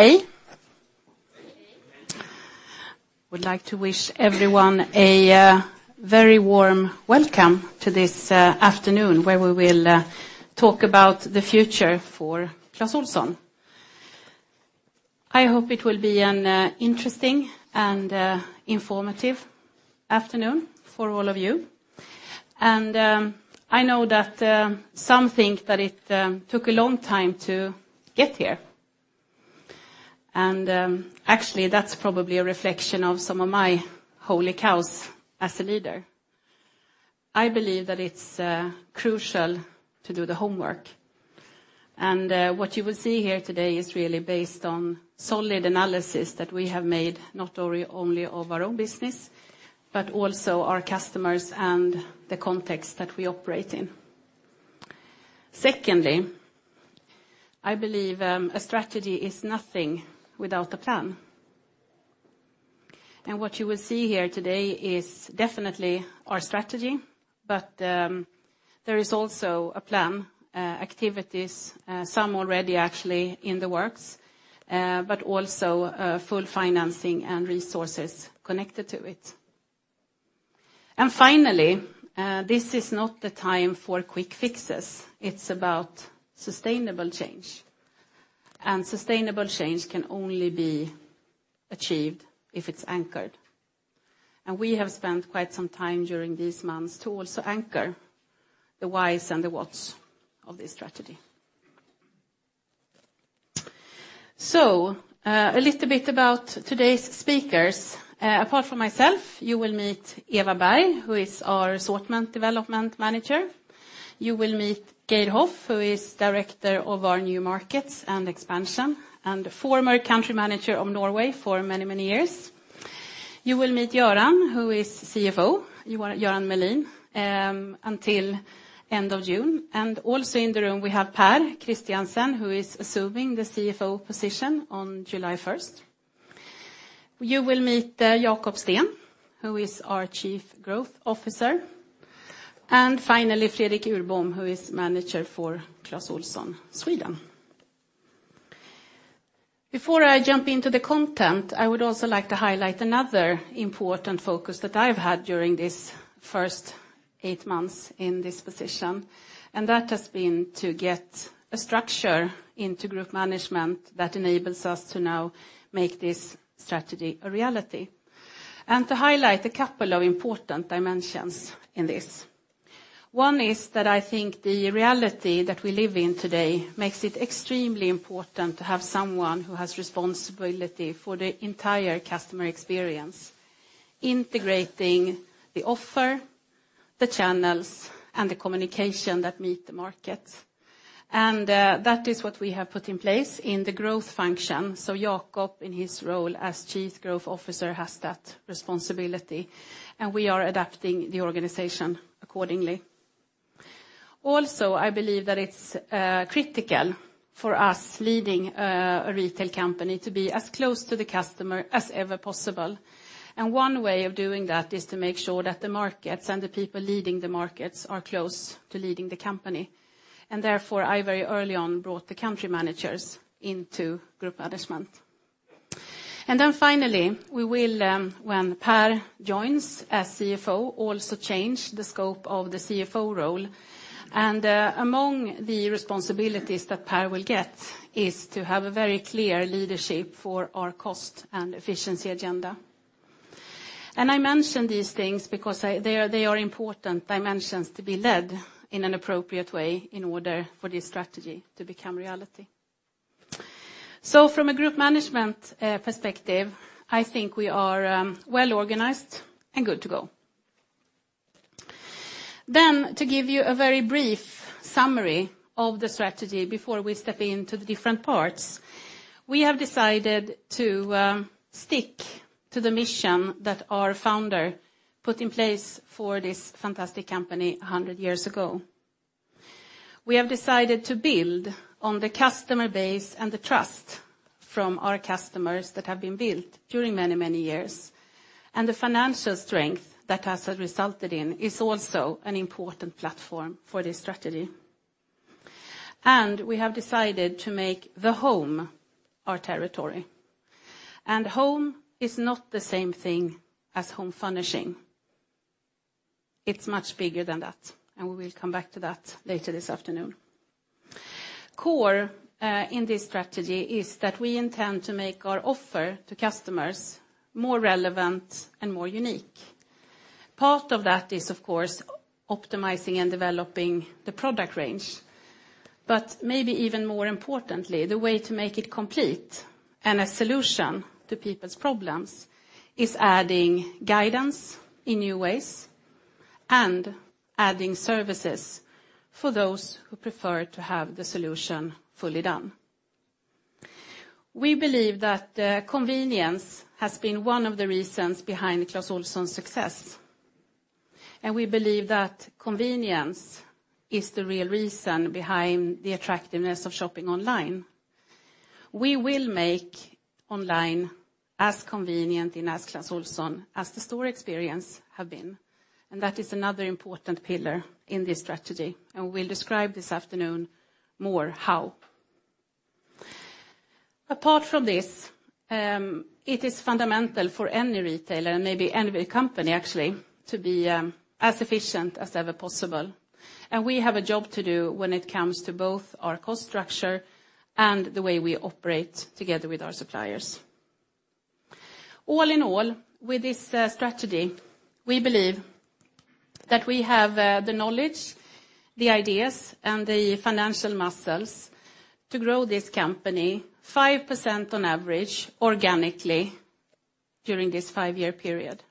Hey. Would like to wish everyone a very warm welcome to this afternoon where we will talk about the future for Clas Ohlson. I hope it will be an interesting and informative afternoon for all of you. I know that some think that it took a long time to get here. Actually, that's probably a reflection of some of my holy cows as a leader. I believe that it's crucial to do the homework. What you will see here today is really based on solid analysis that we have made, not only of our own business, but also our customers and the context that we operate in. Secondly, I believe a strategy is nothing without a plan. What you will see here today is definitely our strategy, but there is also a plan, activities, some already actually in the works, but also, full financing and resources connected to it. Finally, this is not the time for quick fixes. It's about sustainable change. Sustainable change can only be achieved if it's anchored. We have spent quite some time during these months to also anchor the whys and the whats of this strategy. A little bit about today's speakers. Apart from myself, you will meet Eva Berg, who is our Assortment Development Manager. You will meet Geir Hoff, who is Director of our New Markets and Expansion, and former Country Manager of Norway for many, many years. You will meet Göran, who is CFO, Göran Melin, until end of June. Also in the room, we have Pär Christiansen assuming the CFO position on July first You will meet Jacob Sten who is our Chief Growth Officer. Finally, Fredrik Urbom, who is manager for Clas Ohlson Sweden. Before I jump into the content, I would also like to highlight another important focus that I've had during this first eight months in this position, and that has been to get a structure into group management that enables us to now make this strategy a reality. To highlight a couple of important dimensions in this. One is that I think the reality that we live in today makes it extremely important to have someone who has responsibility for the entire customer experience, integrating the offer, the channels, and the communication that meet the market. That is what we have put in place in the growth function. Jacob Sten, in his role as Chief Growth Officer, has that responsibility, and we are adapting the organization accordingly. I believe that it's critical for us leading a retail company to be as close to the customer as ever possible. One way of doing that is to make sure that the markets and the people leading the markets are close to leading the company. Therefore, I very early on brought the country managers into group management. Finally, we will, when Pär Christiansen joins as CFO, also change the scope of the CFO role. Among the responsibilities that Pär Christiansen will get is to have a very clear leadership for our cost and efficiency agenda. I mention these things because they are important dimensions to be led in an appropriate way in order for this strategy to become reality. From a group management perspective, I think we are well organized and good to go. To give you a very brief summary of the strategy before we step into the different parts, we have decided to stick to the mission that our founder put in place for this fantastic company 100 years ago. We have decided to build on the customer base and the trust from our customers that have been built during many, many years. The financial strength that has resulted in is also an important platform for this strategy. We have decided to make the home our territory. Home is not the same thing as home furnishing. It's much bigger than that, and we will come back to that later this afternoon. Core, in this strategy is that we intend to make our offer to customers more relevant and more unique. Part of that is, of course, optimizing and developing the product range. Maybe even more importantly, the way to make it complete and a solution to people's problems is adding guidance in new ways and adding services for those who prefer to have the solution fully done. We believe that convenience has been one of the reasons behind Clas Ohlson's success, and we believe that convenience is the real reason behind the attractiveness of shopping online. We will make online as convenient in Clas Ohlson as the store experience have been. That is another important pillar in this strategy, and we'll describe this afternoon more how. Apart from this, it is fundamental for any retailer, and maybe any company actually, to be as efficient as ever possible. We have a job to do when it comes to both our cost structure and the way we operate together with our suppliers. All in all, with this strategy, we believe that we have the knowledge, the ideas, and the financial muscles to grow this company 5% on average organically during this 5-year period.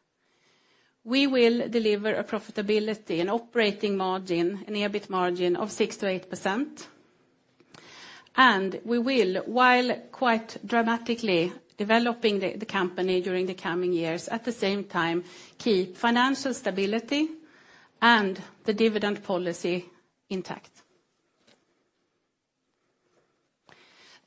We will deliver a profitability and operating margin, an EBIT margin of 6%-8%. We will, while quite dramatically developing the company during the coming years, at the same time, keep financial stability and the dividend policy intact.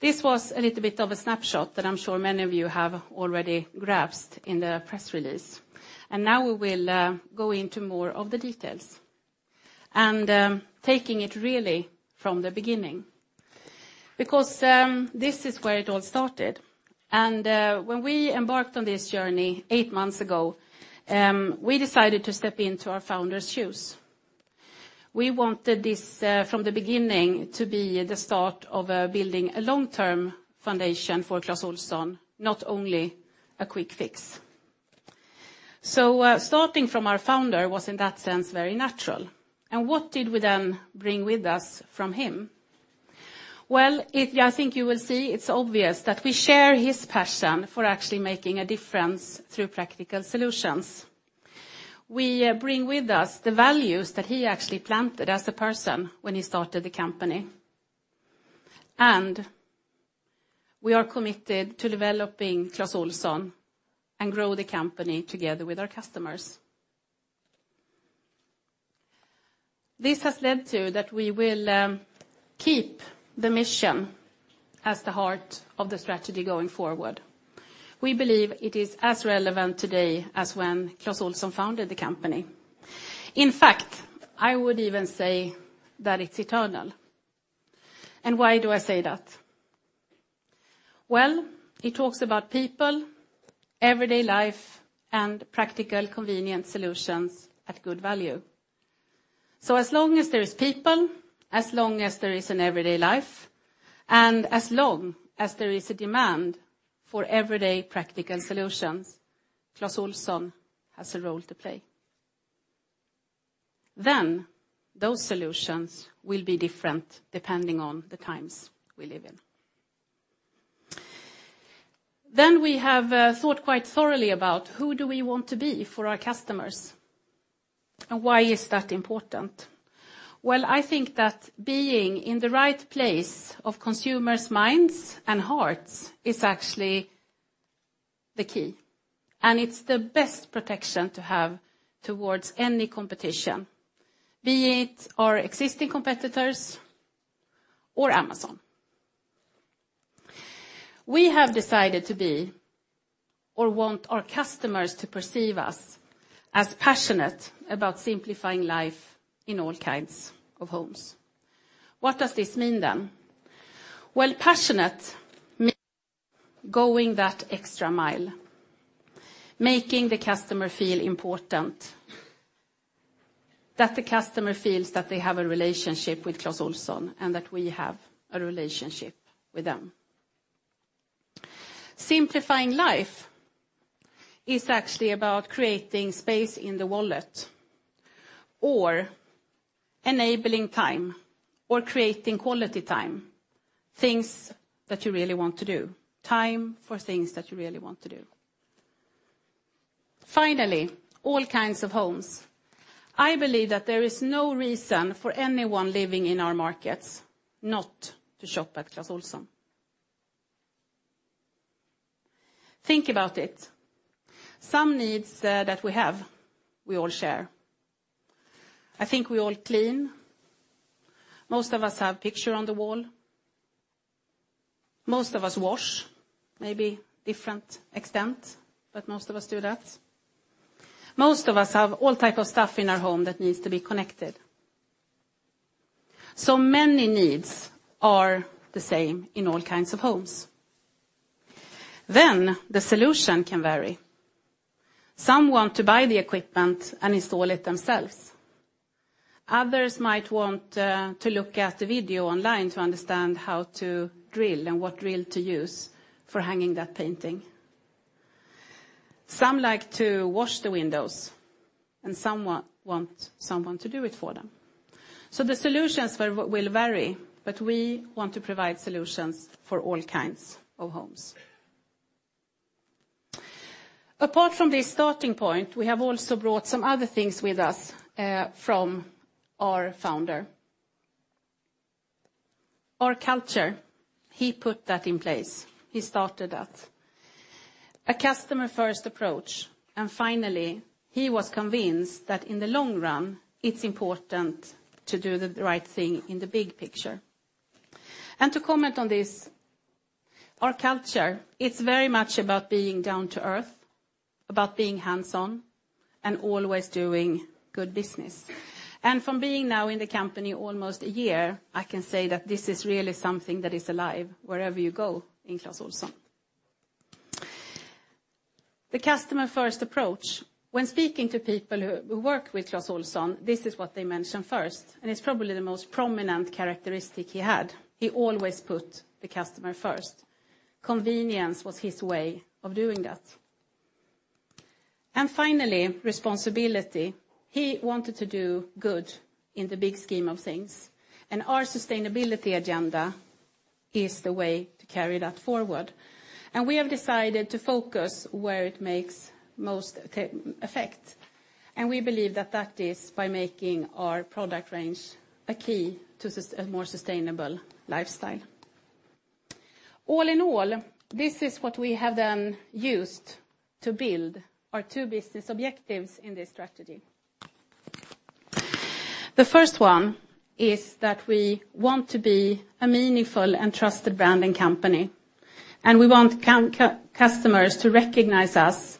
This was a little bit of a snapshot that I'm sure many of you have already grasped in the press release. Now we will go into more of the details, and taking it really from the beginning because this is where it all started. When we embarked on this journey 8 months ago, we decided to step into our founder's shoes. We wanted this from the beginning to be the start of building a long-term foundation for Clas Ohlson, not only a quick fix. Starting from our founder was, in that sense, very natural. What did we then bring with us from him? Well, I think you will see it's obvious that we share his passion for actually making a difference through practical solutions. We bring with us the values that he actually planted as a person when he started the company. We are committed to developing Clas Ohlson and grow the company together with our customers. This has led to that we will keep the mission as the heart of the strategy going forward. We believe it is as relevant today as when Clas Ohlson founded the company. In fact, I would even say that it's eternal. Why do I say that? Well, it talks about people, everyday life, and practical, convenient solutions at good value. As long as there's people, as long as there is an everyday life, and as long as there is a demand for everyday practical solutions, Clas Ohlson has a role to play. Those solutions will be different depending on the times we live in. We have thought quite thoroughly about who do we want to be for our customers, and why is that important? Well, I think that being in the right place of consumers' minds and hearts is actually the key, and it's the best protection to have towards any competition, be it our existing competitors or Amazon. We have decided to be or want our customers to perceive us as passionate about simplifying life in all kinds of homes. What does this mean then? Well, passionate means going that extra mile, making the customer feel important, that the customer feels that they have a relationship with Clas Ohlson, and that we have a relationship with them. Simplifying life is actually about creating space in the wallet or enabling time or creating quality time, things that you really want to do, time for things that you really want to do. Finally, all kinds of homes. I believe that there is no reason for anyone living in our markets not to shop at Clas Ohlson. Think about it. Some needs that we have, we all share. I think we all clean. Most of us have picture on the wall. Most of us wash, maybe different extent, but most of us do that. Most of us have all type of stuff in our home that needs to be connected. Many needs are the same in all kinds of homes. The solution can vary. Some want to buy the equipment and install it themselves. Others might want to look at the video online to understand how to drill and what drill to use for hanging that painting. Some like to wash the windows, and some want someone to do it for them. The solutions will vary, but we want to provide solutions for all kinds of homes. Apart from this starting point, we have also brought some other things with us from our founder. Our culture, he put that in place. He started that. A customer first approach. Finally, he was convinced that in the long run, it's important to do the right thing in the big picture. To comment on this, our culture, it's very much about being down to earth, about being hands-on and always doing good business. From being now in the company almost a year, I can say that this is really something that is alive wherever you go in Clas Ohlson. The customer first approach. When speaking to people who work with Clas Ohlson, this is what they mention first, and it's probably the most prominent characteristic he had. He always put the customer first. Convenience was his way of doing that. Finally, responsibility. He wanted to do good in the big scheme of things, and our sustainability agenda is the way to carry that forward. We have decided to focus where it makes most effect, and we believe that that is by making our product range a key to a more sustainable lifestyle. All in all, this is what we have then used to build our two business objectives in this strategy. The first one is that we want to be a meaningful and trusted brand and company, and we want customers to recognize us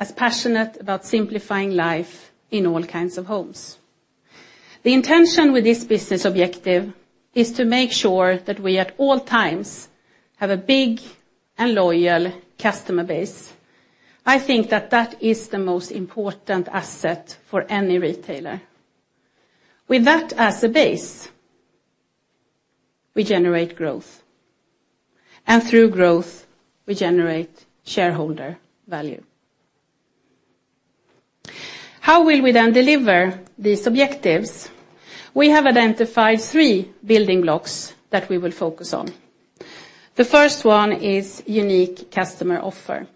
as passionate about simplifying life in all kinds of homes. The intention with this business objective is to make sure that we, at all times, have a big and loyal customer base. I think that that is the most important asset for any retailer. With that as a base, we generate growth, and through growth, we generate shareholder value. How will we then deliver these objectives? We have identified 3 building blocks that we will focus on. The first one is unique customer offer.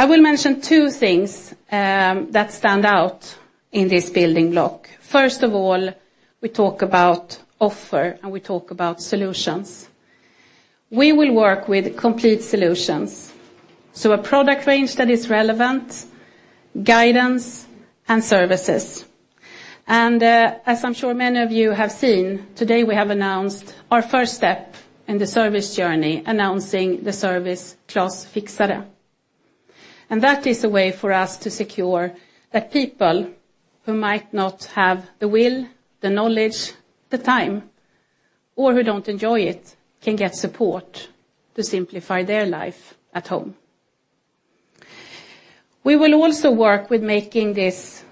I will mention 2 things that stand out in this building block. First of all, we talk about offer, and we talk about solutions. We will work with complete solutions, so a product range that is relevant, guidance, and services. As I'm sure many of you have seen, today we have announced our first step in the service journey announcing the service Clas Fixare. That is a way for us to secure that people who might not have the will, the knowledge, the time, or who don't enjoy it, can get support to simplify their life at home. We will also work with making this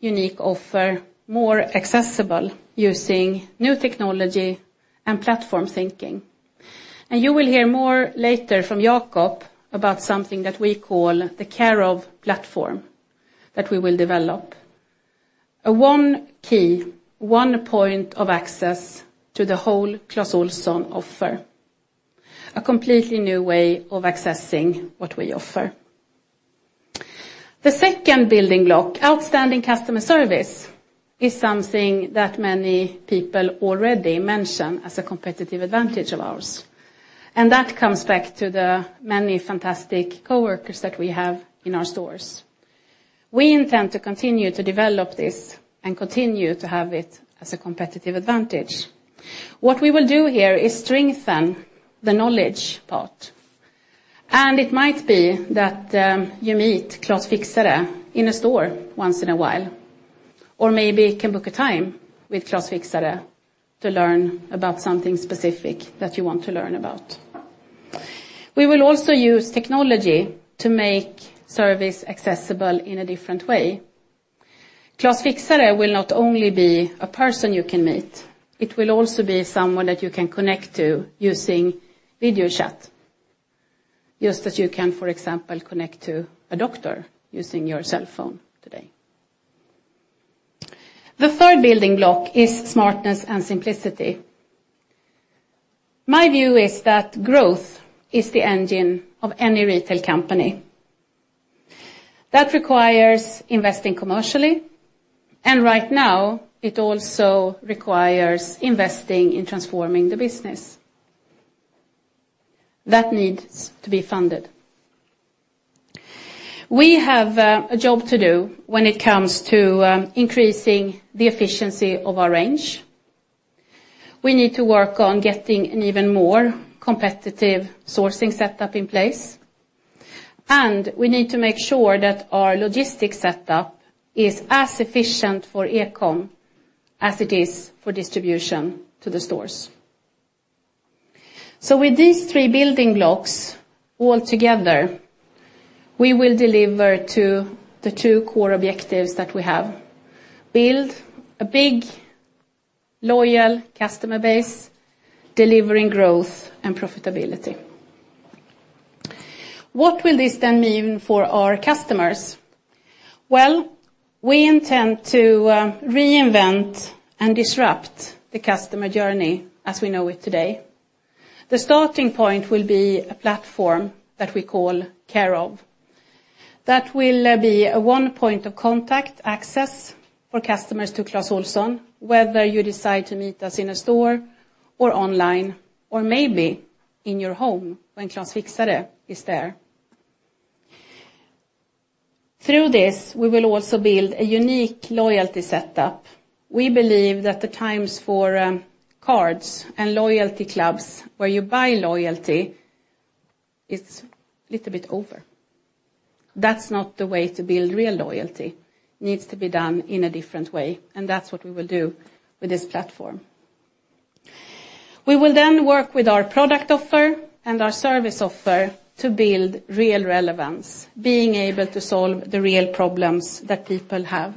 unique offer more accessible using new technology and platform thinking. You will hear more later from Jacob Sten about something that we call the Care of platform that we will develop. A one key, one point of access to the whole Clas Ohlson offer. A completely new way of accessing what we offer. The second building block, outstanding customer service, is something that many people already mention as a competitive advantage of ours, and that comes back to the many fantastic coworkers that we have in our stores. We intend to continue to develop this and continue to have it as a competitive advantage. What we will do here is strengthen the knowledge part. It might be that you meet Clas Fixare in a store once in a while or maybe can book a time with Clas Fixare to learn about something specific that you want to learn about. We will also use technology to make service accessible in a different way. Clas Fixare will not only be a person you can meet, it will also be someone that you can connect to using video chat, just as you can, for example, connect to a doctor using your cell phone today. The third building block is smartness and simplicity. My view is that growth is the engine of any retail company. That requires investing commercially, and right now, it also requires investing in transforming the business. That needs to be funded. We have a job to do when it comes to increasing the efficiency of our range. We need to work on getting an even more competitive sourcing setup in place, and we need to make sure that our logistics setup is as efficient for e-com as it is for distribution to the stores. With these three building blocks all together, we will deliver to the two core objectives that we have: build a big, loyal customer base, delivering growth and profitability. What will this then mean for our customers? Well, we intend to reinvent and disrupt the customer journey as we know it today. The starting point will be a platform that we call Care of. That will be a one point of contact access for customers to Clas Ohlson, whether you decide to meet us in a store or online, or maybe in your home when Clas Fixare is there. Through this, we will also build a unique loyalty setup. We believe that the times for cards and loyalty clubs where you buy loyalty, it's a little bit over. That's not the way to build real loyalty. It needs to be done in a different way, and that's what we will do with this platform. We will work with our product offer and our service offer to build real relevance, being able to solve the real problems that people have,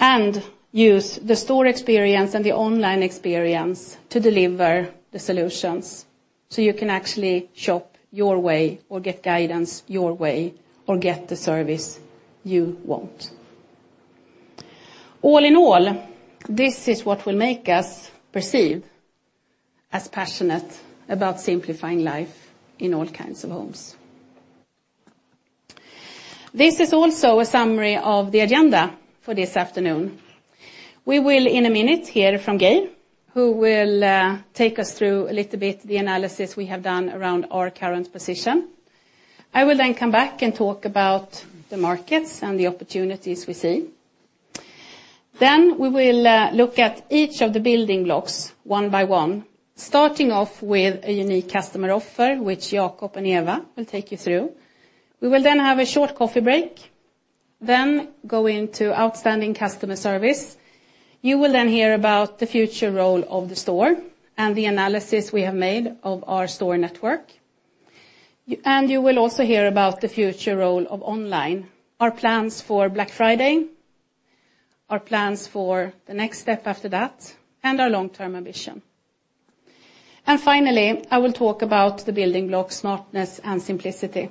and use the store experience and the online experience to deliver the solutions, so you can actually shop your way or get guidance your way or get the service you want. All in all, this is what will make us perceive as passionate about simplifying life in all kinds of homes. This is also a summary of the agenda for this afternoon. We will, in a minute, hear from Geir Hoff, who will take us through a little bit the analysis we have done around our current position. I will come back and talk about the markets and the opportunities we see. We will look at each of the building blocks one by one, starting off with a unique customer offer, which Jacob Sten and Eva Berg will take you through. We will then have a short coffee break, then go into outstanding customer service. You will then hear about the future role of the store and the analysis we have made of our store network. You will also hear about the future role of online, our plans for Black Friday, our plans for the next step after that, and our long-term ambition. Finally, I will talk about the building blocks, smartness and simplicity.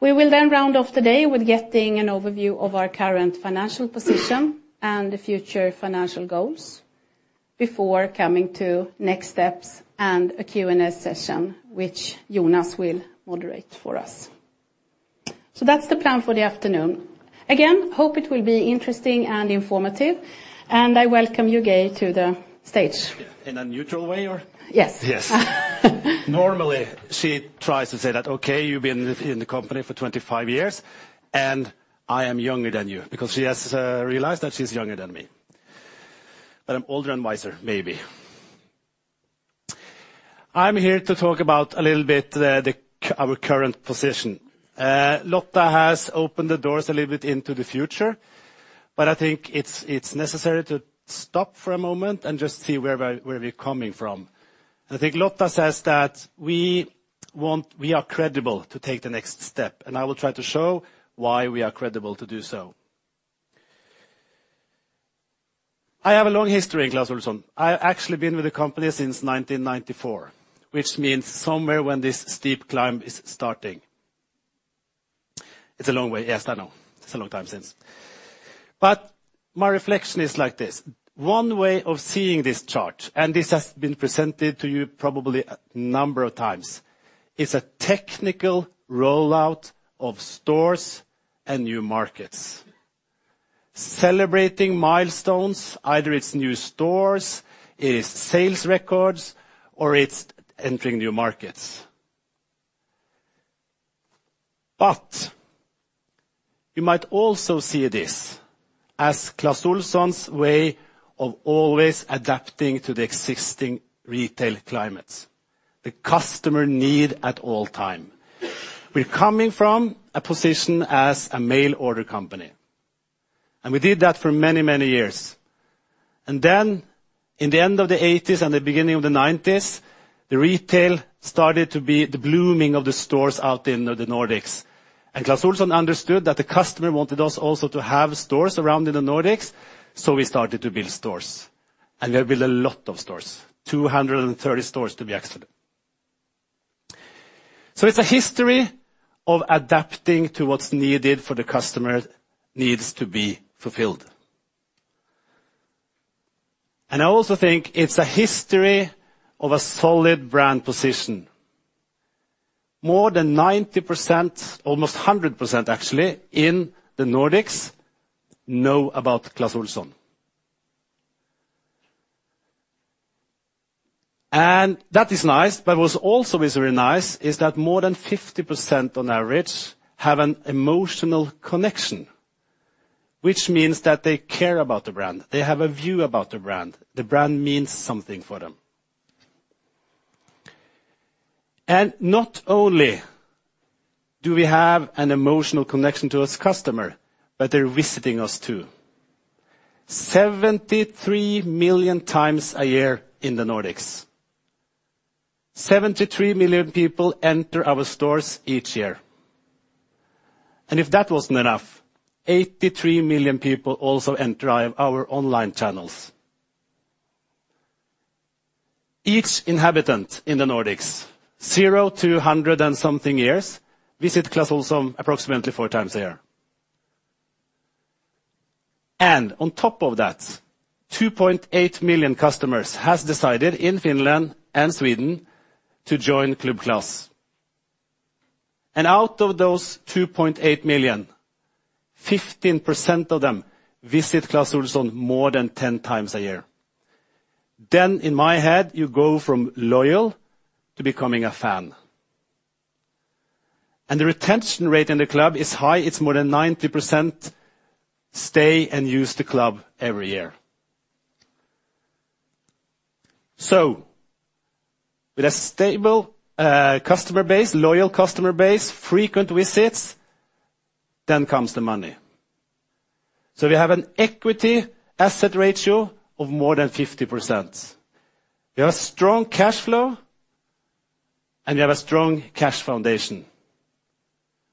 We will then round off the day with getting an overview of our current financial position and the future financial goals before coming to next steps and a Q&A session, which Jonas will moderate for us. That's the plan for the afternoon. Again, hope it will be interesting and informative, and I welcome you, Geir Hoff, to the stage. In a neutral way or? Yes. Yes. Normally, she tries to say that, "Okay, you've been in the company for 25 years, and I am younger than you," because she has realized that she's younger than me. I'm older and wiser, maybe. I'm here to talk about a little bit our current position. Lotta Lyrå has opened the doors a little bit into the future, I think it's necessary to stop for a moment and just see where we're coming from. I think Lotta Lyrå says that we are credible to take the next step, I will try to show why we are credible to do so. I have a long history in Clas Ohlson. I actually been with the company since 1994, which means somewhere when this steep climb is starting. It's a long way. Yes, I know. It's a long time since. My reflection is like this. One way of seeing this chart, and this has been presented to you probably a number of times, is a technical rollout of stores and new markets. Celebrating milestones, either it's new stores, it is sales records, or it's entering new markets. You might also see this as Clas Ohlson's way of always adapting to the existing retail climates, the customer need at all time. We're coming from a position as a mail order company, and we did that for many, many years. Then in the end of the eighties and the beginning of the nineties, the retail started to be the blooming of the stores out in the Nordics. Clas Ohlson understood that the customer wanted us also to have stores around in the Nordics, so we started to build stores. We build a lot of stores, 230 stores to be exact. It's a history of adapting to what's needed for the customer needs to be fulfilled. I also think it's a history of a solid brand position. More than 90%, almost 100% actually, in the Nordics know about Clas Ohlson. That is nice, but what's also is very nice is that more than 50% on average have an emotional connection, which means that they care about the brand. They have a view about the brand. The brand means something for them. Not only do we have an emotional connection to its customer, but they're visiting us too. 73 million times a year in the Nordics. 73 million people enter our stores each year. If that wasn't enough, 83 million people also enter our online channels. Each inhabitant in the Nordics, 0 to 100 and something years, visit Clas Ohlson approximately 4 times a year. On top of that, 2.8 million customers has decided in Finland and Sweden to join Club Clas. Out of those 2.8 million, 15% of them visit Clas Ohlson more than 10 times a year. In my head, you go from loyal to becoming a fan. The retention rate in the club is high. It's more than 90% stay and use the club every year. With a stable customer base, loyal customer base, frequent visits, then comes the money. We have an equity asset ratio of more than 50%. We have a strong cash flow, and we have a strong cash foundation,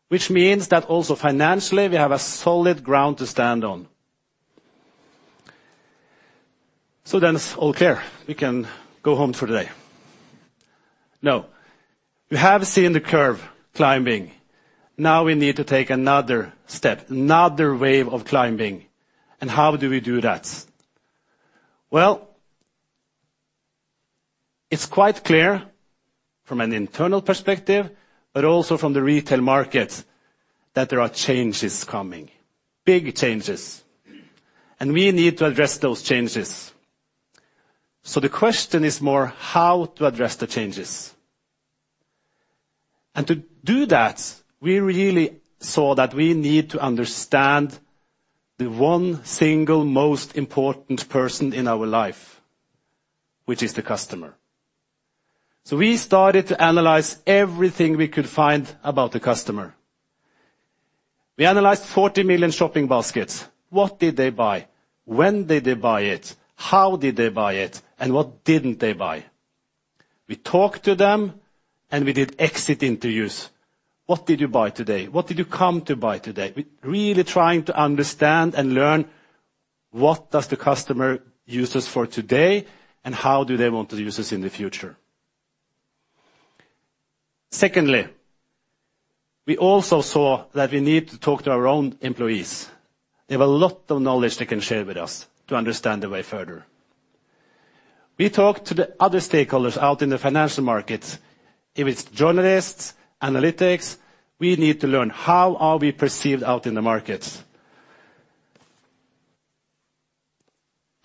which means that also financially, we have a solid ground to stand on. It's all clear. We can go home for the day. No. We have seen the curve climbing. Now we need to take another step, another wave of climbing. How do we do that? It's quite clear from an internal perspective, but also from the retail market, that there are changes coming, big changes, and we need to address those changes. The question is more how to address the changes. To do that, we really saw that we need to understand the one single most important person in our life, which is the customer. We started to analyze everything we could find about the customer. We analyzed 40 million shopping baskets. What did they buy? When did they buy it? How did they buy it? What didn't they buy? We talked to them, and we did exit interviews. What did you buy today? What did you come to buy today? We're really trying to understand and learn what does the customer use us for today and how do they want to use us in the future. Secondly, we also saw that we need to talk to our own employees. They have a lot of knowledge they can share with us to understand the way further. We talked to the other stakeholders out in the financial markets. If it's journalists, analysts, we need to learn how are we perceived out in the markets.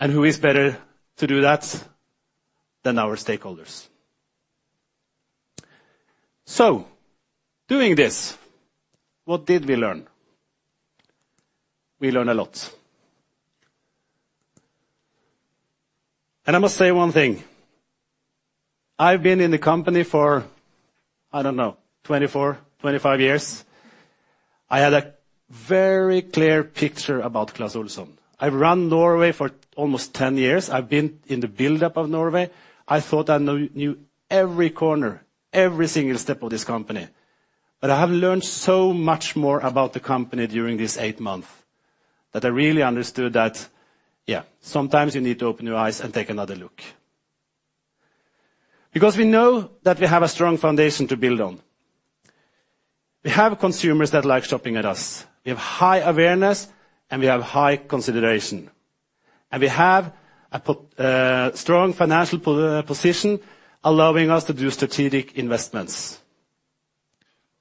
Who is better to do that than our stakeholders? Doing this, what did we learn? We learn a lot. I must say one thing. I've been in the company for, I don't know, 24, 25 years. I had a very clear picture about Clas Ohlson. I've run Norway for almost 10 years. I've been in the build-up of Norway. I thought I knew every corner, every single step of this company. I have learned so much more about the company during this 8 months that I really understood that, yeah, sometimes you need to open your eyes and take another look. We know that we have a strong foundation to build on. We have consumers that like shopping at us. We have high awareness, and we have high consideration. We have a strong financial position, allowing us to do strategic investments.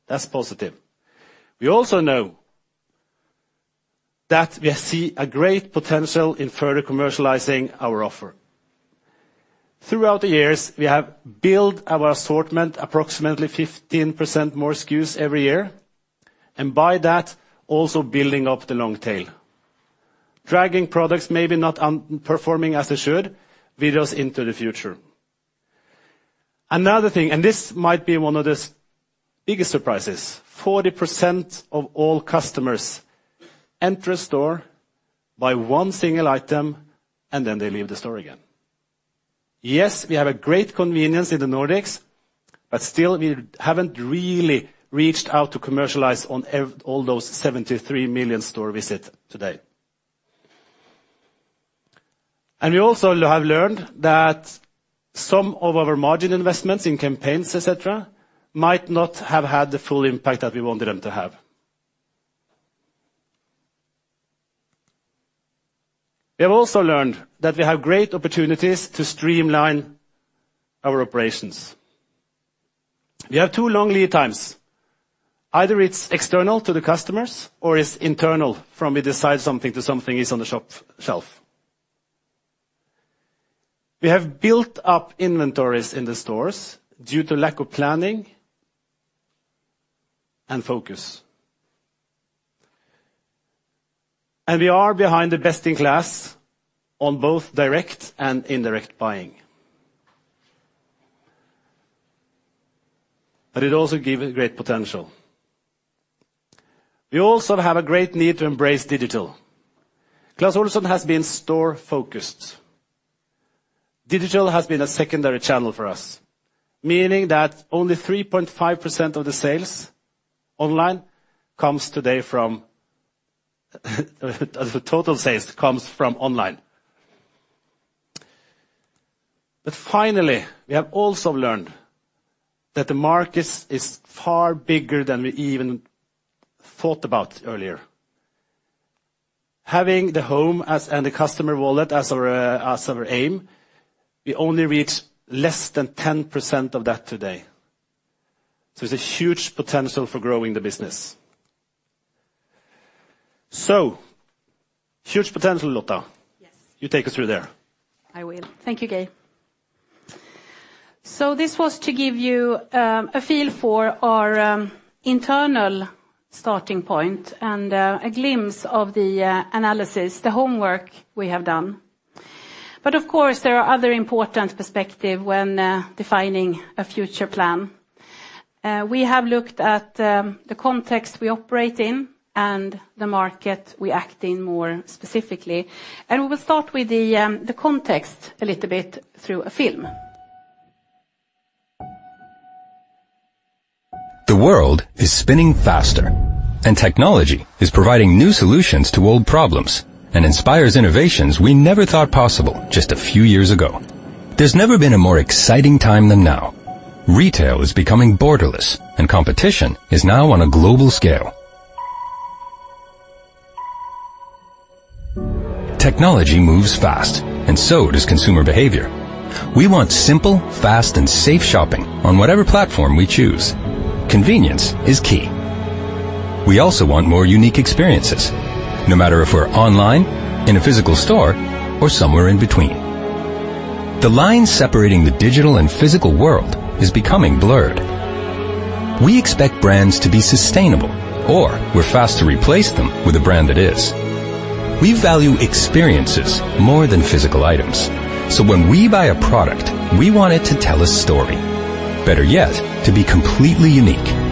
That's positive. We also know that we see a great potential in further commercializing our offer. Throughout the years, we have built our assortment approximately 15% more SKUs every year, and by that, also building up the long tail. Dragging products may be not performing as they should with us into the future. Another thing, this might be one of the biggest surprises, 40% of all customers enter a store, buy one single item, they leave the store again. Yes, we have a great convenience in the Nordics, still we haven't really reached out to commercialize on all those 73 million store visits today. We also have learned that some of our margin investments in campaigns, etc., might not have had the full impact that we wanted them to have. We have also learned that we have great opportunities to streamline our operations. We have 2 long lead times. Either it's external to the customers or it's internal from we decide something to something is on the shop shelf. We have built up inventories in the stores due to lack of planning and focus. We are behind the best in class on both direct and indirect buying. It also give a great potential. We also have a great need to embrace digital. Clas Ohlson has been store-focused. Digital has been a secondary channel for us, meaning that only 3.5% as a total sales comes from online. Finally, we have also learned that the market is far bigger than we even thought about earlier. Having the home and the customer wallet as our aim, we only reach less than 10% of that today. There's a huge potential for growing the business. Huge potential, Lotta Lyrå. Yes. You take us through there. I will. Thank you, Geir Hoff. This was to give you a feel for our internal starting point and a glimpse of the analysis, the homework we have done. Of course, there are other important perspective when defining a future plan. We have looked at the context we operate in and the market we act in more specifically, and we will start with the context a little bit through a film. The world is spinning faster, and technology is providing new solutions to old problems and inspires innovations we never thought possible just a few years ago. There's never been a more exciting time than now. Retail is becoming borderless, and competition is now on a global scale. Technology moves fast, and so does consumer behavior. We want simple, fast, and safe shopping on whatever platform we choose. Convenience is key. We also want more unique experiences, no matter if we're online, in a physical store, or somewhere in between. The line separating the digital and physical world is becoming blurred. We expect brands to be sustainable, or we're fast to replace them with a brand that is. We value experiences more than physical items. When we buy a product, we want it to tell a story, better yet, to be completely unique.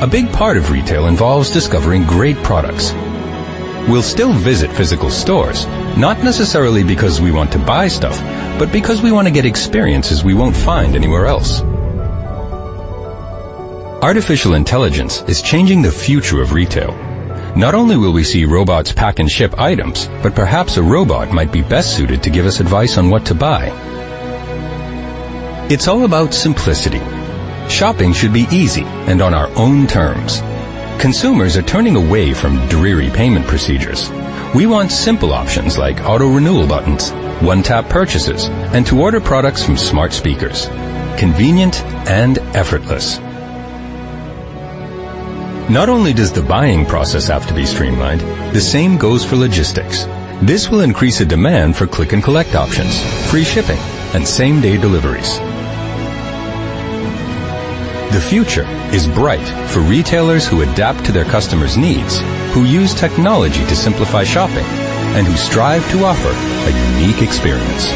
A big part of retail involves discovering great products. We'll still visit physical stores, not necessarily because we want to buy stuff, but because we wanna get experiences we won't find anywhere else. Artificial intelligence is changing the future of retail. Not only will we see robots pack and ship items, but perhaps a robot might be best suited to give us advice on what to buy. It's all about simplicity. Shopping should be easy and on our own terms. Consumers are turning away from dreary payment procedures. We want simple options like auto-renewal buttons, one-tap purchases, and to order products from smart speakers. Convenient and effortless. Not only does the buying process have to be streamlined, the same goes for logistics. This will increase a demand for click-and-collect options, free shipping, and same-day deliveries. The future is bright for retailers who adapt to their customers' needs, who use technology to simplify shopping, and who strive to offer a unique experience.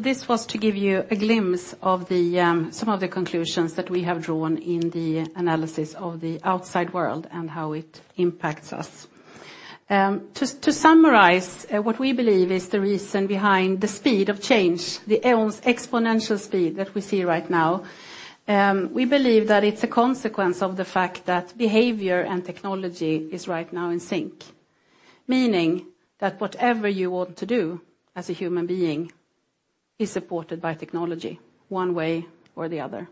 This was to give you a glimpse of the, some of the conclusions that we have drawn in the analysis of the outside world and how it impacts us. To summarize, what we believe is the reason behind the speed of change, the almost exponential speed that we see right now, we believe that it's a consequence of the fact that behavior and technology is right now in sync. Meaning that whatever you want to do as a human being is supported by technology one way or the other.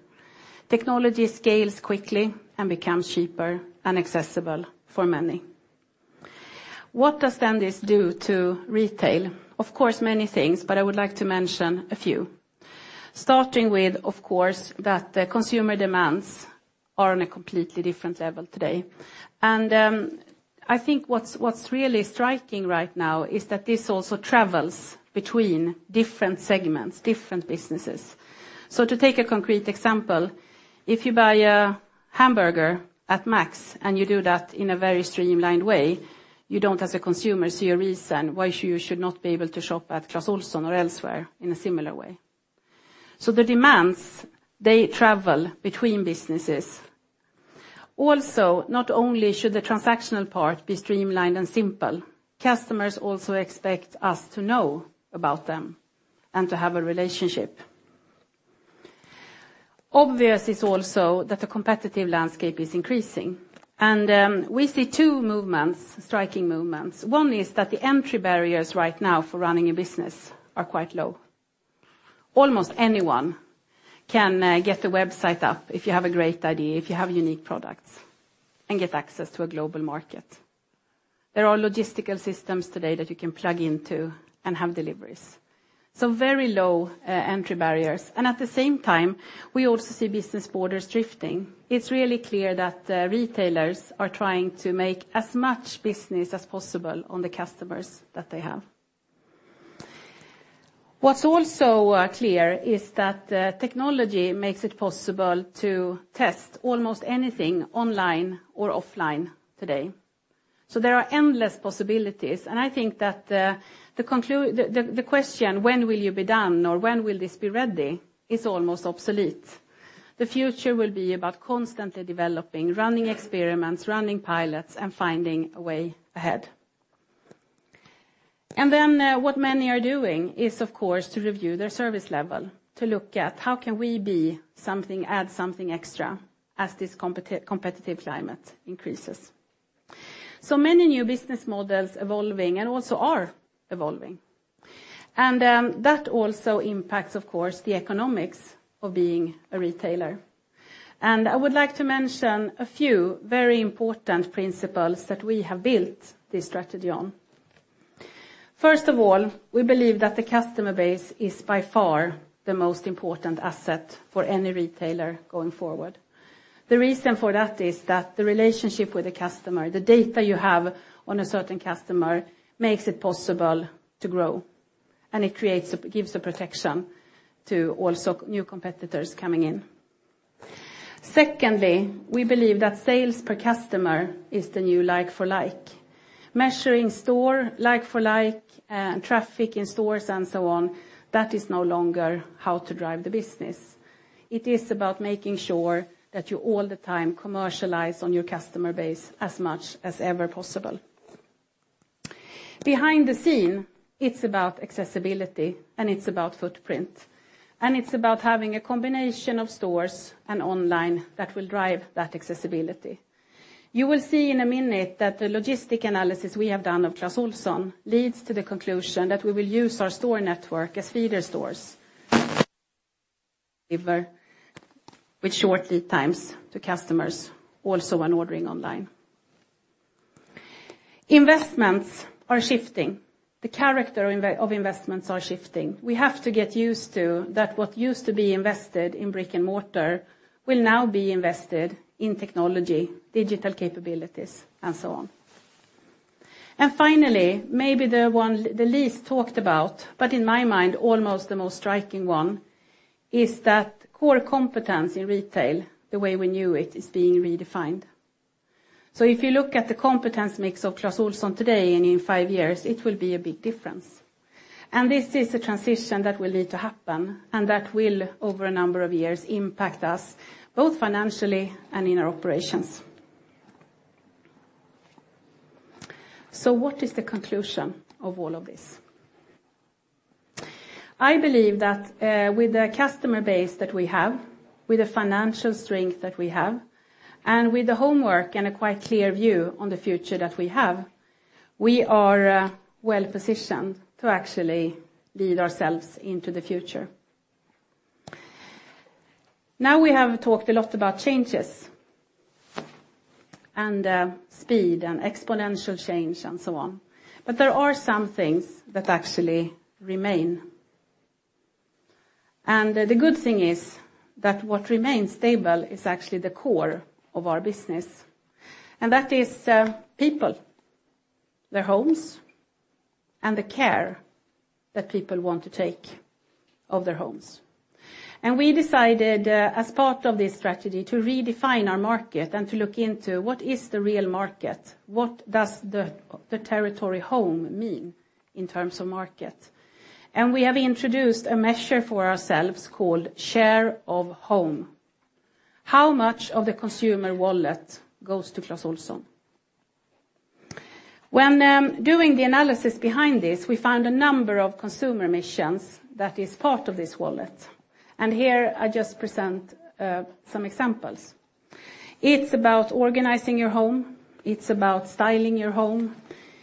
Technology scales quickly and becomes cheaper and accessible for many. What does then this do to retail? Of course, many things, but I would like to mention a few. Starting with, of course, that the consumer demands are on a completely different level today. I think what's really striking right now is that this also travels between different segments, different businesses. To take a concrete example, if you buy a hamburger at Max, and you do that in a very streamlined way, you don't, as a consumer, see a reason why you should not be able to shop at Clas Ohlson or elsewhere in a similar way. The demands, they travel between businesses. Also, not only should the transactional part be streamlined and simple, customers also expect us to know about them and to have a relationship. Obvious is also that the competitive landscape is increasing. We see two movements, striking movements. One is that the entry barriers right now for running a business are quite low. Almost anyone can get a website up if you have a great idea, if you have unique products, and get access to a global market. There are logistical systems today that you can plug into and have deliveries. Very low entry barriers. At the same time, we also see business borders drifting. It's really clear that retailers are trying to make as much business as possible on the customers that they have. What's also clear is that technology makes it possible to test almost anything online or offline today. There are endless possibilities, and I think that the question, when will you be done or when will this be ready, is almost obsolete. The future will be about constantly developing, running experiments, running pilots, and finding a way ahead. What many are doing is, of course, to review their service level, to look at how can we be something, add something extra as this competitive climate increases. Many new business models evolving and also are evolving. That also impacts, of course, the economics of being a retailer. I would like to mention a few very important principles that we have built this strategy on. First of all, we believe that the customer base is by far the most important asset for any retailer going forward. The reason for that is that the relationship with the customer, the data you have on a certain customer, makes it possible to grow, and it gives a protection to also new competitors coming in. Secondly, we believe that sales per customer is the new like-for-like. Measuring store like-for-like, traffic in stores and so on, that is no longer how to drive the business. It is about making sure that you all the time commercialize on your customer base as much as ever possible. Behind the scene, it's about accessibility, and it's about footprint, and it's about having a combination of stores and online that will drive that accessibility. You will see in a minute that the logistic analysis we have done of Clas Ohlson leads to the conclusion that we will use our store network as feeder stores. Deliver with short lead times to customers also when ordering online. Investments are shifting. The character of investments are shifting. We have to get used to that what used to be invested in brick-and-mortar will now be invested in technology, digital capabilities, and so on. Finally, maybe the one the least talked about, but in my mind, almost the most striking one, is that core competence in retail, the way we knew it, is being redefined. If you look at the competence mix of Clas Ohlson today and in 5 years, it will be a big difference. This is a transition that will need to happen and that will, over a number of years, impact us both financially and in our operations. What is the conclusion of all of this? I believe that, with the customer base that we have, with the financial strength that we have, and with the homework and a quite clear view on the future that we have, we are well positioned to actually lead ourselves into the future. Now we have talked a lot about changes and speed and exponential change and so on. There are some things that actually remain. The good thing is that what remains stable is actually the core of our business, and that is people, their homes, and the care that people want to take of their homes. We decided, as part of this strategy to redefine our market and to look into what is the real market, what does the territory home mean in terms of market? We have introduced a measure for ourselves called share of home. How much of the consumer wallet goes to Clas Ohlson? When doing the analysis behind this, we found a number of consumer missions that is part of this wallet, and here I just present some examples. It's about organizing your home, it's about styling your home,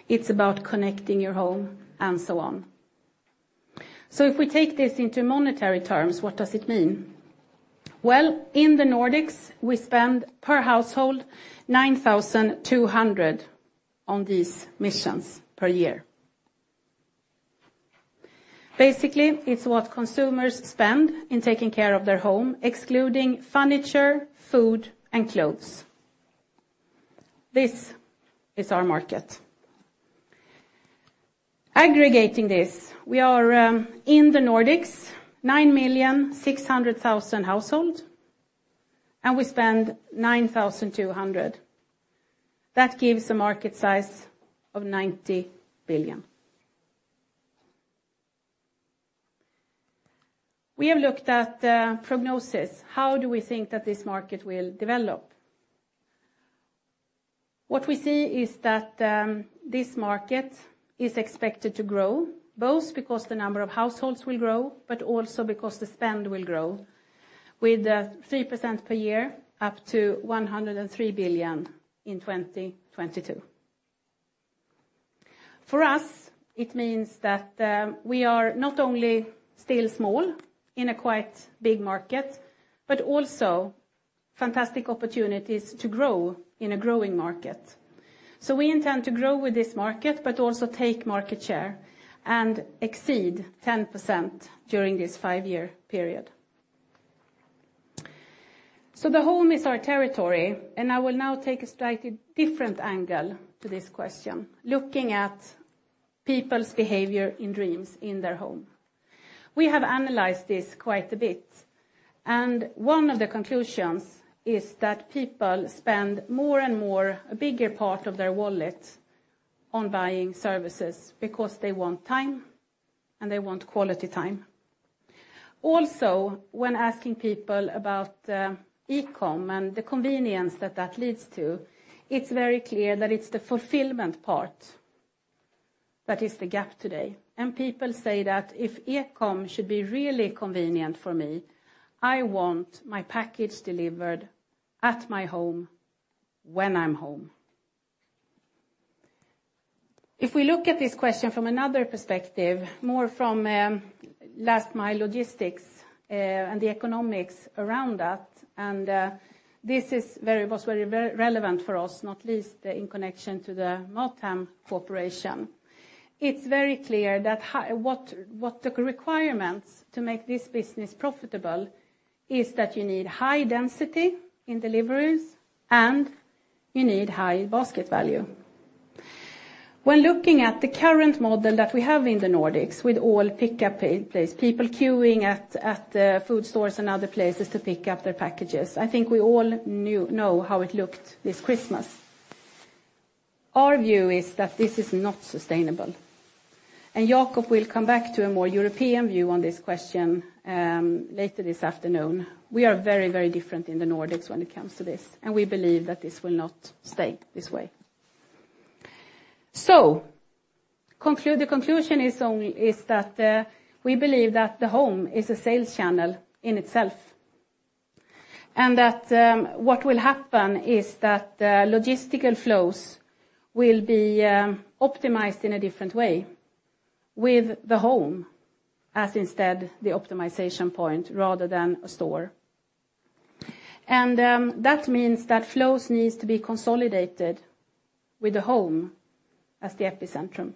it's about connecting your home, and so on. If we take this into monetary terms, what does it mean? In the Nordics, we spend per household 9,200 on these missions per year. Basically, it's what consumers spend in taking care of their home, excluding furniture, food, and clothes. This is our market. Aggregating this, we are in the Nordics, 9,600,000 households, and we spend 9,200. That gives a market size of 90 billion. We have looked at prognosis. How do we think that this market will develop? What we see is that this market is expected to grow, both because the number of households will grow, but also because the spend will grow with 3% per year up to 103 billion in 2022. For us, it means that we are not only still small in a quite big market, but also fantastic opportunities to grow in a growing market. We intend to grow with this market, but also take market share and exceed 10% during this 5-year period. The home is our territory, and I will now take a slightly different angle to this question, looking at people's behavior and dreams in their home. We have analyzed this quite a bit, and one of the conclusions is that people spend more and more, a bigger part of their wallet on buying services because they want time, and they want quality time. Also, when asking people about e-com and the convenience that that leads to, it's very clear that it's the fulfillment part that is the gap today. People say that if e-com should be really convenient for me, I want my package delivered at my home when I'm home. We look at this question from another perspective, more from last mile logistics, and the economics around that, and this was very relevant for us, not least in connection to the Mathem Corporation. It's very clear that what the requirements to make this business profitable is that you need high density in deliveries, and you need high basket value. When looking at the current model that we have in the Nordics with all pickup place, people queuing at food stores and other places to pick up their packages, I think we all know how it looked this Christmas. Our view is that this is not sustainable. Jacob Sten will come back to a more European view on this question later this afternoon. We are very, very different in the Nordics when it comes to this, and we believe that this will not stay this way. The conclusion is only that we believe that the home is a sales channel in itself. That, what will happen is that the logistical flows will be optimized in a different way with the home as instead the optimization point rather than a store. That means that flows needs to be consolidated with the home as the epicenter.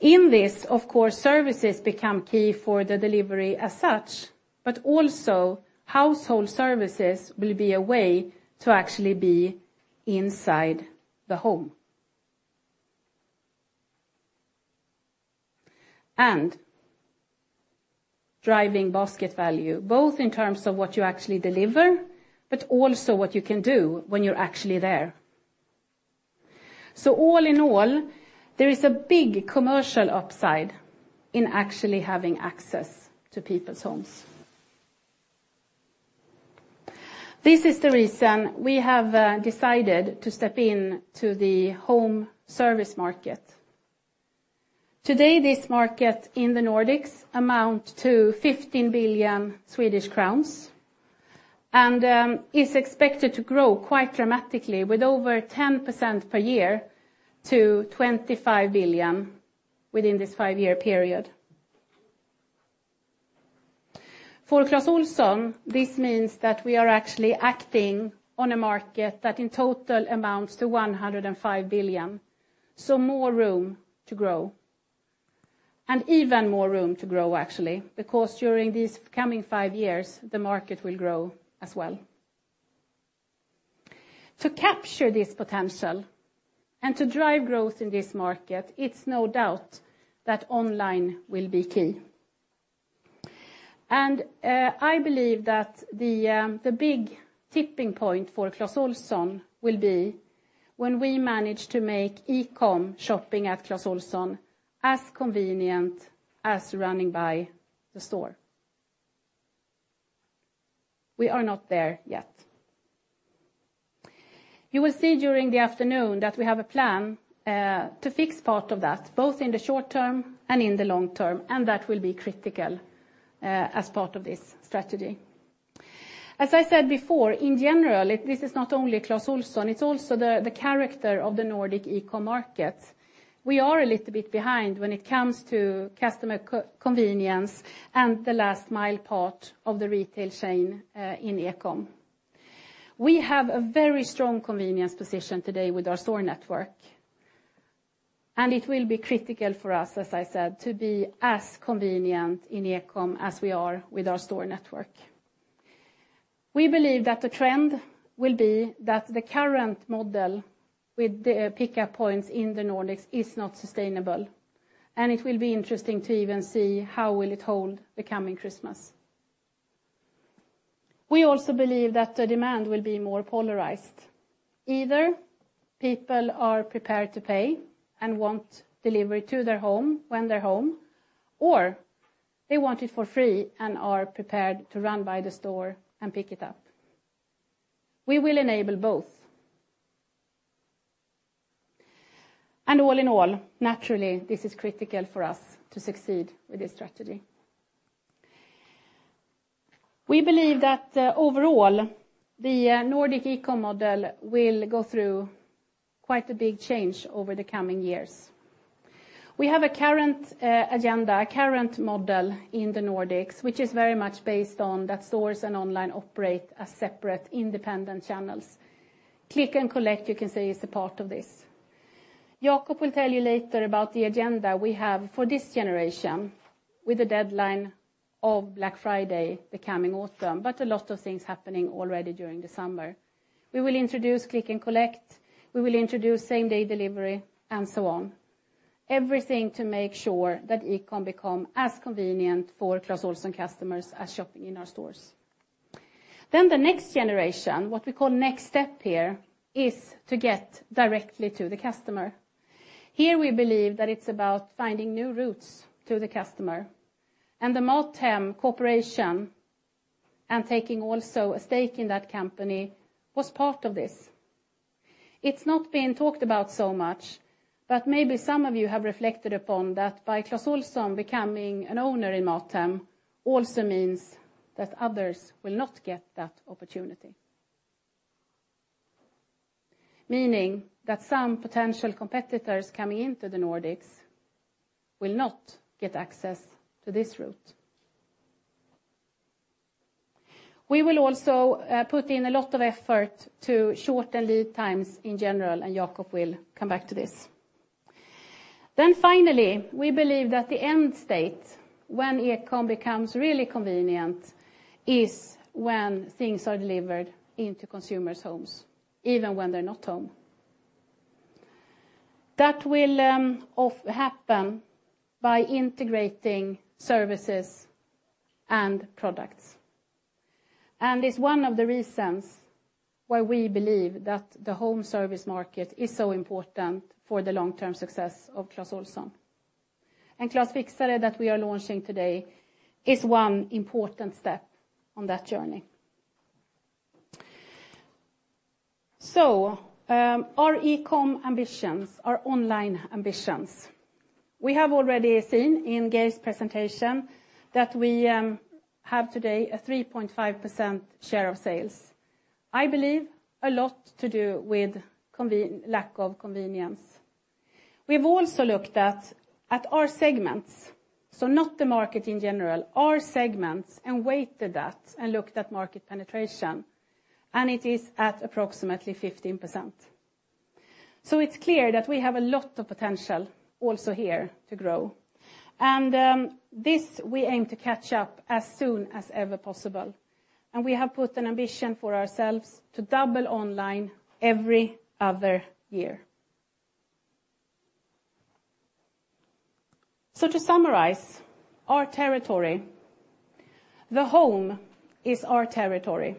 In this, of course, services become key for the delivery as such, but also household services will be a way to actually be inside the home. Driving basket value, both in terms of what you actually deliver, but also what you can do when you're actually there. All in all, there is a big commercial upside in actually having access to people's homes. This is the reason we have decided to step into the home service market. Today, this market in the Nordics amount to 15 billion Swedish crowns, and, is expected to grow quite dramatically with over 10% per year to 25 billion within this 5-year period. For Clas Ohlson, this means that we are actually acting on a market that in total amounts to 105 billion, so more room to grow. Even more room to grow actually, because during these coming 5 years, the market will grow as well. To capture this potential and to drive growth in this market, it's no doubt that online will be key. I believe that the big tipping point for Clas Ohlson will be when we manage to make e-com shopping at Clas Ohlson as convenient as running by the store. We are not there yet. You will see during the afternoon that we have a plan to fix part of that, both in the short term and in the long term. That will be critical as part of this strategy. As I said before, in general, this is not only Clas Ohlson, it's also the character of the Nordic e-com market. We are a little bit behind when it comes to customer co-convenience and the last mile part of the retail chain in e-com. We have a very strong convenience position today with our store network. It will be critical for us, as I said, to be as convenient in e-com as we are with our store network. We believe that the trend will be that the current model with the pickup points in the Nordics is not sustainable, and it will be interesting to even see how will it hold the coming Christmas. We also believe that the demand will be more polarized. Either people are prepared to pay and want delivery to their home when they're home, or they want it for free and are prepared to run by the store and pick it up. We will enable both. All in all, naturally, this is critical for us to succeed with this strategy. We believe that overall, the Nordic e-com model will go through quite a big change over the coming years. We have a current agenda, a current model in the Nordics, which is very much based on that stores and online operate as separate independent channels. click and collect, you can say, is a part of this. Jacob Sten will tell you later about the agenda we have for this generation with a deadline of Black Friday the coming autumn. A lot of things happening already during the summer. We will introduce click and collect, we will introduce same-day delivery, and so on. Everything to make sure that e-com become as convenient for Clas Ohlson customers as shopping in our stores. The next generation, what we call next step here, is to get directly to the customer. Here we believe that it's about finding new routes to the customer. The MatHem corporation and taking also a stake in that company was part of this. It's not been talked about so much, but maybe some of you have reflected upon that by Clas Ohlson becoming an owner in MatHem also means that others will not get that opportunity. Meaning that some potential competitors coming into the Nordics will not get access to this route. We will also put in a lot of effort to shorten lead times in general, and Jacob Sten will come back to this. Finally, we believe that the end state when e-com becomes really convenient is when things are delivered into consumers' homes, even when they're not home. That will happen by integrating services and products. It's one of the reasons why we believe that the home service market is so important for the long-term success of Clas Ohlson. Clas Fixare that we are launching today is one important step on that journey. Our e-com ambitions, our online ambitions. We have already seen in Geir Hoff's presentation that we have today a 3.5% share of sales. I believe a lot to do with lack of convenience. We've also looked at our segments, so not the market in general, our segments, and weighted that and looked at market penetration, and it is at approximately 15%. It's clear that we have a lot of potential also here to grow. This we aim to catch up as soon as ever possible. We have put an ambition for ourselves to double online every other year. To summarize, our territory, the home is our territory.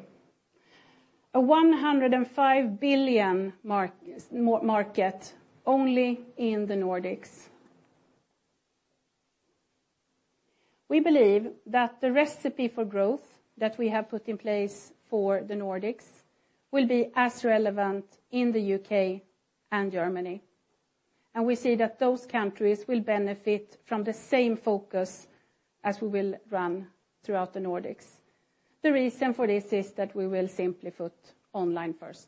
A 105 billion market only in the Nordics. We believe that the recipe for growth that we have put in place for the Nordics will be as relevant in the UK and Germany. We see that those countries will benefit from the same focus as we will run throughout the Nordics. The reason for this is that we will simply put online first.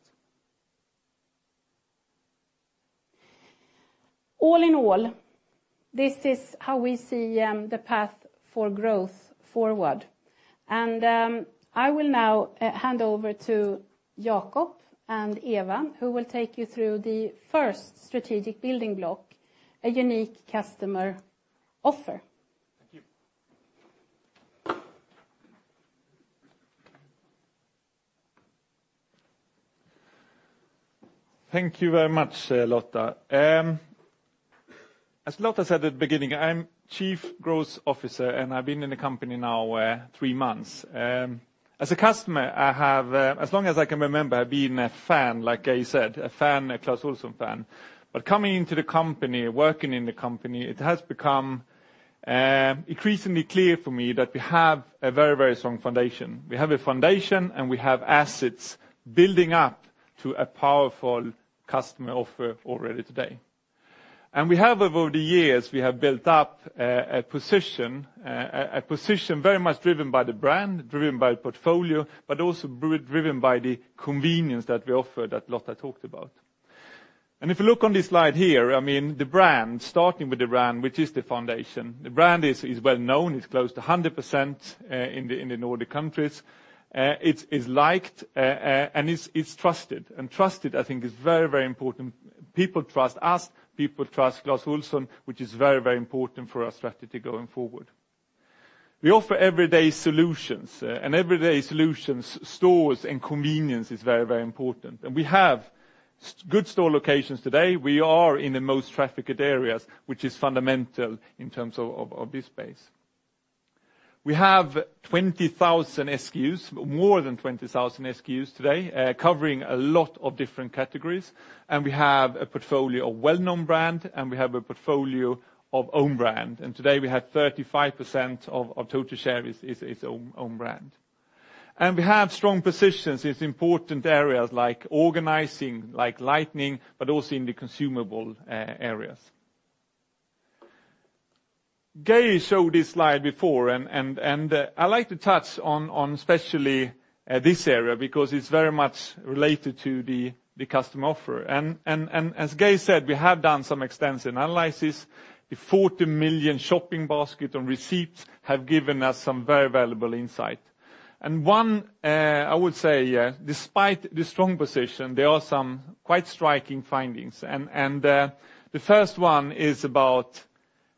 All in all, this is how we see the path for growth forward. I will now hand over to Jacob Sten and Eva Berg, who will take you through the first strategic building block, a unique customer offer. Thank you. Thank you very much, Lotta Lyrå. As Lotta Lyrå said at the beginning, I'm Chief Growth Officer, and I've been in the company now, three months. As a customer, I have, as long as I can remember, been a fan, like Geir Hoff said, a fan, a Clas Ohlson fan. Coming into the company, working in the company, it has become increasingly clear for me that we have a very, very strong foundation. We have a foundation, and we have assets building up to a powerful customer offer already today. We have over the years, we have built up a position, a position very much driven by the brand, driven by portfolio, but also driven by the convenience that we offer that Lotta Lyrå talked about. If you look on this slide here, The brand, starting with the brand, which is the foundation. The brand is well known. It's close to 100% in the Nordic countries. It's liked, and it's trusted. Trusted, I think, is very, very important. People trust us, people trust Clas Ohlson, which is very, very important for our strategy going forward. We offer everyday solutions, and everyday solutions, stores and convenience is very, very important. We have good store locations today. We are in the most trafficked areas, which is fundamental in terms of this space. We have 20,000 SKUs, more than 20,000 SKUs today, covering a lot of different categories. We have a portfolio of well-known brand, and we have a portfolio of own brand. Today, we have 35% of total share is own brand. We have strong positions. It's important areas like organizing, like lighting, but also in the consumable areas. Geir Hoff showed this slide before. I like to touch on especially this area because it's very much related to the customer offer. As Geir Hoff said, we have done some extensive analysis. The 40 million shopping basket on receipts have given us some very valuable insight. One, I would say, despite the strong position, there are some quite striking findings. The first one is about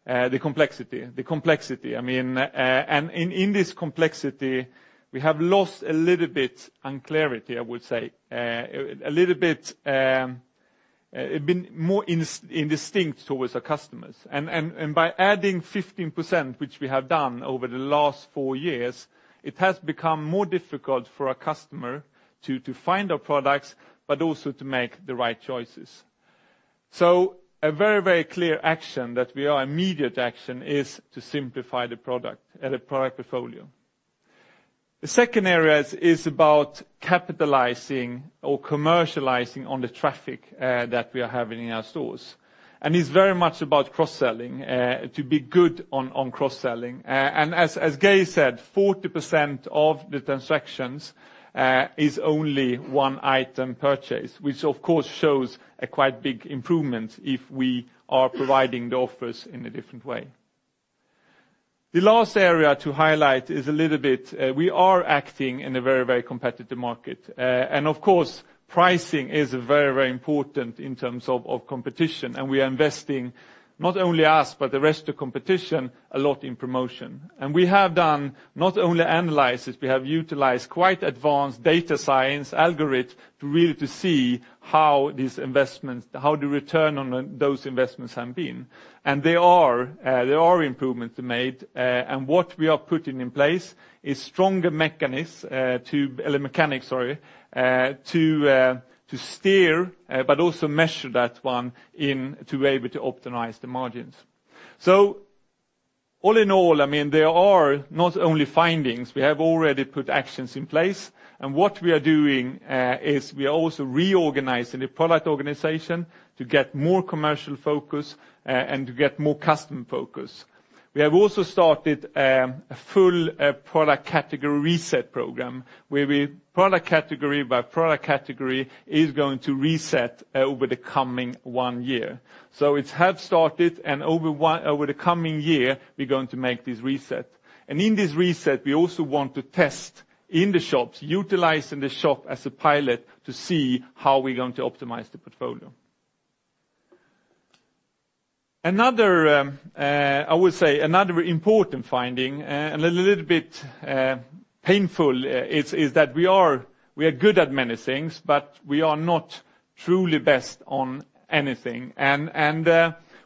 the complexity. The complexity and in this complexity, we have lost a little bit on clarity, I would say. A little bit, it's been more indistinct towards our customers. By adding 15%, which we have done over the last 4 years, it has become more difficult for our customer to find our products, but also to make the right choices. A very, very clear action that we are immediate action is to simplify the product and the product portfolio. The second area is about capitalizing or commercializing on the traffic that we are having in our stores. It's very much about cross-selling, to be good on cross-selling. As Geir Hoff said, 40% of the transactions is only 1 item purchase, which of course shows a quite big improvement if we are providing the offers in a different way. The last area to highlight is a little bit, we are acting in a very, very competitive market. Of course pricing is very, very important in terms of competition, and we are investing, not only us, but the rest of competition, a lot in promotion. We have done not only analysis, we have utilized quite advanced data science algorithm really to see how the return on those investments have been. There are improvements made. What we are putting in place is stronger mechanics, sorry, to steer, but also measure that one in to be able to optimize the margins. All in all, there are not only findings, we have already put actions in place. What we are doing is we are also reorganizing the product organization to get more commercial focus and to get more customer focus. We have also started a full product category reset program, where we product category by product category is going to reset over the coming 1 year. It has started, and over the coming year, we're going to make this reset. In this reset, we also want to test in the shops, utilizing the shop as a pilot to see how we're going to optimize the portfolio. Another, I would say another important finding and a little bit painful is that we are good at many things, but we are not truly best on anything.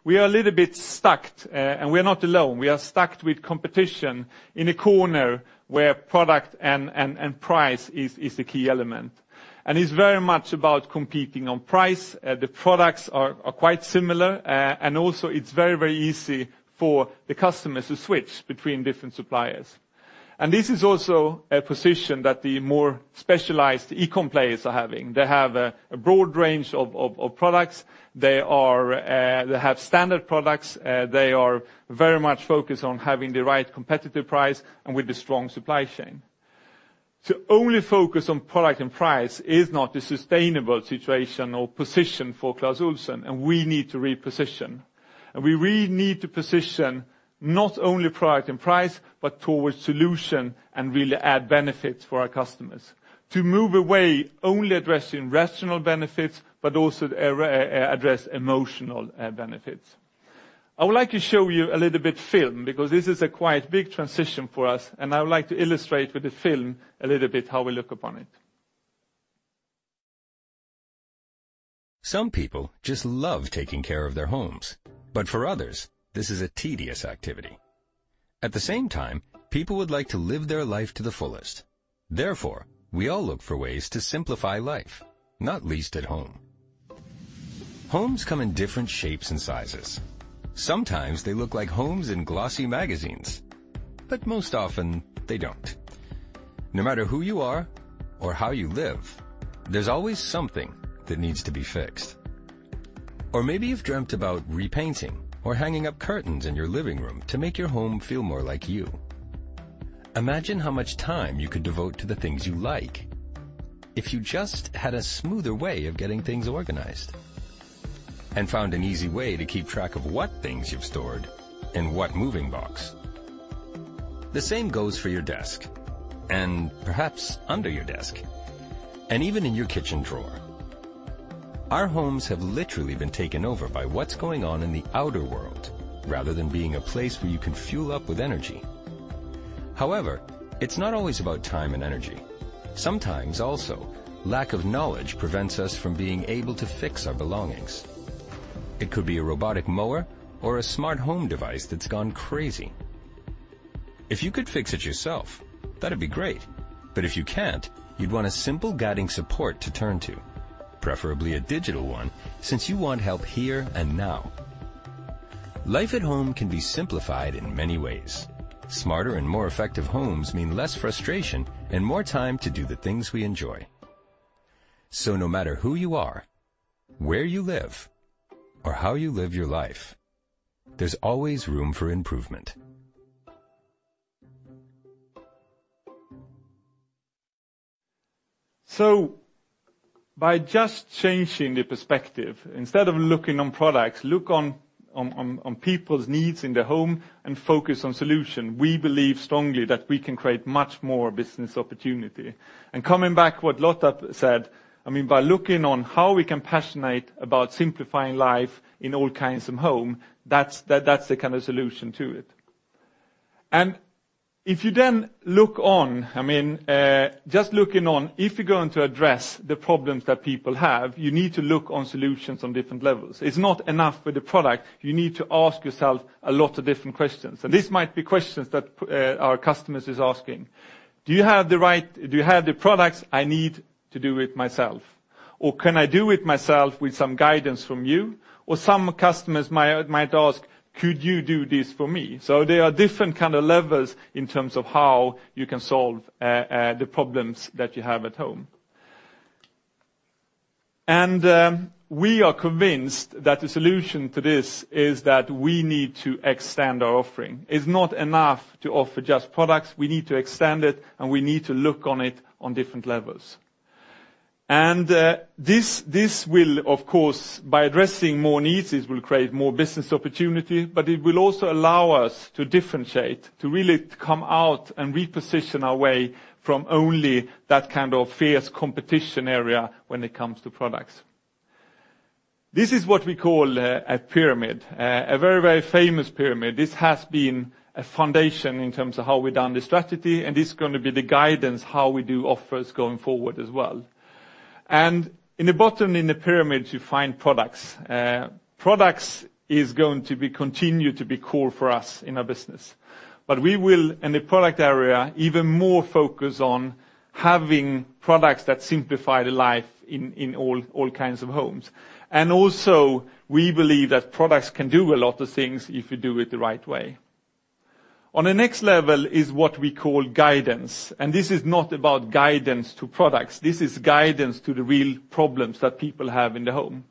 We are a little bit stuck and we're not alone. We are stuck with competition in a corner where product and price is the key element. It's very much about competing on price. The products are quite similar. Also it's very easy for the customers to switch between different suppliers. This is also a position that the more specialized e-com players are having. They have a broad range of products. They have standard products. They are very much focused on having the right competitive price and with a strong supply chain. To only focus on product and price is not a sustainable situation or position for Clas Ohlson, we need to reposition. We really need to position not only product and price, but towards solution and really add benefits for our customers. To move away only addressing rational benefits, but also address emotional benefits. I would like to show you a little bit film because this is a quite big transition for us, and I would like to illustrate with the film a little bit how we look upon it. Some people just love taking care of their homes, but for others, this is a tedious activity. At the same time, people would like to live their life to the fullest. Therefore, we all look for ways to simplify life, not least at home. Homes come in different shapes and sizes. Sometimes they look like homes in glossy magazines, but most often they don't. No matter who you are or how you live, there's always something that needs to be fixed. Or maybe you've dreamt about repainting or hanging up curtains in your living room to make your home feel more like you. Imagine how much time you could devote to the things you like if you just had a smoother way of getting things organized and found an easy way to keep track of what things you've stored in what moving box. The same goes for your desk and perhaps under your desk, and even in your kitchen drawer. Our homes have literally been taken over by what's going on in the outer world rather than being a place where you can fuel up with energy. However, it's not always about time and energy. Sometimes also, lack of knowledge prevents us from being able to fix our belongings. It could be a robotic mower or a smart home device that's gone crazy. If you could fix it yourself, that'd be great. If you can't, you'd want a simple guiding support to turn to, preferably a digital one, since you want help here and now. Life at home can be simplified in many ways. Smarter and more effective homes mean less frustration and more time to do the things we enjoy. No matter who you are, where you live, or how you live your life, there's always room for improvement. By just changing the perspective, instead of looking on products, look on people's needs in the home and focus on solution, we believe strongly that we can create much more business opportunity. Coming back what Lotta Lyrå said, by looking on how we can passionate about simplifying life in all kinds of home, that's the solution to it. If you then look on just looking on, if you're going to address the problems that people have, you need to look on solutions on different levels. It's not enough with the product. You need to ask yourself a lot of different questions, and this might be questions that our customers is asking. Do you have the products I need to do it myself? Can I do it myself with some guidance from you? Some customers might ask, could you do this for me? There are different levels in terms of how you can solve the problems that you have at home. We are convinced that the solution to this is that we need to extend our offering. It's not enough to offer just products. We need to extend it, and we need to look on it on different levels. This will of course by addressing more needs, this will create more business opportunity, but it will also allow us to differentiate, to really come out and reposition our way from only that fierce competition area when it comes to products. This is what we call a pyramid, a very famous pyramid. This has been a foundation in terms of how we've done the strategy, this is going to be the guidance how we do offers going forward as well. In the bottom in the pyramid, you find products. Products is going to continue to be core for us in our business. We will in the product area even more focus on having products that simplify the life in all kinds of homes. Also, we believe that products can do a lot of things if you do it the right way. On the next level is what we call guidance, this is not about guidance to products. This is guidance to the real problems that people have in the home.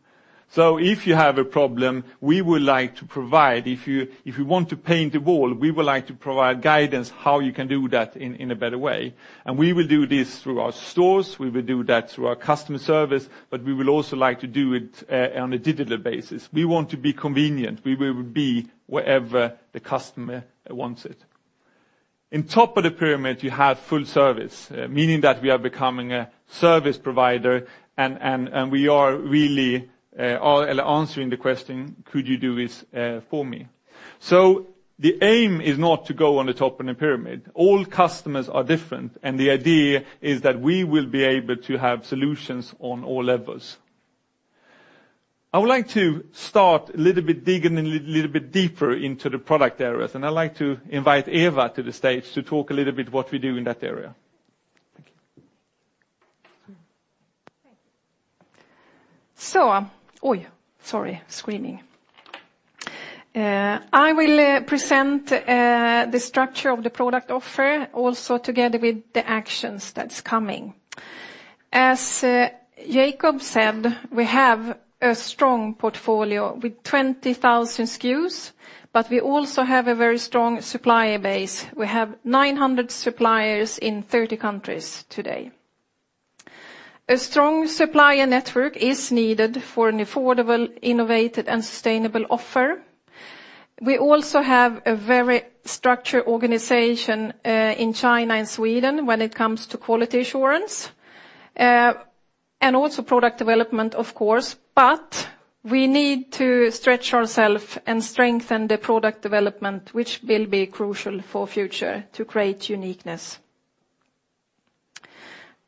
If you have a problem, we would like to provide. If you want to paint a wall, we would like to provide guidance how you can do that in a better way, and we will do this through our stores. We will do that through our customer service, we will also like to do it on a digital basis. We want to be convenient. We will be wherever the customer wants it. In top of the pyramid, you have full service, meaning that we are becoming a service provider, and we are really answering the question: Could you do this for me? The aim is not to go on the top of the pyramid. All customers are different, the idea is that we will be able to have solutions on all levels. I would like to start dig a little bit deeper into the product areas. I'd like to invite Eva Berg to the stage to talk a little bit what we do in that area. Thank you. Sorry, screening. I will present the structure of the product offer also together with the actions that's coming. As Jacob Sten said, we have a strong portfolio with 20,000 SKUs, but we also have a very strong supplier base. We have 900 suppliers in 30 countries today. A strong supplier network is needed for an affordable, innovative, and sustainable offer. We also have a very structured organization in China and Sweden when it comes to quality assurance and also product development, of course. We need to stretch ourself and strengthen the product development, which will be crucial for future to create uniqueness.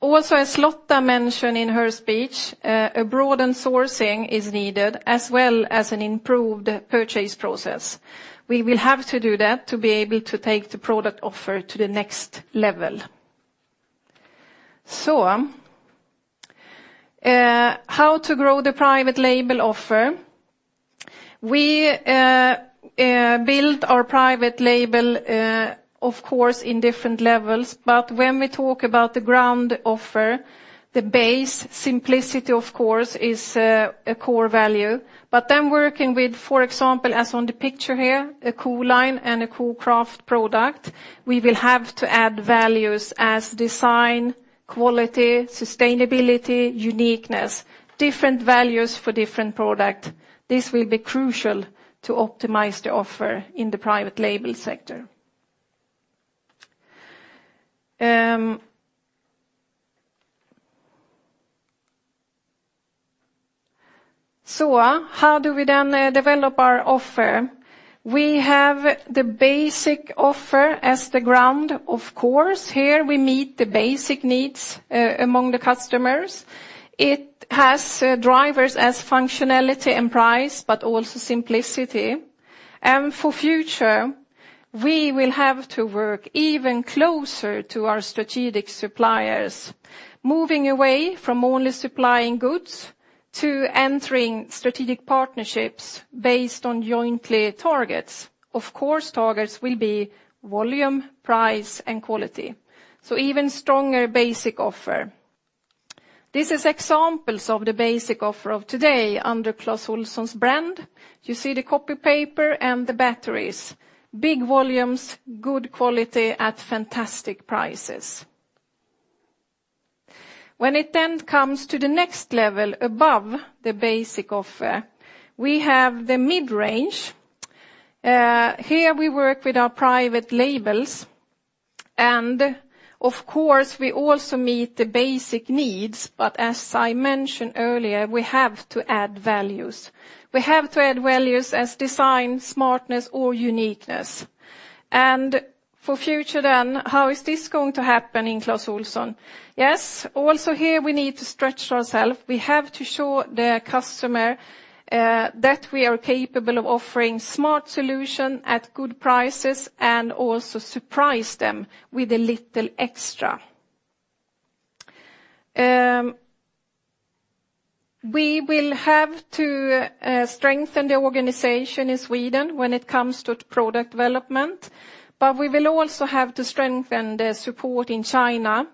Also, as Lotta Lyrå mentioned in her speech, a broadened sourcing is needed as well as an improved purchase process. We will have to do that to be able to take the product offer to the next level. How to grow the private label offer. We build our private label, of course, in different levels, but when we talk about the ground offer, the base simplicity, of course, is a core value. Working with, for example, as on the picture here, a Coline and a Cocraft product, we will have to add values as design, quality, sustainability, uniqueness, different values for different product. This will be crucial to optimize the offer in the private label sector. How do we then develop our offer? We have the basic offer as the ground, of course. Here we meet the basic needs among the customers. It has drivers as functionality and price, but also simplicity. For future, we will have to work even closer to our strategic suppliers, moving away from only supplying goods to entering strategic partnerships based on jointly targets. Of course, targets will be volume, price, and quality, so even stronger basic offer. This is examples of the basic offer of today under Clas Ohlson's brand. You see the copy paper and the batteries. Big volumes, good quality at fantastic prices. When it then comes to the next level above the basic offer, we have the mid-range. Here we work with our private labels. Of course, we also meet the basic needs, but as I mentioned earlier, we have to add values. We have to add values as design, smartness or uniqueness. For future then how is this going to happen in Clas Ohlson? Yes, also here, we need to stretch ourself. We have to show the customer that we are capable of offering smart solution at good prices and also surprise them with a little extra. We will have to strengthen the organization in Sweden when it comes to product development, but we will also have to strengthen the support in China.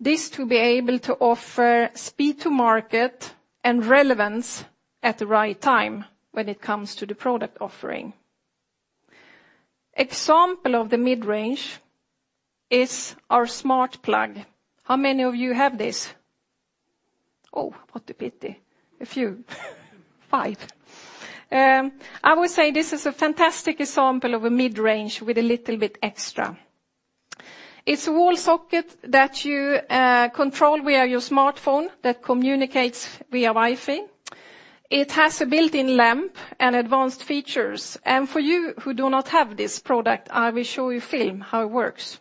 This to be able to offer speed to market and relevance at the right time when it comes to the product offering. Example of the mid-range is our Smart Plug. How many of you have this? Oh, what a pity. A few. 5. I would say this is a fantastic example of a mid-range with a little bit extra. It's a wall socket that you control via your smartphone that communicates via Wi-Fi. It has a built-in lamp and advanced features. For you who do not have this product, I will show you a film how it works.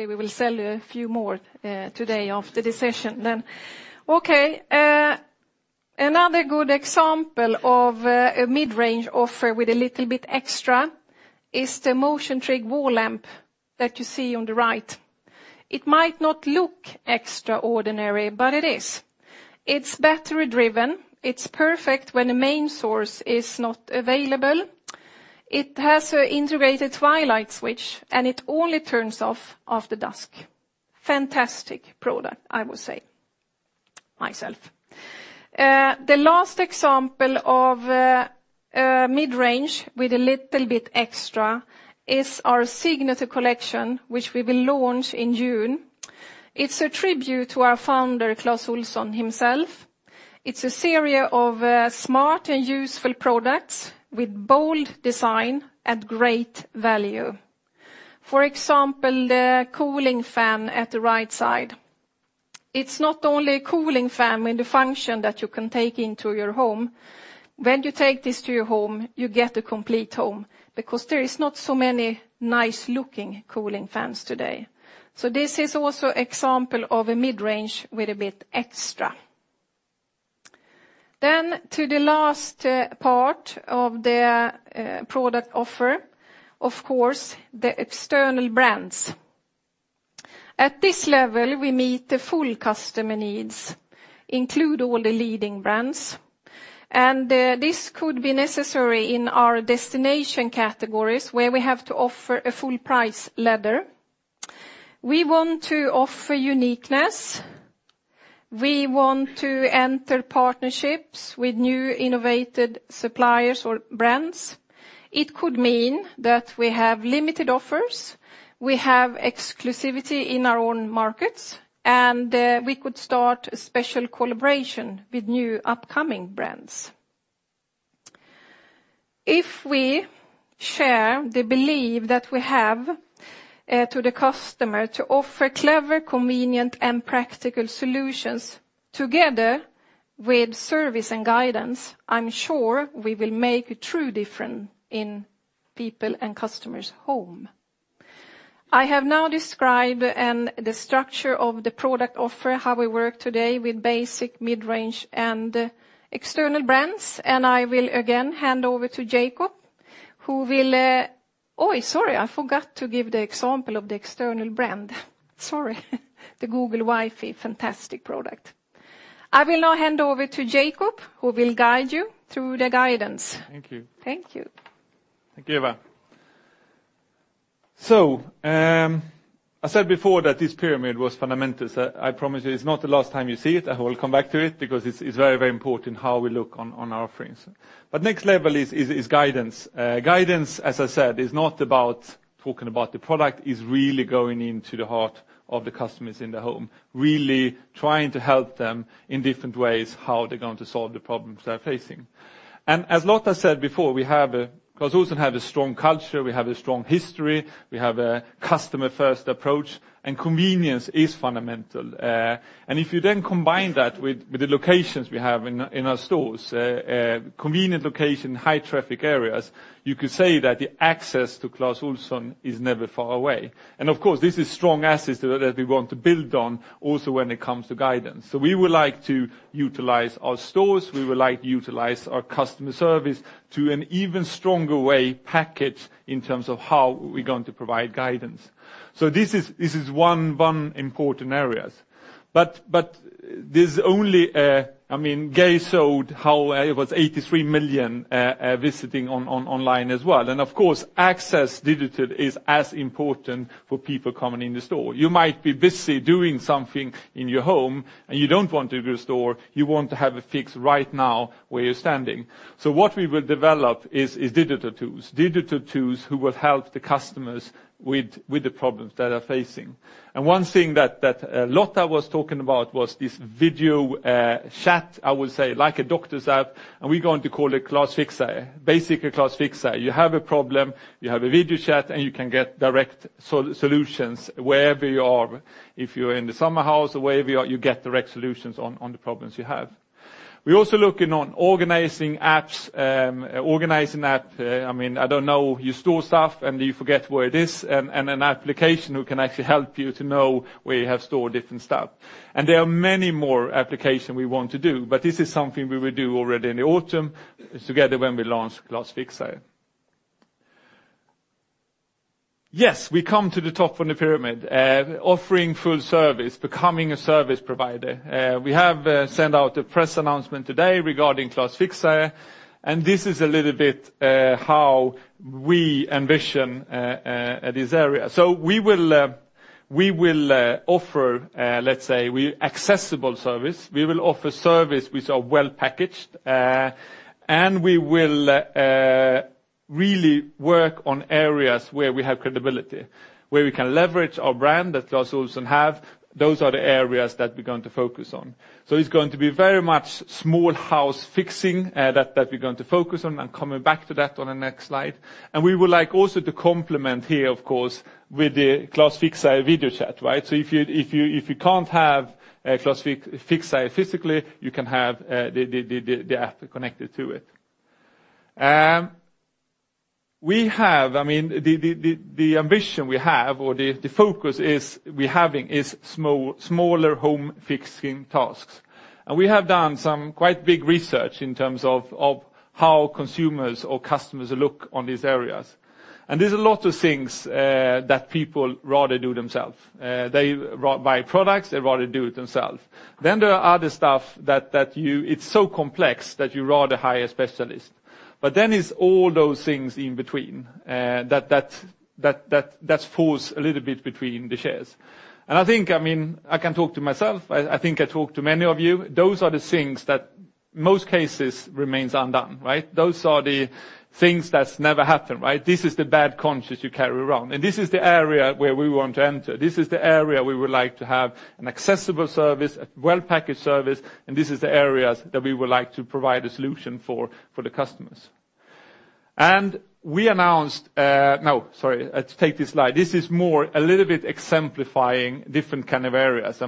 Hopefully, we will sell a few more today after this session then. Okay. Another good example of a mid-range offer with a little bit extra is the Motion-trig wall lamp that you see on the right. It might not look extraordinary, but it is. It's battery driven. It's perfect when a main source is not available. It has a integrated twilight switch. It only turns off after dusk. Fantastic product, I would say, myself. The last example of a mid-range with a little bit extra is our Signature Collection, which we will launch in June. It's a tribute to our founder, Clas Ohlson himself. It's a series of smart and useful products with bold design and great value. For example, the cooling fan at the right side. It's not only a cooling fan with the function that you can take into your home. When you take this to your home, you get a complete home because there is not so many nice-looking cooling fans today. This is also example of a mid-range with a bit extra. To the last part of the product offer, of course, the external brands. At this level, we meet the full customer needs, include all the leading brands, and this could be necessary in our destination categories, where we have to offer a full price ladder. We want to offer uniqueness. We want to enter partnerships with new innovated suppliers or brands. It could mean that we have limited offers, we have exclusivity in our own markets, and we could start a special collaboration with new upcoming brands. If we share the belief that we have to the customer to offer clever, convenient, and practical solutions together with service and guidance, I'm sure we will make a true difference in people and customers' home. I have now described and the structure of the product offer, how we work today with basic, mid-range, and external brands. I will again hand over to Jacob Sten, who will... sorry, I forgot to give the example of the external brand. Sorry. The Google Wifi, fantastic product. I will now hand over to Jacob Sten, who will guide you through the guidance. Thank you. Thank you. Thank you, Eva Berg. I said before that this pyramid was fundamental, I promise you it's not the last time you see it. I will come back to it because it's very, very important how we look on our offerings. Next level is guidance. Guidance, as I said, is not about talking about the product, is really going into the heart of the customers in the home, really trying to help them in different ways how they're going to solve the problems they are facing. As Lotta Lyrå said before, Clas Ohlson have a strong culture, we have a strong history, we have a customer-first approach, and convenience is fundamental. If you then combine that with the locations we have in our stores, convenient location, high traffic areas, you could say that the access to Clas Ohlson is never far away. Of course, this is strong assets that we want to build on also when it comes to guidance. We would like to utilize our stores, we would like to utilize our customer service to an even stronger way package in terms of how we're going to provide guidance. This is, this is one important areas. This only, Geir Hoff showed how it was 83 million visiting on online as well. Of course, access digital is as important for people coming in the store. You might be busy doing something in your home, and you don't want to go to store, you want to have it fixed right now where you're standing. What we will develop is digital tools. Digital tools who will help the customers with the problems they are facing. One thing that Lotta Lyrå was talking about was this video chat, I would say, like a doctor's app, and we're going to call it Clas Fixare. Basically, Clas Fixare. You have a problem, you have a video chat, and you can get direct solutions wherever you are. If you're in the summer house or wherever you are, you get direct solutions on the problems you have. We're also looking on organizing apps, organizing app, I don't know, you store stuff and you forget where it is, and an application who can actually help you to know where you have stored different stuff. There are many more application we want to do, but this is something we will do already in the autumn together when we launch Clas Fixare. Yes, we come to the top of the pyramid. Offering full service, becoming a service provider. We have sent out a press announcement today regarding Clas Fixare, this is a little bit how we envision this area. We will, we will offer, let's say, Accessible service. We will offer service which are well-packaged, and we will really work on areas where we have credibility, where we can leverage our brand that Clas Ohlson have. Those are the areas that we're going to focus on. It's going to be very much small house fixing that we're going to focus on. I'm coming back to that on the next slide. We would like also to complement here, of course, with the Clas Fixare video chat, right? If you can't have a Clas Fixare physically, you can have the app connected to it. The ambition we have or the focus is, we're having is smaller home fixing tasks. We have done some quite big research in terms of how consumers or customers look on these areas. There's a lot of things that people rather do themselves. They buy products, they rather do it themselves. There are other stuff that you. It's so complex that you rather hire a specialist. It's all those things in between that falls a little bit between the chairs. I think I can talk to myself, I think I talk to many of you, those are the things that most cases remains undone, right? Those are the things that's never happened, right? This is the bad conscience you carry around. This is the area where we want to enter. This is the area we would like to have an accessible service, a well-packaged service, and this is the areas that we would like to provide a solution for the customers. We announced. No, sorry, let's take this slide. This is more a little bit exemplifying different areas.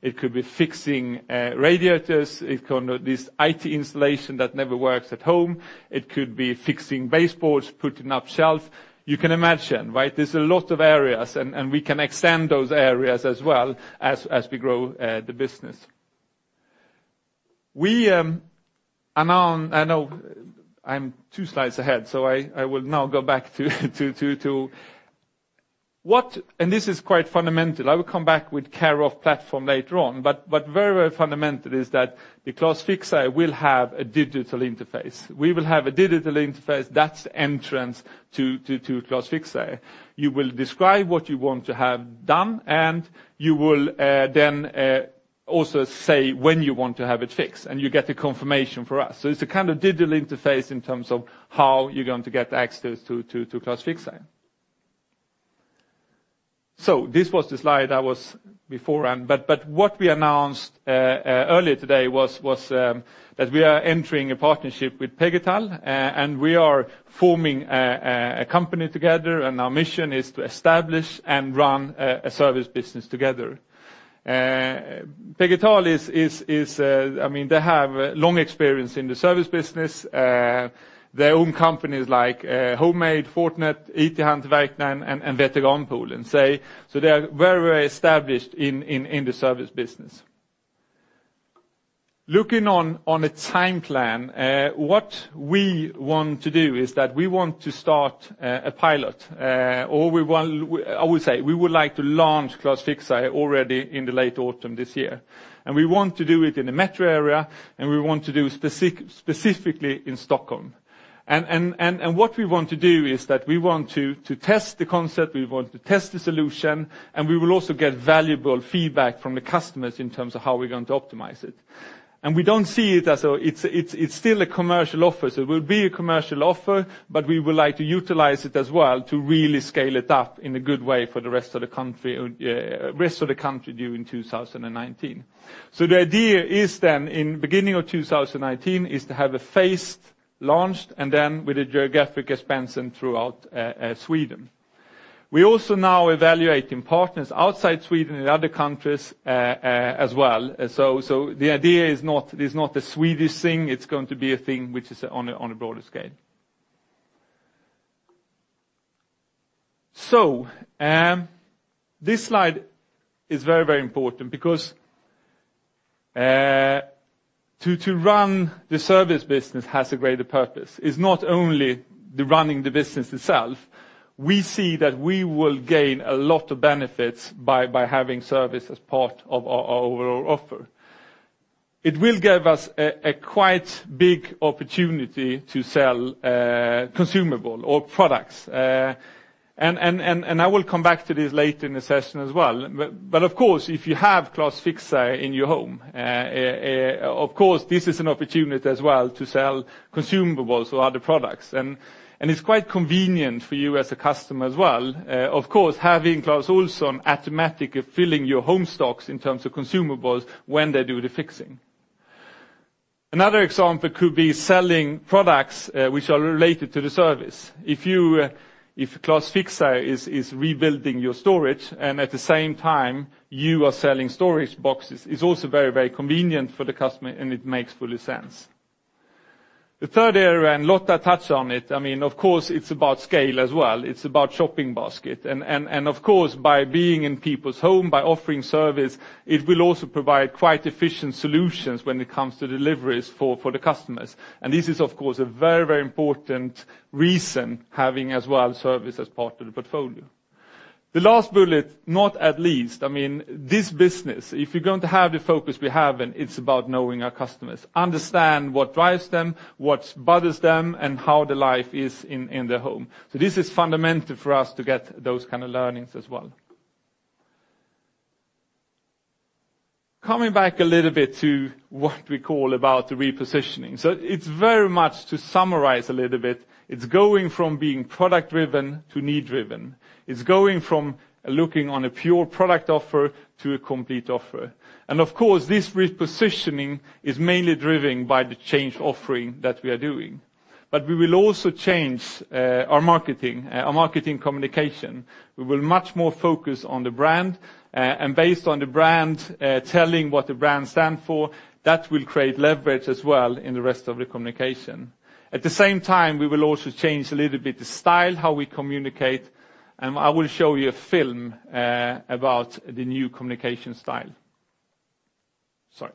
It could be fixing radiators. This IT installation that never works at home. It could be fixing baseboards, putting up shelf. You can imagine, right? There's a lot of areas and we can extend those areas as well as we grow the business. We know I'm two slides ahead, so I will now go back to What. This is quite fundamental. I will come back with Care of platform later on, but very fundamental is that the Clas Fixare will have a digital interface. We will have a digital interface that's entrance to Clas Fixare. You will describe what you want to have done, and you will then also say when you want to have it fixed, and you get the confirmation for us. It's a digital interface in terms of how you're going to get access to Clas Fixare. This was the slide that was beforehand, but what we announced earlier today was that we are entering a partnership with Pegital, and we are forming a company together and our mission is to establish and run a service business together. Pegital is they have long experience in the service business. They own companies like Hemfrid, Fortner, IT-Hantverkarna, and Veterankraft. They are very established in the service business. Looking on a time plan, what we want to do is that we want to start a pilot. I would say, we would like to launch Clas Fixare already in the late autumn this year. We want to do it in the metro area, and we want to do specifically in Stockholm. What we want to do is that we want to test the concept, we want to test the solution, and we will also get valuable feedback from the customers in terms of how we're going to optimize it. We don't see it's still a commercial offer. It will be a commercial offer, but we would like to utilize it as well to really scale it up in a good way for the rest of the country during 2019. The idea is then in beginning of 2019 is to have a phase launched and then with a geographic expansion throughout Sweden. We're also now evaluating partners outside Sweden in other countries as well. The idea, it's not a Swedish thing, it's going to be a thing which is on a broader scale. This slide is very, very important because to run the service business has a greater purpose. It's not only the running the business itself. We see that we will gain a lot of benefits by having service as part of our overall offer. It will give us a quite big opportunity to sell consumable or products. I will come back to this later in the session as well. Of course, if you have Clas Fixare in your home, of course, this is an opportunity as well to sell consumables or other products. It's quite convenient for you as a customer as well, of course, having Clas Ohlson automatically filling your home stocks in terms of consumables when they do the fixing. Another example could be selling products which are related to the service. If you, if Clas Fixare is rebuilding your storage, at the same time you are selling storage boxes, it's also very convenient for the customer, it makes fully sense. The third area, Lotta Lyrå touched on it, of course, it's about scale as well. It's about shopping basket. Of course, by being in people's home, by offering service, it will also provide quite efficient solutions when it comes to deliveries for the customers. This is, of course, a very important reason having as well service as part of the portfolio. The last bullet, not at least, this business, if you're going to have the focus we have, it's about knowing our customers, understand what drives them, what bothers them, and how their life is in their home. This is fundamental for us to get those learnings as well. Coming back a little bit to what we call about the repositioning. It's very much to summarize a little bit. It's going from being product-driven to need-driven. It's going from looking on a pure product offer to a complete offer. Of course, this repositioning is mainly driven by the change offering that we are doing. We will also change our marketing, our marketing communication. We will much more focus on the brand and based on the brand telling what the brand stand for, that will create leverage as well in the rest of the communication. At the same time, we will also change a little bit the style, how we communicate, and I will show you a film about the new communication style. Sorry.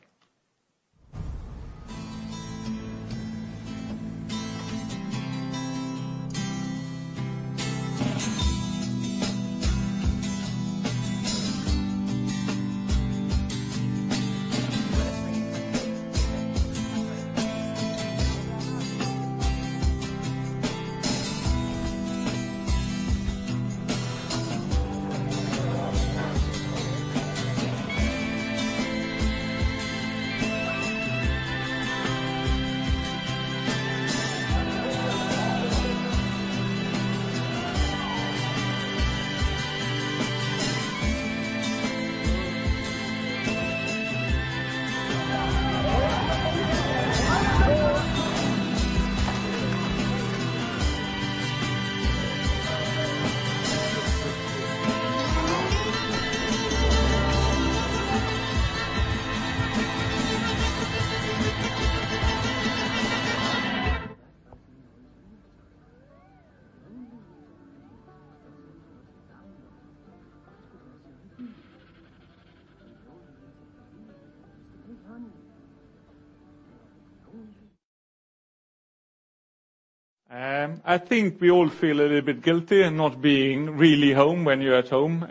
I think we all feel a little bit guilty in not being really home when you're at home.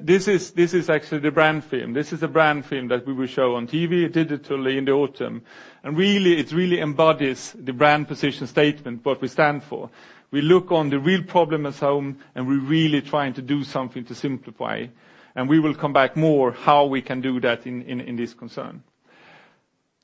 This is actually the brand film. This is a brand film that we will show on TV digitally in the autumn. Really, it really embodies the brand position statement, what we stand for. We look on the real problem as home, and we're really trying to do something to simplify. We will come back more how we can do that in this concern.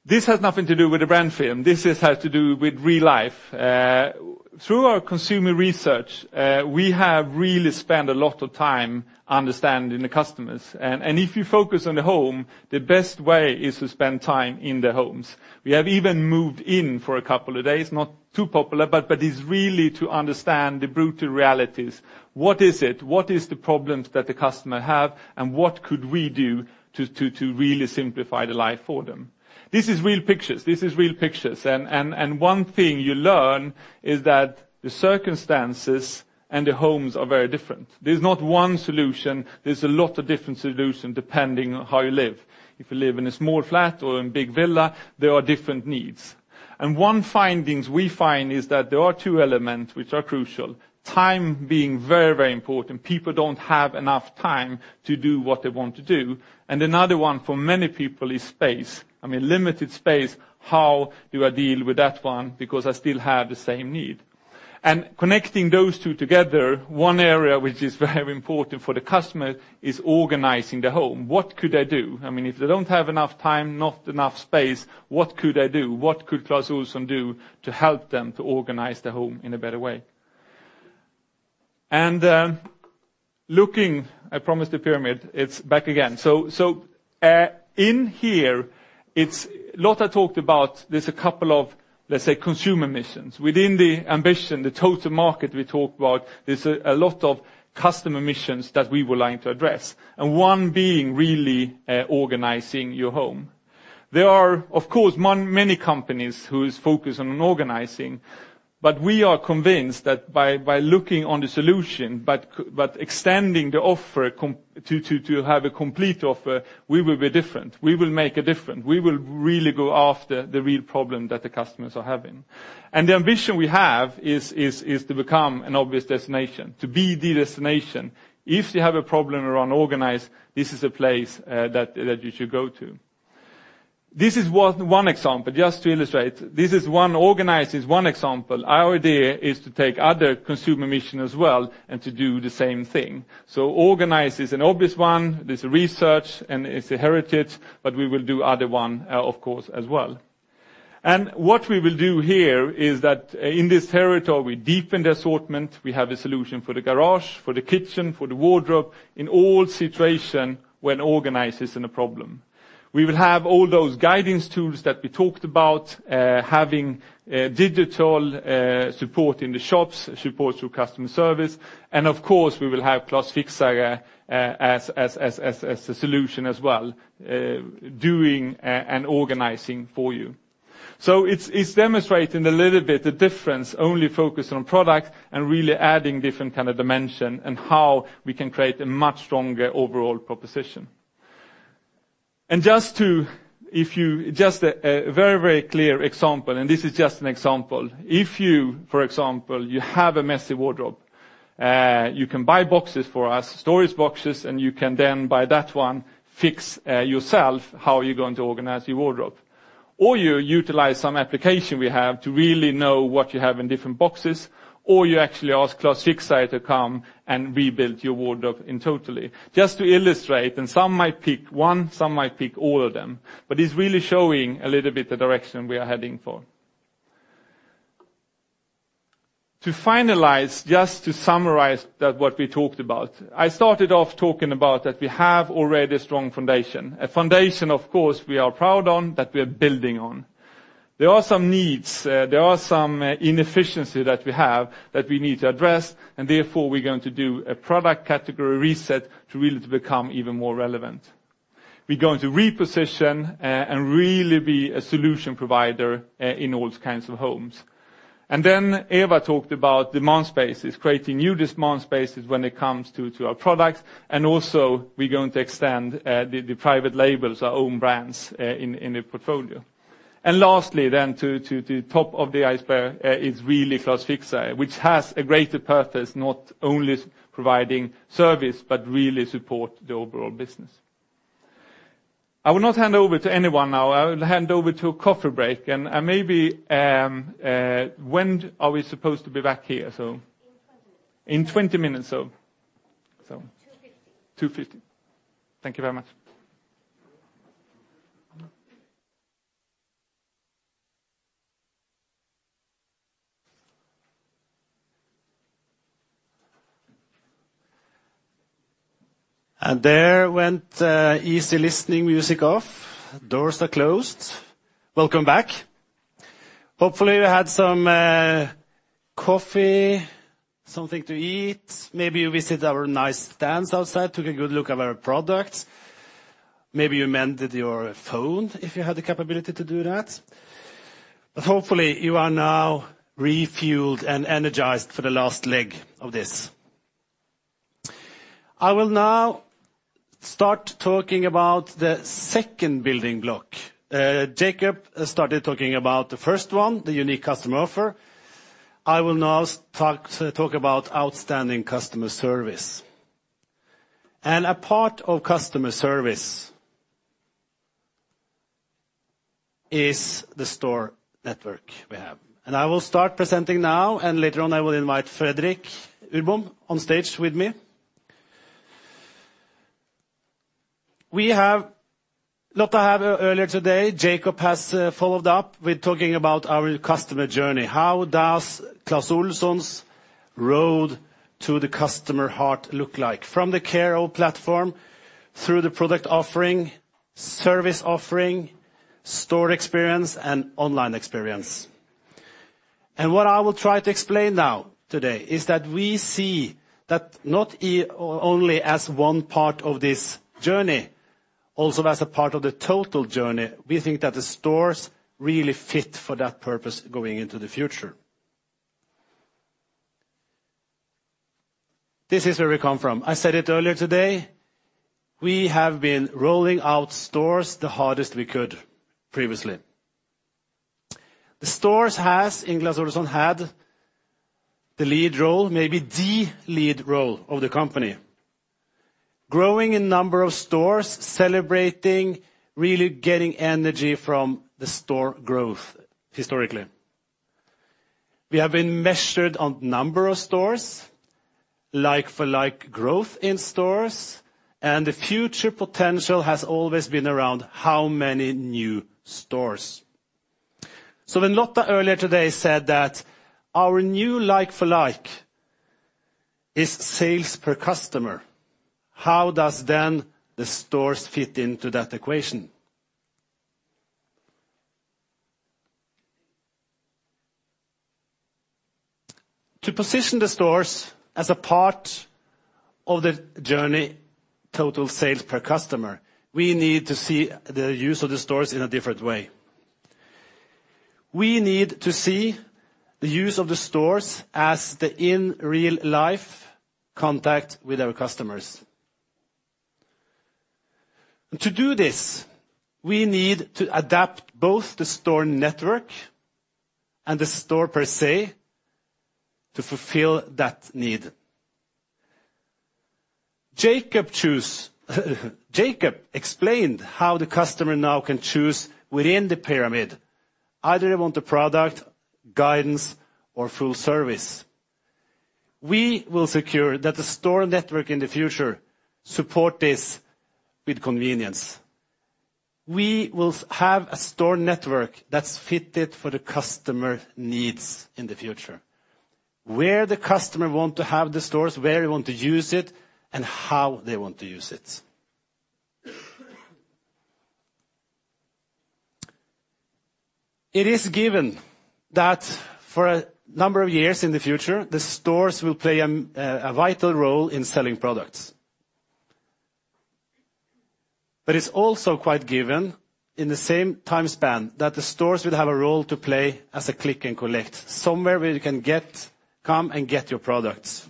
This has nothing to do with the brand film. This has to do with real life. Through our consumer research, we have really spent a lot of time understanding the customers. If you focus on the home, the best way is to spend time in their homes. We have even moved in for a couple of days, not too popular, but it's really to understand the brutal realities. What is it? What is the problems that the customer have, what could we do to really simplify the life for them? This is real pictures. One thing you learn is that the circumstances and the homes are very different. There's not one solution. There's a lot of different solution depending on how you live. If you live in a small flat or in big villa, there are different needs. One findings we find is that there are two elements which are crucial: time being very, very important. People don't have enough time to do what they want to do. Another one for many people is space. Limited space, how do I deal with that one? Because I still have the same need. Connecting those two together, one area which is very important for the customer is organizing the home. What could I do? f they don't have enough time, not enough space, what could I do? What could Clas Ohlson do to help them to organize their home in a better way? I promised a pyramid, it's back again. So, Lotta Lyrå talked about there's a couple of, let's say, consumer missions. Within the ambition, the total market we talked about, there's a lot of customer missions that we would like to address, one being really organizing your home. There are many companies who is focused on organizing, but we are convinced that by looking on the solution, but extending the offer to have a complete offer, we will be different. We will make a difference. We will really go after the real problem that the customers are having. The ambition we have is to become an obvious destination, to be the destination. If you have a problem around organize, this is a place that you should go to. This is one example, just to illustrate. This is one. Organize is one example. Our idea is to take other consumer mission as well and to do the same thing. Organize is an obvious one. There's Research and it's Heritage. We will do other one as well. What we will do here is that, in this territory, we deepen the assortment. We have a solution for the garage, for the kitchen, for the wardrobe, in all situation when organize isn't a problem. We will have all those guidance tools that we talked about, having digital support in the shops, support through customer service. Of course, we will have Clas Fixare as a solution as well, doing an organizing for you. It's demonstrating a little bit the difference, only focus on product and really adding different dimension and how we can create a much stronger overall proposition. Just a very, very clear example, and this is just an example. If you, for example, you have a messy wardrobe, you can buy boxes for us, storage boxes, and you can then buy that one, fix yourself how you're going to organize your wardrobe. You utilize some application we have to really know what you have in different boxes, or you actually ask Clas Fixare to come and rebuild your wardrobe in totally. Just to illustrate. Some might pick one, some might pick all of them, but it's really showing a little bit the direction we are heading for. To finalize, just to summarize that what we talked about, I started off talking about that we have already a strong foundation. A foundation, of course, we are proud on, that we are building on. There are some needs, there are some inefficiency that we have that we need to address. Therefore, we're going to do a product category reset to really to become even more relevant. We're going to reposition and really be a solution provider in all kinds of homes. Then Eva Berg talked about demand spaces, creating new demand spaces when it comes to our products. Also, we're going to extend the private labels, our own brands in the portfolio. Lastly, then, to top of the iceberg is really Clas Fixare, which has a greater purpose, not only providing service, but really support the overall business. I will not hand over to anyone now. I will hand over to a coffee break. Maybe, when are we supposed to be back here? In 20 minutes. 2:50. Thank you very much. There went easy listening music off. Doors are closed. Welcome back. Hopefully, you had some coffee, something to eat. Maybe you visit our nice stands outside, took a good look at our products. Maybe you mended your phone if you had the capability to do that. Hopefully, you are now refueled and energized for the last leg of this. I will now start talking about the second building block. Jacob Sten started talking about the first one, the unique customer offer. I will now talk about outstanding customer service. A part of customer service is the store network we have. I will start presenting now. Later on, I will invite Fredrik Urbom on stage with me. Lotta Lyrå have earlier today, Jacob Sten has followed up with talking about our customer journey. How does Clas Ohlson's road to the customer heart look like? From the Care of platform through the product offering, service offering, store experience, and online experience. What I will try to explain now today is that we see that not e-only as one part of this journey, also as a part of the total journey, we think that the stores really fit for that purpose going into the future. This is where we come from. I said it earlier today, we have been rolling out stores the hardest we could previously. The stores has, in Clas Ohlson, had the lead role, maybe the lead role of the company. Growing in number of stores, celebrating, really getting energy from the store growth historically. We have been measured on number of stores, like-for-like growth in stores, and the future potential has always been around how many new stores. When Lotta Lyrå earlier today said that our new like-for-like is sales per customer, how does then the stores fit into that equation? To position the stores as a part of the journey total sales per customer, we need to see the use of the stores in a different way. We need to see the use of the stores as the in real life contact with our customers. To do this, we need to adapt both the store network and the store per se to fulfill that need. Jacob Sten explained how the customer now can choose within the pyramid, either they want a product, guidance, or full service. We will secure that the store network in the future support this with convenience. We will have a store network that's fitted for the customer needs in the future, where the customer want to have the stores, where they want to use it, and how they want to use it. It is given that for a number of years in the future, the stores will play a vital role in selling products. It's also quite given in the same time span that the stores will have a role to play as a click and collect, somewhere where you can come and get your products.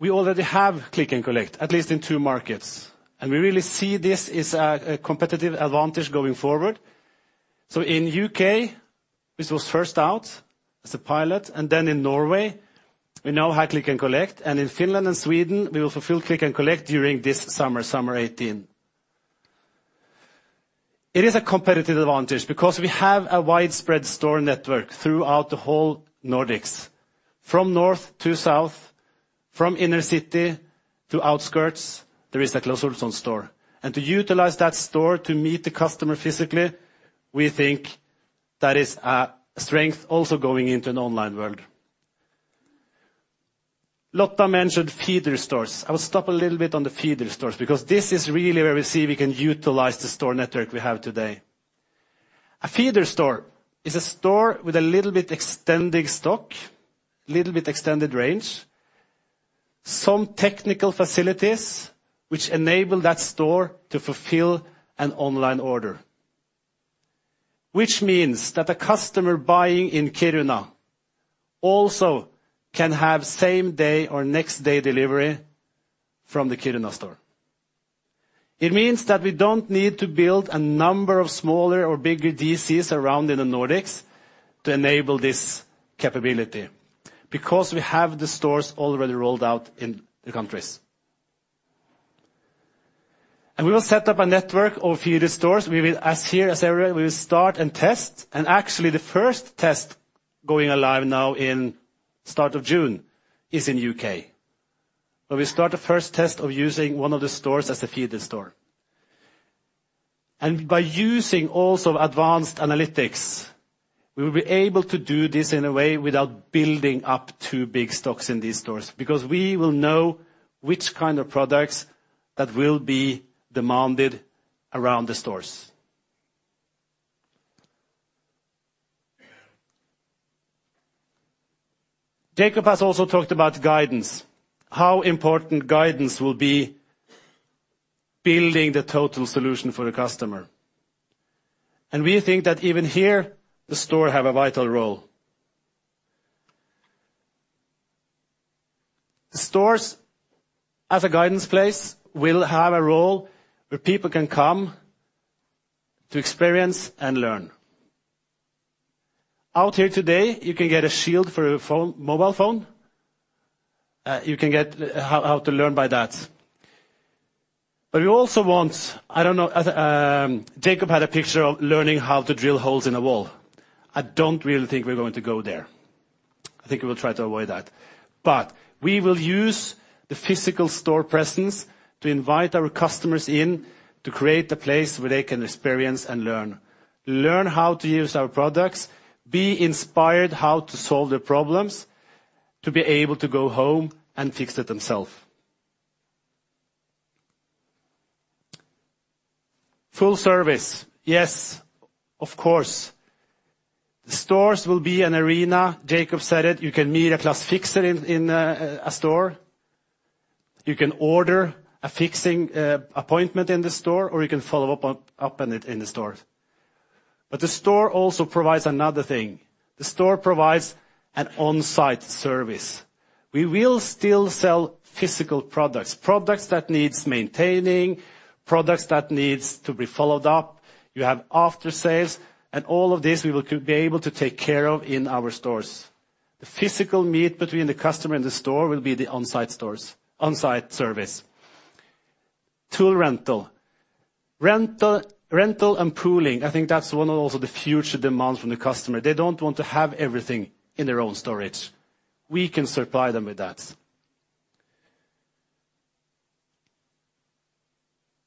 We already have click and collect, at least in two markets, and we really see this as a competitive advantage going forward. In U`K this was first out as a pilot, and then in Norway, we now have click and collect, and in Finland and Sweden, we will fulfill click and collect during this summer 2018. It is a competitive advantage because we have a widespread store network throughout the whole Nordics. From north to south, from inner city to outskirts, there is a Clas Ohlson store. To utilize that store to meet the customer physically, we think that is a strength also going into an online world. Lotta Lyrå mentioned feeder stores. I will stop a little bit on the feeder stores because this is really where we see we can utilize the store network we have today. A feeder store is a store with a little bit extending stock, little bit extended range. Some technical facilities which enable that store to fulfill an online order, which means that a customer buying in Kiruna also can have same day or next day delivery from the Kiruna store. It means that we don't need to build a number of smaller or bigger DCs around in the Nordics to enable this capability because we have the stores already rolled out in the countries. We will set up a network of feeder stores. We will, as here, as everywhere, we will start and test. Actually the first test going alive now in start of June is in U.K., where we start the first test of using one of the stores as a feeder store. By using also advanced analytics, we will be able to do this in a way without building up too big stocks in these stores because we will know which products that will be demanded around the stores. Jacob Sten has also talked about guidance, how important guidance will be building the total solution for the customer. We think that even here, the store have a vital role. The stores, as a guidance place, will have a role where people can come to experience and learn. Out here today, you can get a shield for your phone, mobile phone. You can get how to learn by that. We also want, I don't know, Jacob Sten had a picture of learning how to drill holes in a wall. I don't really think we're going to go there. I think we will try to avoid that. We will use the physical store presence to invite our customers in to create a place where they can experience and learn. Learn how to use our products, be inspired how to solve their problems, to be able to go home and fix it themselves. Full service, yes, of course. The stores will be an arena, Jacob Sten said it, you can meet a Clas Fixare in a store. You can order a fixing appointment in the store, or you can follow up on it in the stores. The store also provides another thing. The store provides an on-site service. We will still sell physical products that needs maintaining, products that needs to be followed up. You have after sales, and all of this we will be able to take care of in our stores. The physical meet between the customer and the store will be the onsite service. Tool rental. Rental and pooling, I think that's one of also the future demands from the customer. They don't want to have everything in their own storage. We can supply them with that.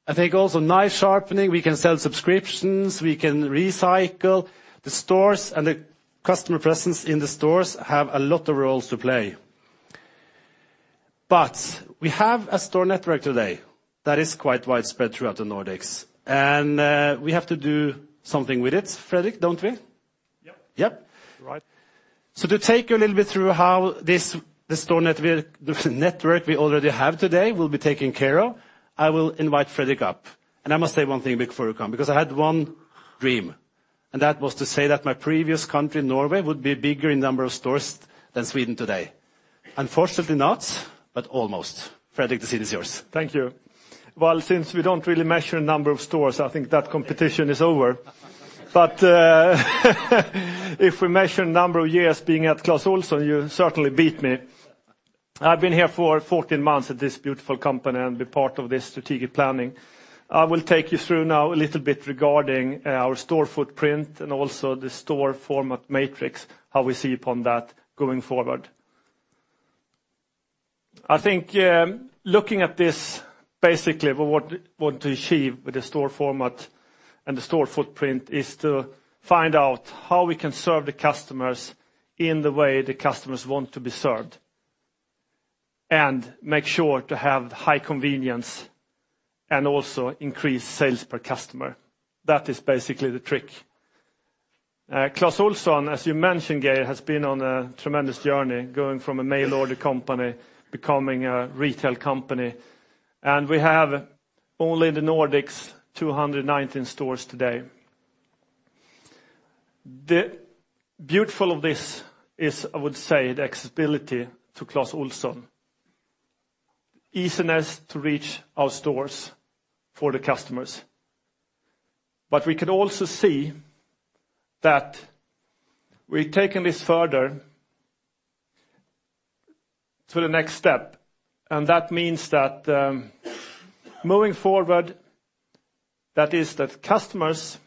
I think also knife sharpening, we can sell subscriptions, we can recycle. The stores and the customer presence in the stores have a lot of roles to play. We have a store network today that is quite widespread throughout the Nordics, and we have to do something with it, Fredrik Urbom, don't we? Yep. Yep. Right. To take you a little bit through how this, the store network, the network we already have today will be taken care of, I will invite Fredrik Urbom up. I must say one thing before you come, because I had one dream, and that was to say that my previous country, Norway, would be bigger in number of stores than Sweden today. Unfortunately not, almost. Fredrik Urbom, the seat is yours. Thank you. Well, since we don't really measure number of stores, I think that competition is over. If we measure number of years being at Clas Ohlson, you certainly beat me. I've been here for 14 months at this beautiful company and be part of this strategic planning. I will take you through now a little bit regarding our store footprint and also the store format matrix, how we see upon that going forward. I think, looking at this, basically what we want to achieve with the store format and the store footprint is to find out how we can serve the customers in the way the customers want to be served and make sure to have high convenience and also increase sales per customer. That is basically the trick. Clas Ohlson, as you mentioned, Geir Hoff, has been on a tremendous journey going from a mail order company becoming a retail company. We have only in the Nordics 219 stores today. The beautiful of this is, I would say, the accessibility to Clas Ohlson, easiness to reach our stores for the customers. We could also see that we've taken this further to the next step. That means that moving forward, that is that customers,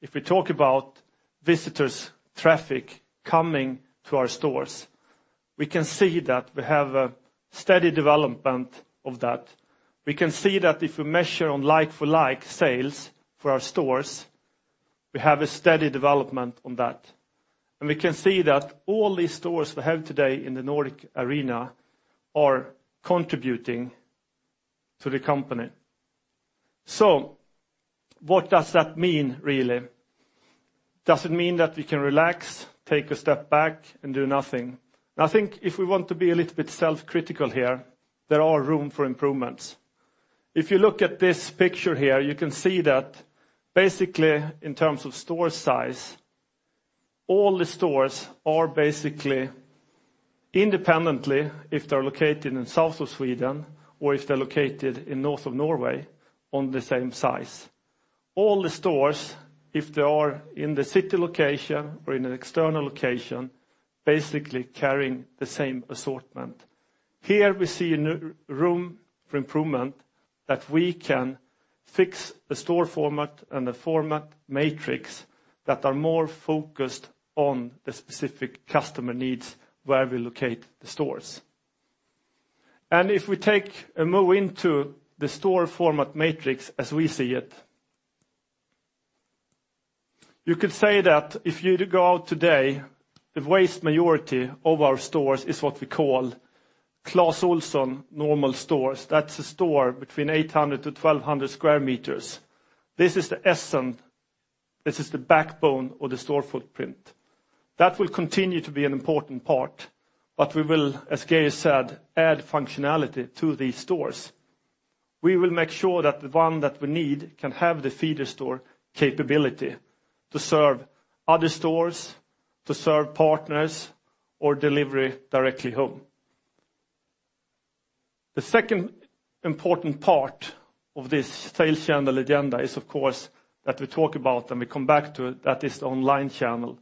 if we talk about visitors, traffic coming to our stores, we can see that we have a steady development of that. We can see that if we measure on like-for-like sales for our stores, we have a steady development on that. We can see that all these stores we have today in the Nordic arena are contributing to the company. What does that mean, really? Does it mean that we can relax, take a step back, and do nothing? I think if we want to be a little bit self-critical here, there are room for improvements. If you look at this picture here, you can see that basically in terms of store size, all the stores are basically independently, if they're located in south of Sweden or if they're located in north of Norway, on the same size. All the stores, if they are in the city location or in an external location, basically carrying the same assortment. Here we see room for improvement that we can fix the store format and the format matrix that are more focused on the specific customer needs where we locate the stores. If we take a move into the store format matrix as we see it, you could say that if you were to go out today, the vast majority of our stores is what we call Clas Ohlson normal stores. That's a store between 800 to 1,200 square meters. This is the essence. This is the backbone of the store footprint. That will continue to be an important part, we will, as Geir Hoff said, add functionality to these stores. We will make sure that the one that we need can have the feeder store capability to serve other stores, to serve partners or delivery directly home. The second important part of this sales channel agenda is of course that we talk about and we come back to it, that is the online channel.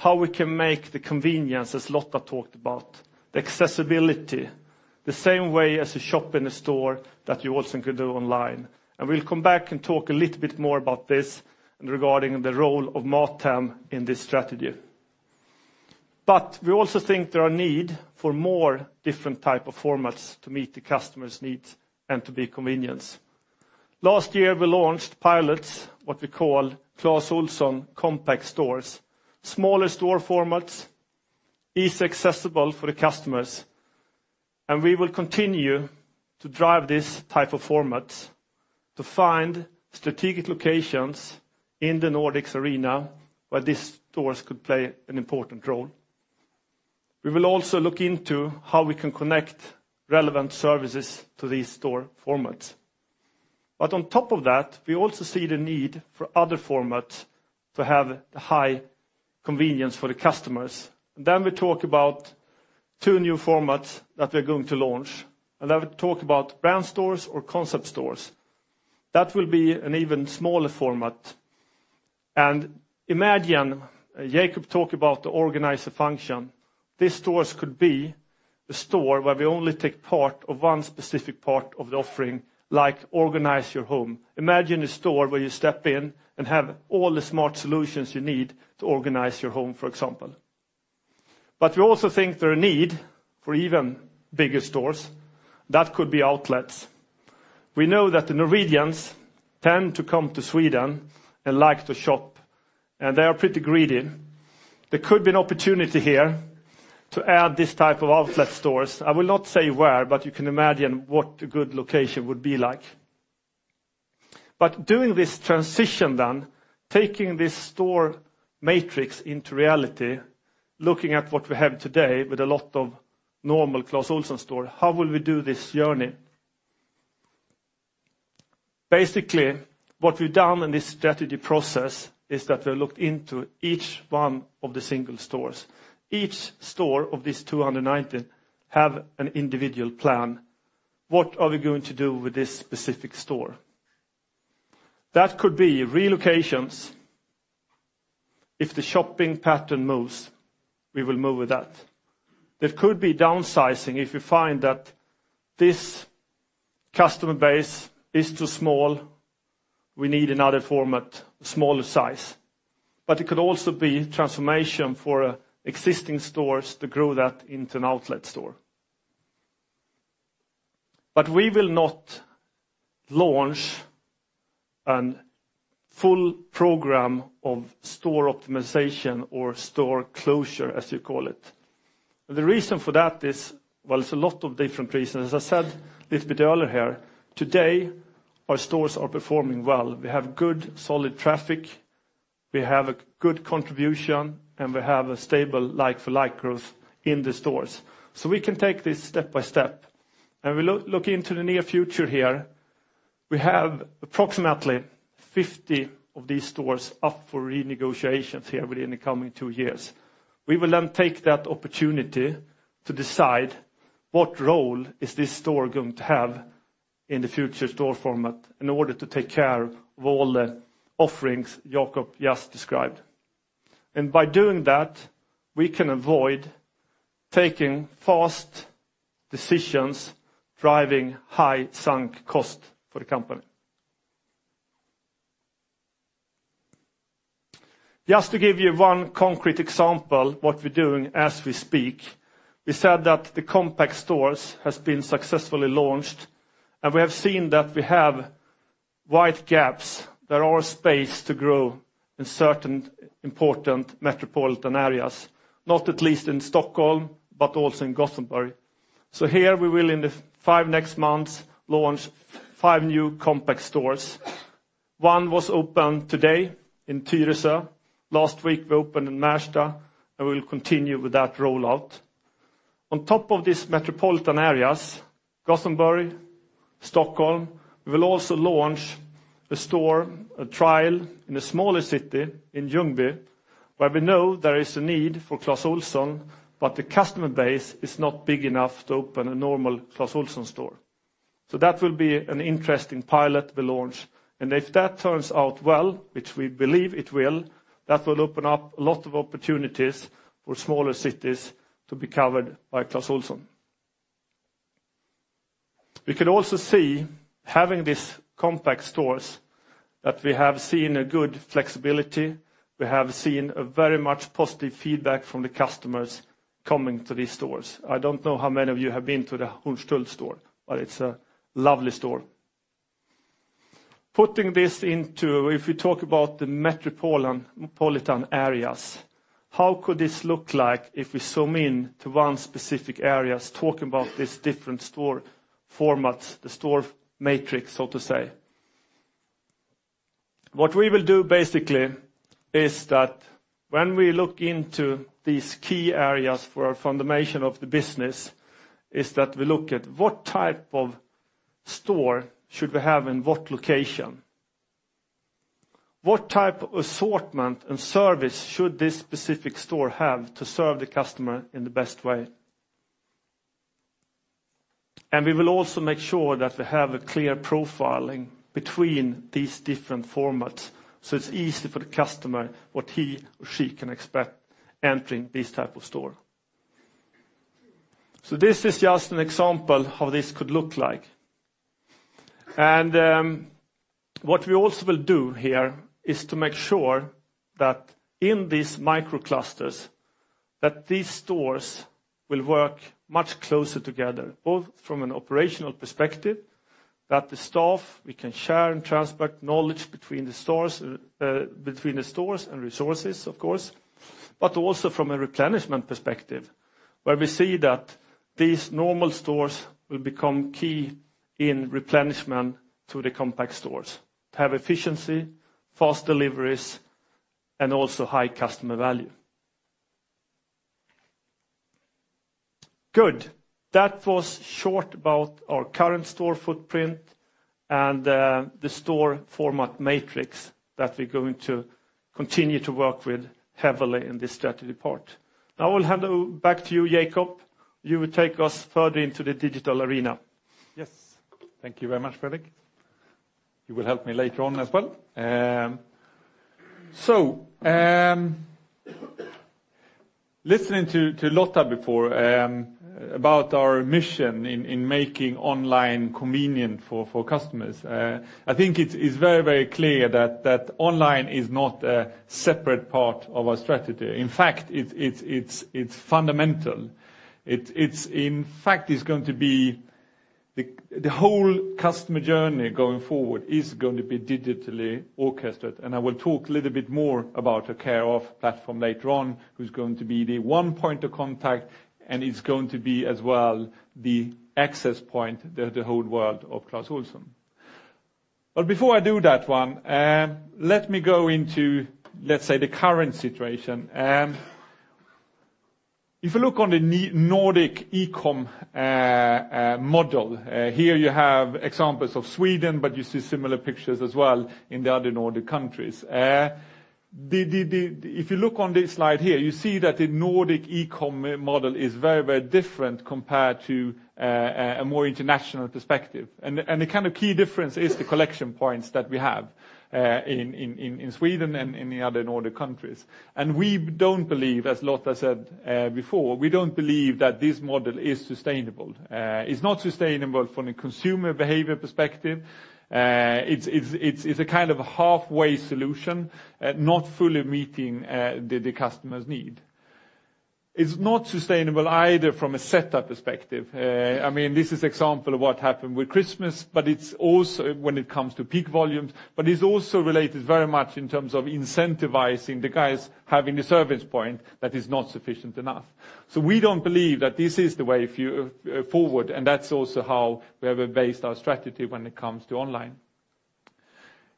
How we can make the convenience, as Lotta Lyrå talked about, the accessibility, the same way as a shop in a store that you also can do online. We'll come back and talk a little bit more about this regarding the role of MatHem in this strategy. We also think there are need for more different type of formats to meet the customer's needs and to be convenience. Last year, we launched pilots, what we call Clas Ohlson Compact Store. Smaller store formats is accessible for the customers, and we will continue to drive this type of formats to find strategic locations in the Nordics arena where these stores could play an important role. We will also look into how we can connect relevant services to these store formats. On top of that, we also see the need for other formats to have the high convenience for the customers. We talk about two new formats that we're going to launch, and I will talk about brand stores or concept stores. That will be an even smaller format. Imagine, Jacob Sten talked about the organizer function. These stores could be the store where we only take part of one specific part of the offering, like organize your home. Imagine a store where you step in and have all the smart solutions you need to organize your home, for example. We also think there is a need for even bigger stores. That could be outlets. We know that the Norwegians tend to come to Sweden and like to shop, and they are pretty greedy. There could be an opportunity here to add this type of outlet stores. I will not say where, but you can imagine what a good location would be like. Doing this transition then, taking this store matrix into reality, looking at what we have today with a lot of normal Clas Ohlson store, how will we do this journey? Basically, what we've done in this strategy process is that we looked into each one of the single stores. Each store of these 290 have an individual plan. What are we going to do with this specific store? That could be relocations. If the shopping pattern moves, we will move with that. It could be downsizing. If we find that this customer base is too small, we need another format, smaller size. It could also be transformation for existing stores to grow that into an outlet store. We will not launch a full program of store optimization or store closure, as you call it. The reason for that is, well, it's a lot of different reasons. As I said a little bit earlier here, today, our stores are performing well. We have good, solid traffic, we have a good contribution, and we have a stable like-for-like growth in the stores. We can take this step by step. We look into the near future here. We have approximately 50 of these stores up for renegotiations here within the coming two years. We will then take that opportunity to decide what role is this store going to have in the future store format in order to take care of all the offerings Jacob just described. By doing that, we can avoid taking fast decisions, driving high sunk cost for the company. Just to give you 1 concrete example, what we're doing as we speak, we said that the compact stores has been successfully launched, and we have seen that we have wide gaps. There are space to grow in certain important metropolitan areas, not at least in Stockholm, but also in Gothenburg. Here we will in the 5 next months, launch 5 new compact stores. 1 was open today in Tyresö. Last week, we opened in Märsta, and we will continue with that rollout. On top of these metropolitan areas, Gothenburg, Stockholm, we will also launch a store, a trial in a smaller city in Ljungby, where we know there is a need for Clas Ohlson, but the customer base is not big enough to open a normal Clas Ohlson store. That will be an interesting pilot we launch. If that turns out well, which we believe it will, that will open up a lot of opportunities for smaller cities to be covered by Clas Ohlson. We can also see, having these Compact Stores, that we have seen a good flexibility, we have seen a very much positive feedback from the customers coming to these stores. I don't know how many of you have been to the Hornstull store, but it's a lovely store. If we talk about the metropolitan areas, how could this look like if we zoom in to one specific areas, talk about these different store formats, the store matrix, so to say? What we will do basically is that when we look into these key areas for our foundation of the business, is that we look at what type of store should we have in what location. What type of assortment and service should this specific store have to serve the customer in the best way? We will also make sure that we have a clear profiling between these different formats, so it's easy for the customer what he or she can expect entering this type of store. So this is just an example of how this could look like. What we also will do here is to make sure that in these microclusters, that these stores will work much closer together, both from an operational perspective, that the staff, we can share and transport knowledge between the stores, between the stores and resources, of course, but also from a replenishment perspective, where we see that these normal stores will become key in replenishment to the compact stores to have efficiency, fast deliveries, and also high customer value. Good. That was short about our current store footprint and the store format matrix that we're going to continue to work with heavily in this strategy part. I will hand back to you, Jacob Sten. You will take us further into the digital arena. Yes. Thank you very much, Fredrik Urbom. You will help me later on as well. Listening to Lotta Lyrå before about our mission in making online convenient for customers. I think it's very clear that online is not a separate part of our strategy. In fact, it's fundamental. It's, in fact, it's going to be the whole customer journey going forward is going to be digitally orchestrated, and I will talk a little bit more about the Care of platform later on. Who's going to be the one point of contact, and it's going to be as well the access point the whole world of Clas Ohlson. Before I do that one, let me go into, let's say, the current situation. If you look on the Nordic eCom model, here you have examples of Sweden, but you see similar pictures as well in the other Nordic countries. If you look on this slide here, you see that the Nordic eCom model is very, very different compared to a more international perspective. The key difference is the collection points that we have in Sweden and in the other Nordic countries. We don't believe, as Lotta Lyrå said, before, we don't believe that this model is sustainable. It's not sustainable from a consumer behavior perspective. It's a halfway solution, not fully meeting the customer's need. It's not sustainable either from a setup perspective. This is example of what happened with Christmas, but it's also when it comes to peak volumes. It's also related very much in terms of incentivizing the guys having the service point that is not sufficient enough. We don't believe that this is the way forward. That's also how we have based our strategy when it comes to online.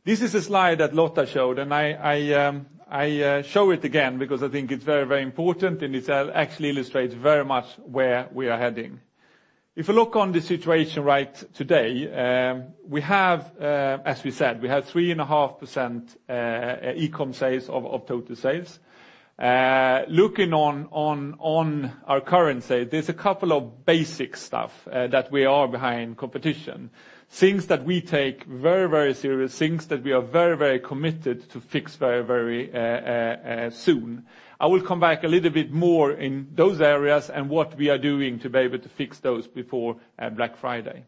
This is a slide that Lotta Lyrå showed, and I show it again because I think it's very, very important, and it actually illustrates very much where we are heading. If you look on the situation right today, we have, as we said, we have 3.5% eCom sales of total sales. Looking on our current sale, there's a couple of basic stuff that we are behind competition. Things that we take very, very serious, things that we are very, very committed to fix very, very soon. I will come back a little bit more in those areas and what we are doing to be able to fix those before Black Friday.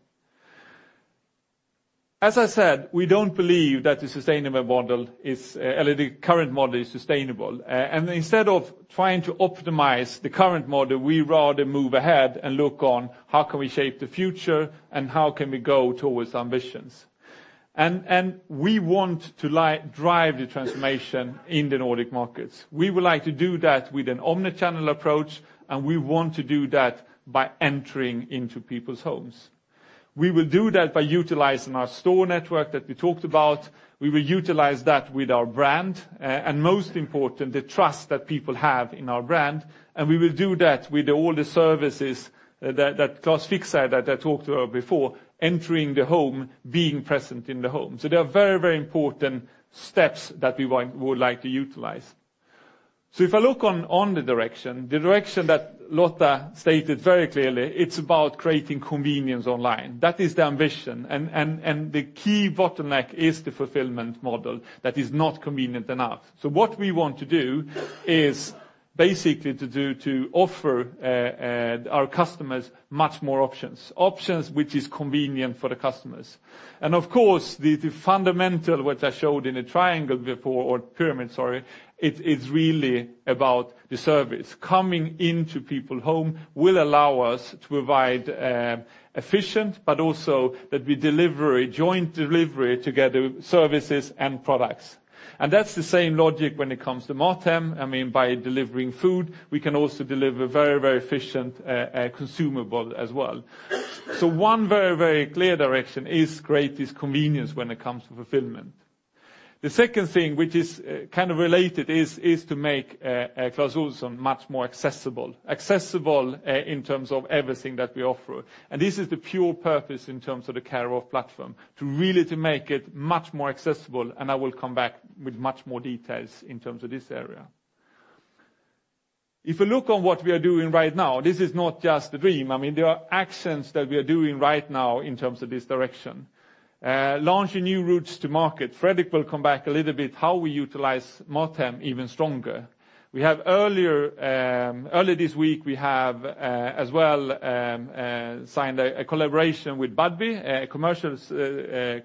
As I said, we don't believe that the sustainable model is, or the current model is sustainable. Instead of trying to optimize the current model, we rather move ahead and look on how can we shape the future and how can we go towards ambitions. We want to drive the transformation in the Nordic markets. We would like to do that with an omni-channel approach, and we want to do that by entering into people's homes. We will do that by utilizing our store network that we talked about. We will utilize that with our brand, and most important, the trust that people have in our brand, and we will do that with all the services that Clas Fixare that I talked about before, entering the home, being present in the home. They are very, very important steps that we would like to utilize. If I look on the direction, the direction that Lotta stated very clearly, it's about creating convenience online. That is the ambition and the key bottleneck is the fulfillment model that is not convenient enough. What we want to do is basically to offer our customers much more options. Options which is convenient for the customers. Of course, the fundamental, which I showed in a triangle before or pyramid, sorry. It is really about the service. Coming into people home will allow us to provide efficient, but also that we delivery, joint delivery together with services and products. That's the same logic when it comes to MatHem, by delivering food, we can also deliver very efficient consumable as well. One very clear direction is create this convenience when it comes to fulfillment. The second thing, which is related, is to make Clas Ohlson much more accessible. Accessible in terms of everything that we offer. This is the pure purpose in terms of the Care of platform, to really to make it much more accessible. I will come back with much more details in terms of this area. If you look on what we are doing right now, this is not just a dream. There are actions that we are doing right now in terms of this direction. Launching new routes to market. Fredrik Urbom will come back a little bit how we utilize MatHem even stronger. We have earlier this week, we have, as well, signed a collaboration with Budbee, a commercial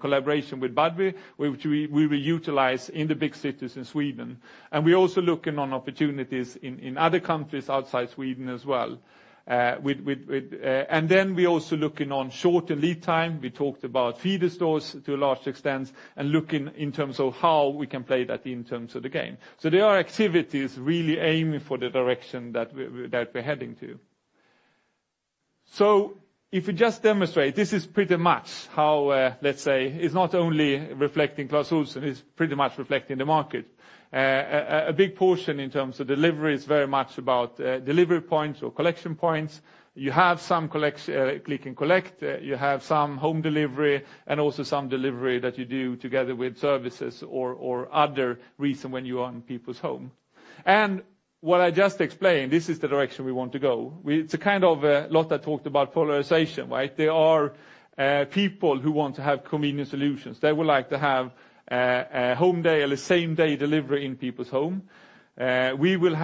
collaboration with Budbee, which we will utilize in the big cities in Sweden. We're also looking on opportunities in other countries outside Sweden as well. We're also looking on shorter lead time. We talked about feeder stores to a large extent and looking in terms of how we can play that in terms of the game. There are activities really aiming for the direction that we're heading to. If you just demonstrate, this is pretty much how, let's say, it's not only reflecting Clas Ohlson, it's pretty much reflecting the market. A big portion in terms of delivery is very much about delivery points or collection points. You have some click and collect, you have some home delivery and also some delivery that you do together with services or other reason when you are in people's home. What I just explained, this is the direction we want to go. It's Lotta Lyrå talked about polarization, right? There are people who want to have convenient solutions. They would like to have a home day or the same day delivery in people's home. It will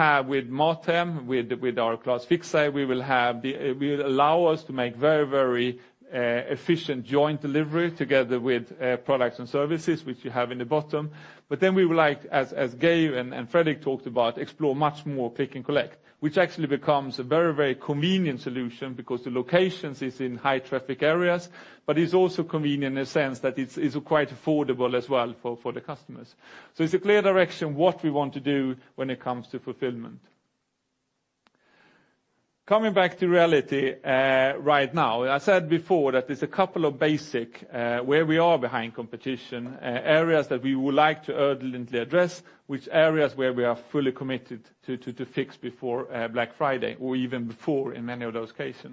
allow us to make very efficient joint delivery together with products and services which you have in the bottom. We would like, as Geir Hoff and Fredrik Urbom talked about, explore much more click and collect, which actually becomes a very convenient solution because the locations is in high traffic areas, but it's also convenient in the sense that it's quite affordable as well for the customers. It's a clear direction what we want to do when it comes to fulfillment. Coming back to reality, right now, I said before that there's a couple of basic where we are behind competition areas that we would like to urgently address, which areas where we are fully committed to fix before Black Friday or even before in many of those cases.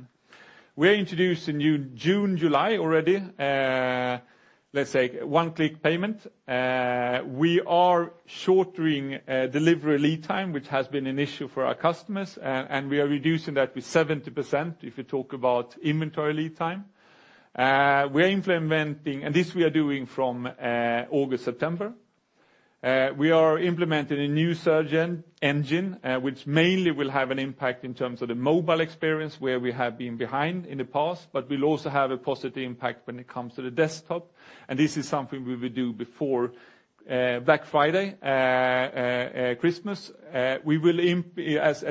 We introduced in new June, July already, let's say one-click payment. We are shortening delivery lead time, which has been an issue for our customers, and we are reducing that with 70% if you talk about inventory lead time. We're implementing. This we are doing from August, September. We are implementing a new engine, which mainly will have an impact in terms of the mobile experience where we have been behind in the past, but will also have a positive impact when it comes to the desktop. This is something we will do before Black Friday, Christmas. As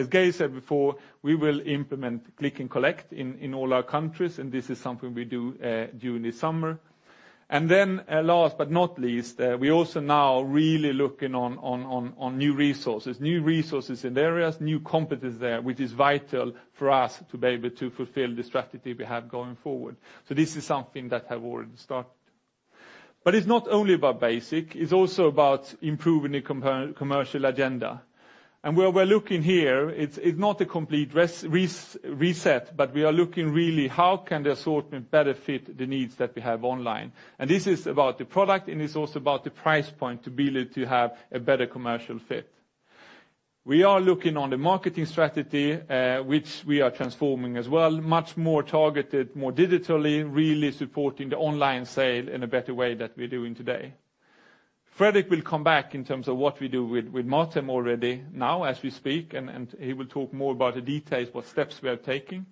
Geir Hoff said before, we will implement click and collect in all our countries, and this is something we do during the summer. Last but not least, we also now really looking on new resources. New resources in areas, new competence there, which is vital for us to be able to fulfill the strategy we have going forward. This is something that have already started. It's not only about basic, it's also about improving the commercial agenda. Where we're looking here, it's not a complete reset, but we are looking really how can the assortment better fit the needs that we have online. This is about the product, and it's also about the price point to be able to have a better commercial fit. We are looking on the marketing strategy, which we are transforming as well, much more targeted, more digitally, really supporting the online sale in a better way that we're doing today. Fredrik Urbom will come back in terms of what we do with MatHem already now as we speak, and he will talk more about the details, what steps we are taking.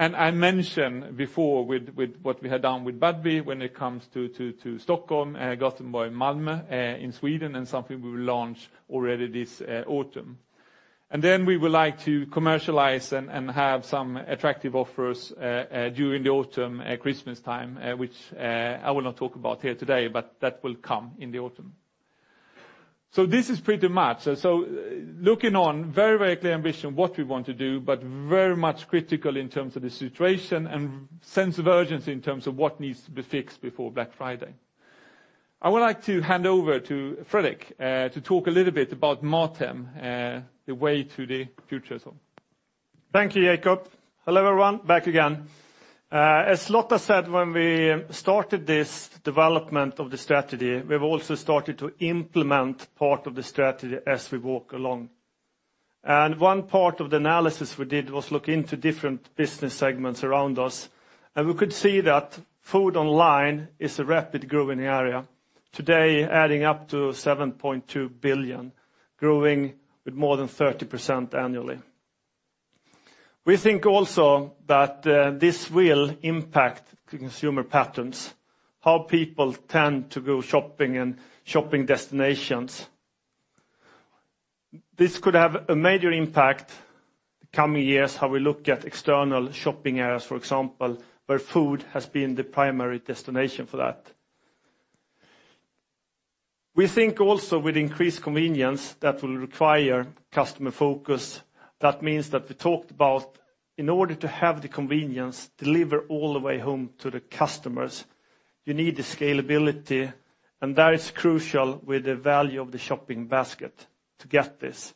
I mentioned before with what we had done with Budbee when it comes to Stockholm, Gothenburg, Malmö, in Sweden, something we will launch already this autumn. We would like to commercialize and have some attractive offers during the autumn at Christmas time, which I will not talk about here today, but that will come in the autumn. This is pretty much. Looking on very clear ambition what we want to do, but very much critical in terms of the situation and sense of urgency in terms of what needs to be fixed before Black Friday. I would like to hand over to Fredrik Urbom to talk a little bit about MatHem, the way to the future. Thank you, Jacob Sten. Hello, everyone. Back again. As Lotta Lyrå said, when we started this development of the strategy, we've also started to implement part of the strategy as we walk along. One part of the analysis we did was look into different business segments around us, and we could see that food online is a rapid growing area, today adding up to 7.2 billion, growing with more than 30% annually. We think also that this will impact consumer patterns, how people tend to go shopping and shopping destinations. This could have a major impact the coming years, how we look at external shopping areas, for example, where food has been the primary destination for that. We think also with increased convenience that will require customer focus. That means that we talked about in order to have the convenience, deliver all the way home to the customers, you need the scalability, and that is crucial with the value of the shopping basket to get this.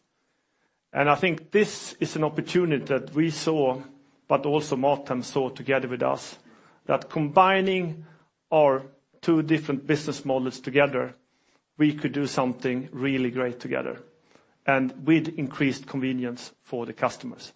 I think this is an opportunity that we saw, but also MatHem saw together with us, that combining our two different business models together, we could do something really great together and with increased convenience for the customers.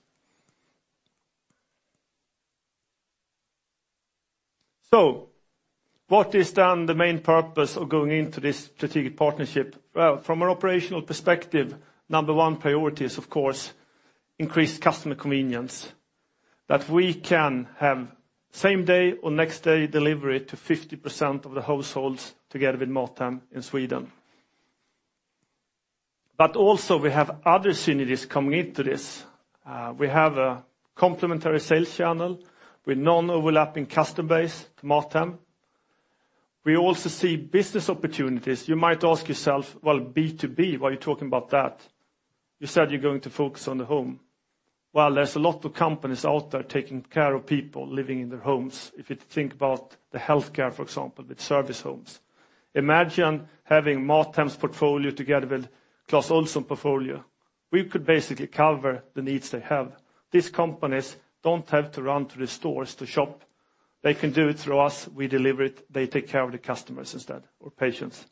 What is then the main purpose of going into this strategic partnership? Well, from an operational perspective, number 1 priority is, of course, increased customer convenience, that we can have same day or next day delivery to 50% of the households together with MatHem in Sweden. Also we have other synergies coming into this. We have a complementary sales channel with non-overlapping customer base, MatHem We also see business opportunities. You might ask yourself, well, B2B, why are you talking about that? You said you're going to focus on the home. Well, there's a lot of companies out there taking care of people living in their homes. If you think about the healthcare, for example, with service homes. Imagine having MatHem's portfolio together with Clas Ohlson portfolio. We could basically cover the needs they have. These companies don't have to run to the stores to shop. They can do it through us. We deliver it. They take care of the customers instead, or patients.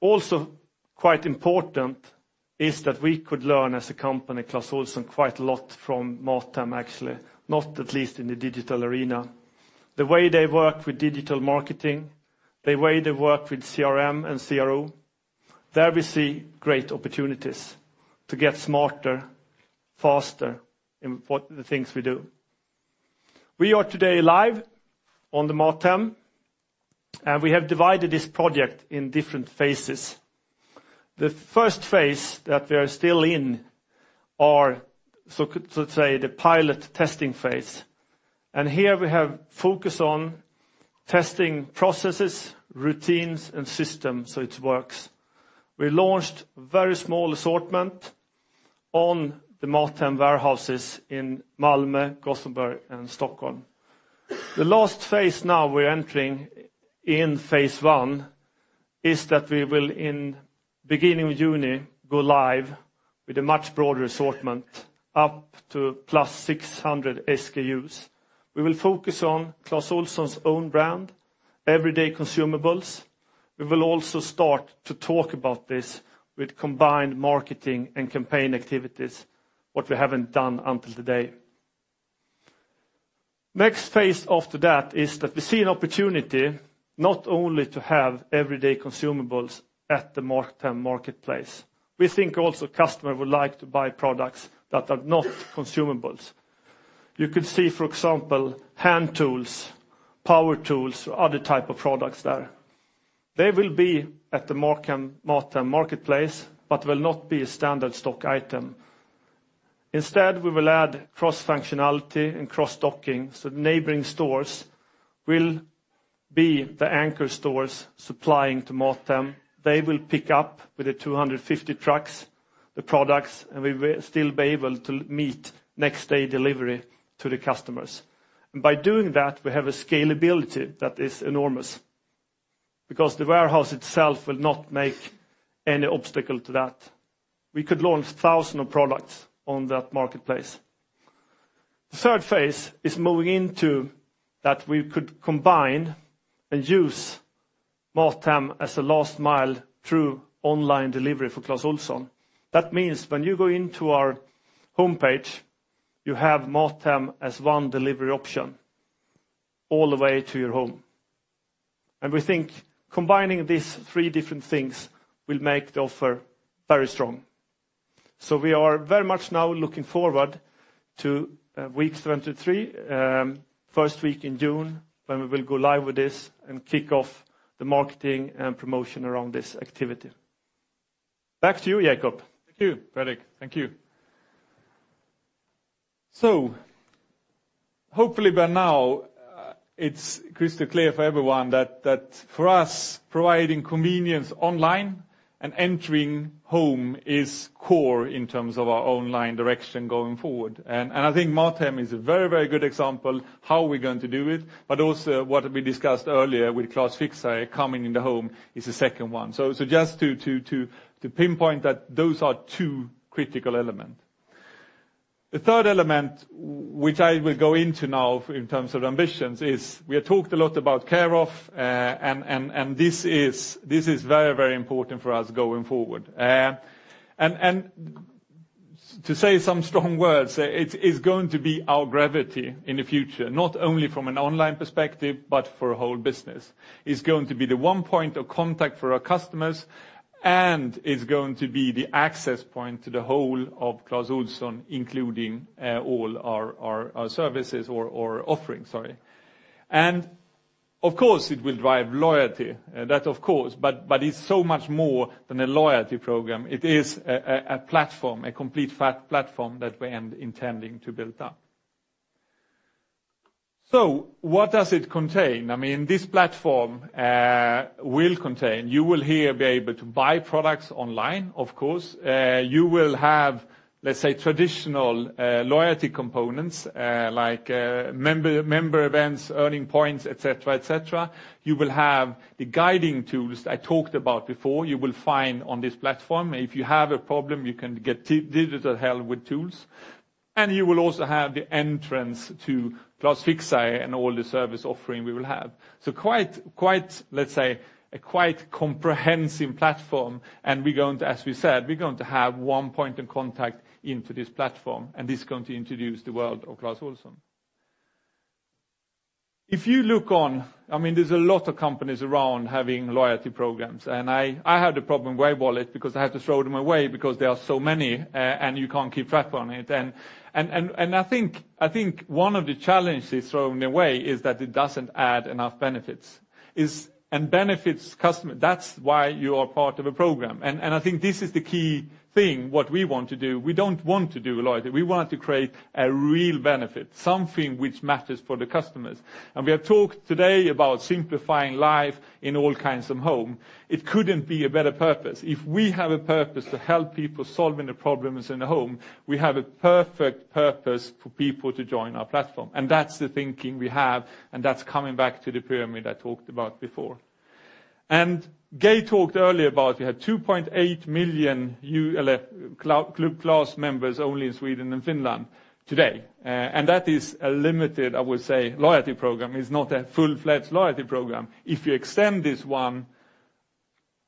Also quite important is that we could learn as a company, Clas Ohlson, quite a lot from MatHem, actually, not at least in the digital arena. The way they work with digital marketing, the way they work with CRM and CRO, there we see great opportunities to get smarter, faster in the things we do. We are today live on the MatHem. We have divided this project in different phases. The first phase that we are still in is, to say, the pilot testing phase. Here we have focus on testing processes, routines and systems so it works. We launched very small assortment on the MatHem warehouses in Malmö, Gothenburg and Stockholm. The last phase now we're entering in phase one is that we will in beginning of June go live with a much broader assortment, up to plus 600 SKUs. We will focus on Clas Ohlson's own brand, everyday consumables. We will also start to talk about this with combined marketing and campaign activities, what we haven't done until today. Next phase after that is that we see an opportunity not only to have everyday consumables at the MatHem marketplace. We think also customer would like to buy products that are not consumables. You could see, for example, hand tools, power tools, or other type of products there. They will be at the MatHem marketplace, but will not be a standard stock item. Instead, we will add cross-functionality and cross-docking, so neighboring stores will be the anchor stores supplying to MatHem. They will pick up with the 250 trucks, the products, and we will still be able to meet next day delivery to the customers. By doing that, we have a scalability that is enormous because the warehouse itself will not make any obstacle to that. We could launch 1,000 of products on that marketplace. The third phase is moving into that we could combine and use MatHem as a last mile through online delivery for Clas Ohlson. That means when you go into our homepage, you have MatHem as one delivery option all the way to your home. We think combining these three different things will make the offer very strong. We are very much now looking forward to weeks 23, first week in June, when we will go live with this and kick off the marketing and promotion around this activity. Back to you, Jacob Sten. Thank you, Fredrik Urbom. Thank you. Hopefully by now, it's crystal clear for everyone that for us, providing convenience online and entering home is core in terms of our online direction going forward. I think MatHem is a very, very good example how we're going to do it, but also what we discussed earlier with Clas Fixare coming in the home is the second one. Just to pinpoint that those are two critical element. The third element which I will go into now in terms of ambitions is we have talked a lot about Care of, and this is very important for us going forward. To say some strong words, it is going to be our gravity in the future, not only from an online perspective, but for a whole business. It's going to be the one point of contact for our customers, and it's going to be the access point to the whole of Clas Ohlson, including all our services or offerings, sorry. Of course, it will drive loyalty. That of course, but it's so much more than a loyalty program. It is a platform, a complete platform that we're intending to build up. What does it contain? This platform will contain. You will here be able to buy products online, of course. You will have, let's say, traditional loyalty components, like member events, earning points, et cetera, et cetera. You will have the guiding tools I talked about before you will find on this platform. If you have a problem, you can get digital help with tools. You will also have the entrance to Clas Fixare and all the service offering we will have. Quite, let's say, a quite comprehensive platform. We're going to, as we said, we're going to have one point of contact into this platform, and it's going to introduce the world of Clas Ohlson. If you look on, there's a lot of companies around having loyalty programs, I have the problem with wallet because I have to throw them away because there are so many, and you can't keep track on it. I think one of the challenges throwing away is that it doesn't add enough benefits. Benefits customer, that's why you are part of a program. I think this is the key thing, what we want to do. We don't want to do loyalty. We want to create a real benefit, something which matters for the customers. We have talked today about simplifying life in all kinds of home. It couldn't be a better purpose. If we have a purpose to help people solving the problems in the home, we have a perfect purpose for people to join our platform. That's the thinking we have, and that's coming back to the pyramid I talked about before. Geir talked earlier about we had 2.8 million Club Clas members only in Sweden and Finland today. That is a limited, I would say, loyalty program. It's not a full-fledged loyalty program. If you extend this one,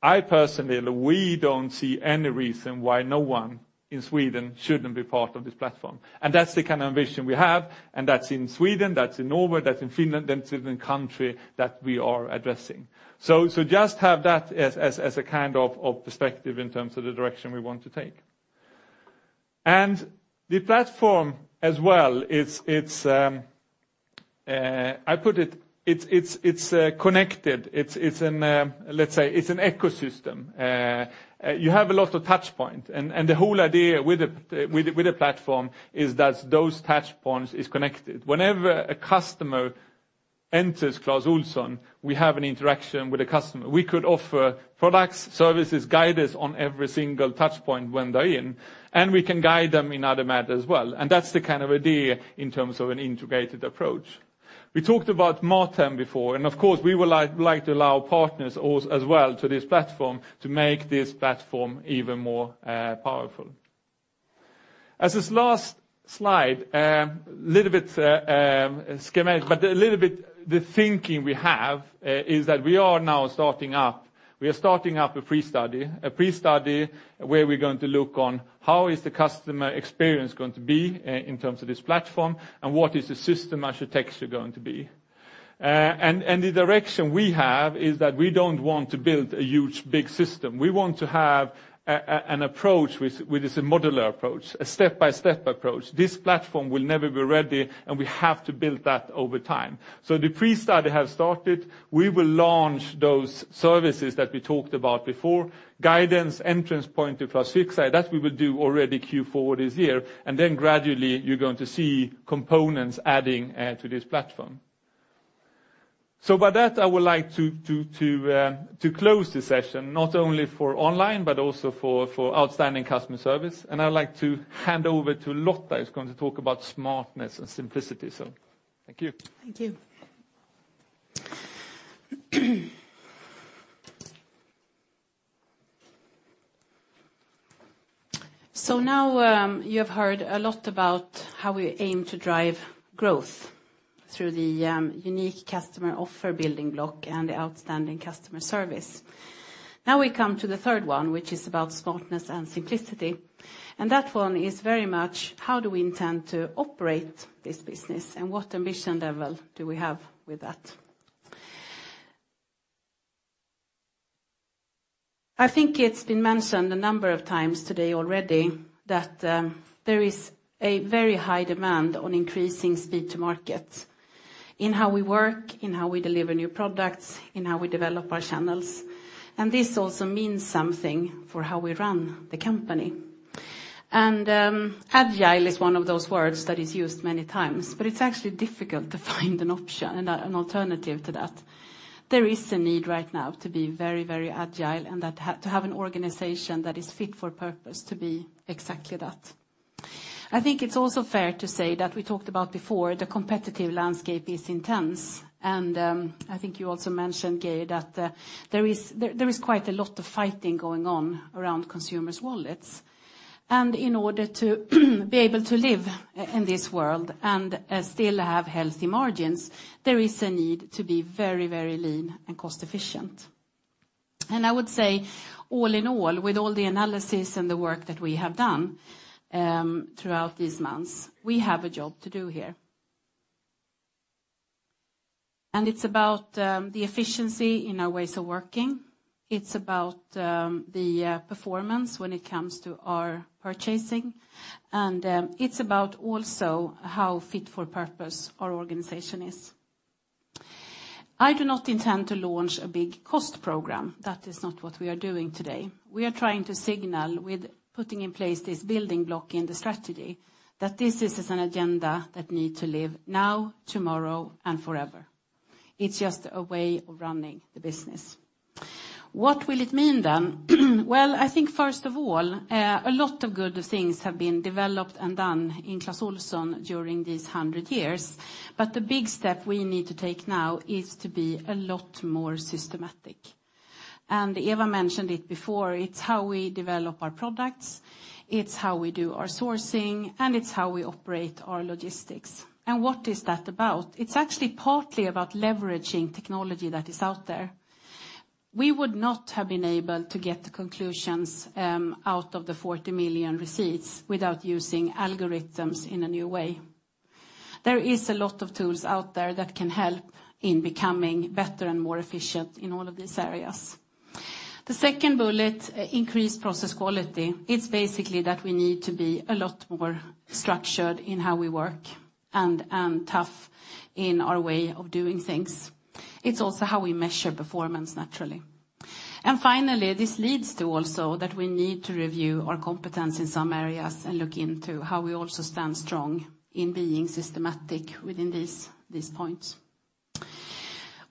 I personally, we don't see any reason why no one in Sweden shouldn't be part of this platform. That's the ambition we have, and that's in Sweden, that's in Norway, that's in Finland, that's in the country that we are addressing. Just have that as a perspective in terms of the direction we want to take. The platform as well, I put it's connected. It's an, let's say, it's an ecosystem. You have a lot of touch points. The whole idea with the platform is that those touch points is connected. Whenever a customer enters Clas Ohlson, we have an interaction with the customer. We could offer products, services, guidance on every single touch point when they're in, and we can guide them in other matters as well. That's the idea in terms of an integrated approach. We talked about MatHem before, of course, we would like to allow partners as well to this platform to make this platform even more powerful. This last slide, little bit schematic, but a little bit the thinking we have, is that we are now starting up. We are starting up a pre-study where we're going to look on how is the customer experience going to be in terms of this platform and what is the system architecture going to be. The direction we have is that we don't want to build a huge, big system. We want to have an approach which is a modular approach, a step-by-step approach. This platform will never be ready, and we have to build that over time. The pre-study has started. We will launch those services that we talked about before, guidance, entrance point to Clas Fixare. That we will do already Q4 this year. Gradually, you're going to see components adding to this platform. By that, I would like to close the session, not only for online, but also for outstanding customer service. I'd like to hand over to Lotta Lyrå, who's going to talk about smartness and simplicity. Thank you. Thank you. Now, you have heard a lot about how we aim to drive growth through the unique customer offer building block and outstanding customer service. Now we come to the third one, which is about smartness and simplicity. That one is very much how do we intend to operate this business and what ambition level do we have with that? I think it's been mentioned a number of times today already that there is a very high demand on increasing speed to market in how we work, in how we deliver new products, in how we develop our channels. This also means something for how we run the company. Agile is one of those words that is used many times, but it's actually difficult to find an option and an alternative to that. There is a need right now to be very, very agile and to have an organization that is fit for purpose to be exactly that. I think it's also fair to say that we talked about before, the competitive landscape is intense. I think you also mentioned, Geir Hoff, that there is quite a lot of fighting going on around consumers' wallets. In order to be able to live in this world and still have healthy margins, there is a need to be very, very lean and cost efficient. I would say all in all, with all the analysis and the work that we have done, throughout these months, we have a job to do here. It's about the efficiency in our ways of working. It's about the performance when it comes to our purchasing. It's about also how fit for purpose our organization is. I do not intend to launch a big cost program. That is not what we are doing today. We are trying to signal with putting in place this building block in the strategy that this is an agenda that need to live now, tomorrow, and forever. It's just a way of running the business. What will it mean then? Well, I think first of all, a lot of good things have been developed and done in Clas Ohlson during these 100 years. The big step we need to take now is to be a lot more systematic. Eva Berg mentioned it before, it's how we develop our products, it's how we do our sourcing, and it's how we operate our logistics. What is that about? It's actually partly about leveraging technology that is out there. We would not have been able to get the conclusions out of the 40 million receipts without using algorithms in a new way. There is a lot of tools out there that can help in becoming better and more efficient in all of these areas. The second bullet, increase process quality, it's basically that we need to be a lot more structured in how we work and tough in our way of doing things. It's also how we measure performance naturally. Finally, this leads to also that we need to review our competence in some areas and look into how we also stand strong in being systematic within these points.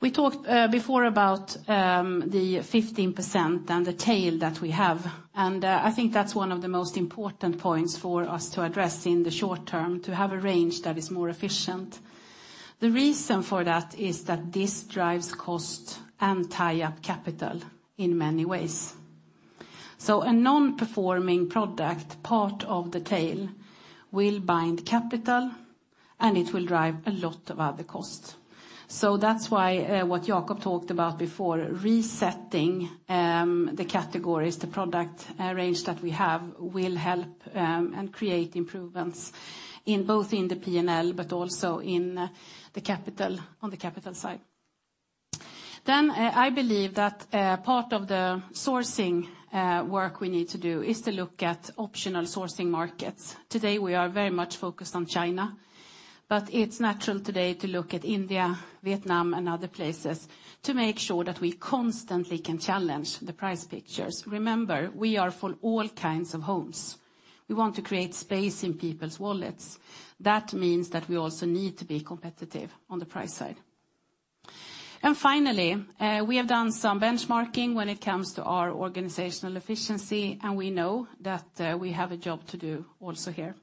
We talked before about the 15% and the tail that we have, and I think that's one of the most important points for us to address in the short term to have a range that is more efficient. The reason for that is that this drives cost and tie up capital in many ways. A non-performing product, part of the tail, will bind capital, and it will drive a lot of other costs. That's why what Jacob Sten talked about before, resetting the categories, the product range that we have, will help and create improvements in both in the P&L but also on the capital side. I believe that part of the sourcing work we need to do is to look at optional sourcing markets. Today, we are very much focused on China, but it's natural today to look at India, Vietnam, and other places to make sure that we constantly can challenge the price pictures. Remember, we are for all kinds of homes. We want to create space in people's wallets. That means that we also need to be competitive on the price side. Finally, we have done some benchmarking when it comes to our organizational efficiency, and we know that we have a job to do also here.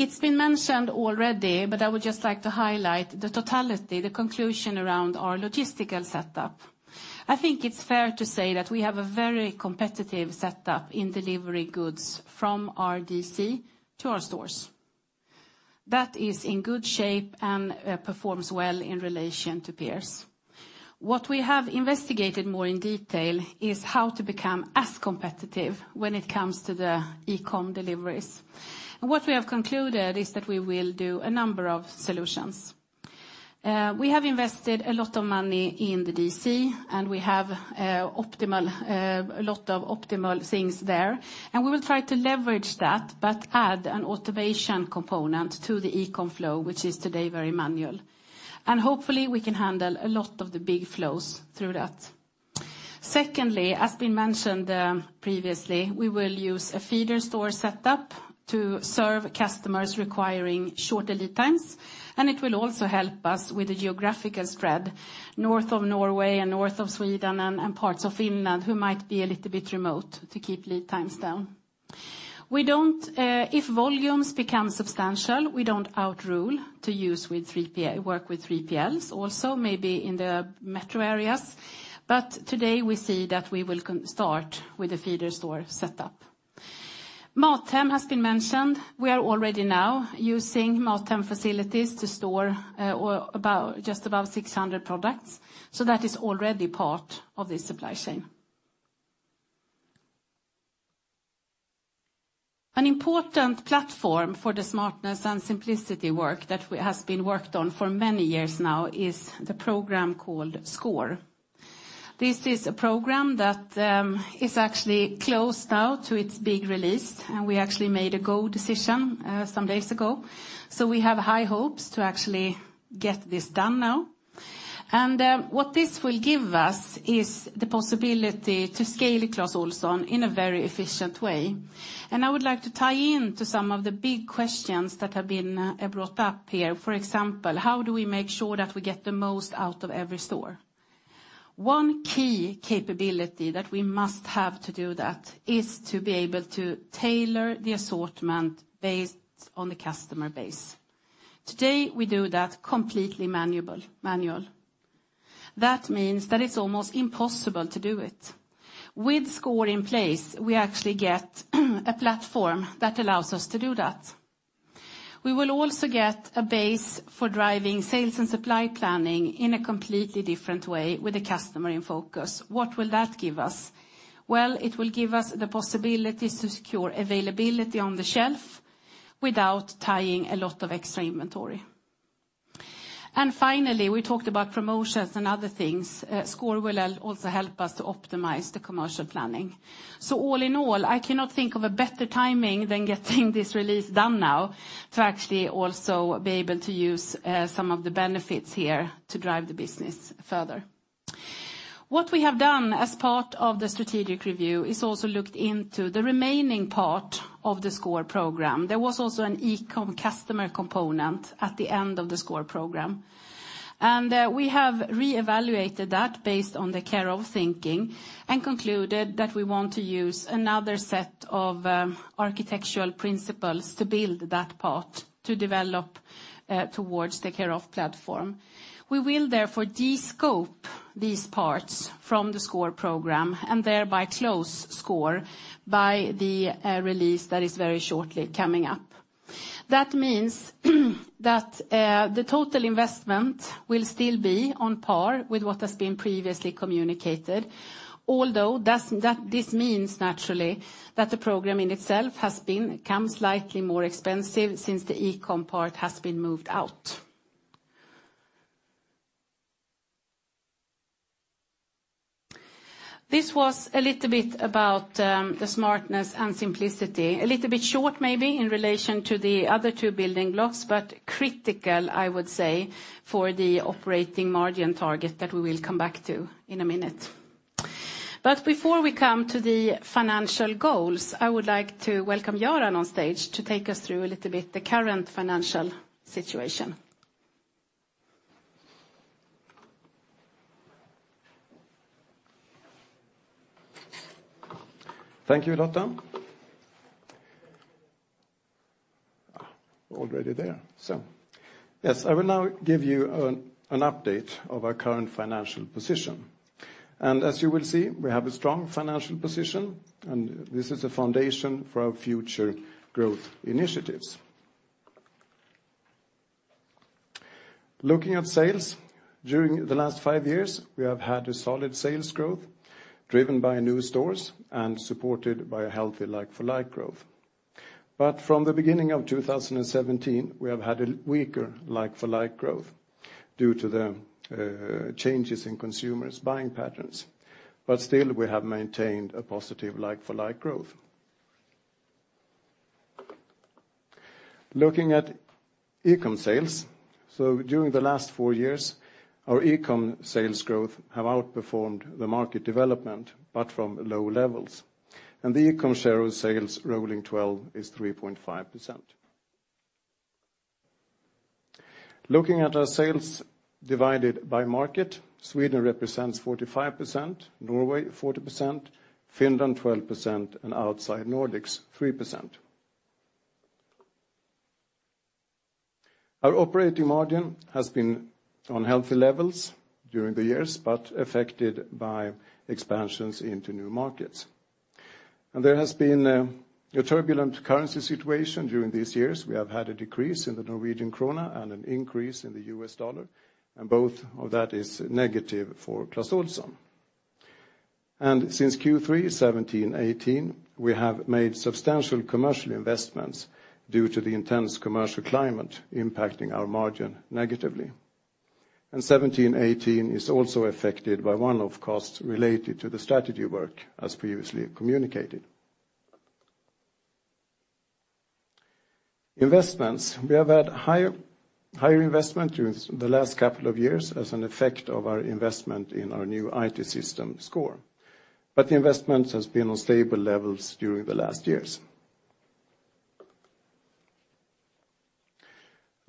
It's been mentioned already, but I would just like to highlight the totality, the conclusion around our logistical setup. I think it's fair to say that we have a very competitive setup in delivering goods from our DC to our stores. That is in good shape and performs well in relation to peers. What we have investigated more in detail is how to become as competitive when it comes to the e-com deliveries. What we have concluded is that we will do a number of solutions. We have invested a lot of money in the DC, and we have optimal, lot of optimal things there. We will try to leverage that but add an automation component to the e-com flow, which is today very manual. Hopefully we can handle a lot of the big flows through that. Secondly, as been mentioned, previously, we will use a feeder store setup to serve customers requiring short lead times, and it will also help us with the geographical spread north of Norway and north of Sweden and parts of Finland who might be a little bit remote to keep lead times down. We don't, if volumes become substantial, we don't outrule to use with 3PL, work with 3PLs also, maybe in the metro areas. Today we see that we will start with the feeder store setup. MatHem has been mentioned. We are already now using MatHem facilities to store, or about, just about 600 products, so that is already part of the supply chain. An important platform for the smartness and simplicity work that has been worked on for many years now is the program called SCORE. This is a program that is actually closed now to its big release, we actually made a go decision some days ago. We have high hopes to actually get this done now. What this will give us is the possibility to scale Clas Ohlson in a very efficient way. I would like to tie in to some of the big questions that have been brought up here. For example, how do we make sure that we get the most out of every store? One key capability that we must have to do that is to be able to tailor the assortment based on the customer base. Today, we do that completely manual. That means that it's almost impossible to do it. With SCORE in place, we actually get a platform that allows us to do that. We will also get a base for driving sales and supply planning in a completely different way with the customer in focus. What will that give us? Well, it will give us the possibility to secure availability on the shelf without tying a lot of extra inventory. Finally, we talked about promotions and other things. SCORE will also help us to optimize the commercial planning. All in all, I cannot think of a better timing than getting this release done now to actually also be able to use some of the benefits here to drive the business further. What we have done as part of the strategic review is also looked into the remaining part of the SCORE program. There was also an e-com customer component at the end of the SCORE program. We have reevaluated that based on the Care of thinking and concluded that we want to use another set of architectural principles to build that part to develop towards the Care of platform. We will therefore descope these parts from the SCORE program and thereby close SCORE by the release that is very shortly coming up. That means that the total investment will still be on par with what has been previously communicated. This means naturally that the program in itself has become slightly more expensive since the e-com part has been moved out. This was a little bit about the smartness and simplicity. A little bit short maybe in relation to the other two building blocks, but critical, I would say, for the operating margin target that we will come back to in a minute. Before we come to the financial goals, I would like to welcome Göran Melin on stage to take us through a little bit the current financial situation. Thank you, Lotta Lyrå. Already there. Yes, I will now give you an update of our current financial position. As you will see, we have a strong financial position, and this is a foundation for our future growth initiatives. Looking at sales, during the last 5 years, we have had a solid sales growth driven by new stores and supported by a healthy like-for-like growth. From the beginning of 2017, we have had a weaker like-for-like growth due to the changes in consumers' buying patterns. Still, we have maintained a positive like-for-like growth. Looking at e-com sales, during the last 4 years, our e-com sales growth have outperformed the market development, but from low levels. The e-com share of sales rolling twelve is 3.5%. Looking at our sales divided by market, Sweden represents 45%, Norway 40%, Finland 12%, outside Nordics 3%. Our operating margin has been on healthy levels during the years, but affected by expansions into new markets. There has been a turbulent currency situation during these years. We have had a decrease in the Norwegian krone and an increase in the US dollar, and both of that is negative for Clas Ohlson. Since Q3 2017-2018, we have made substantial commercial investments due to the intense commercial climate impacting our margin negatively. 2017-2018 is also affected by one-off costs related to the strategy work as previously communicated. Investments. We have had higher investment during the last couple of years as an effect of our investment in our new IT system SCORE. The investment has been on stable levels during the last years.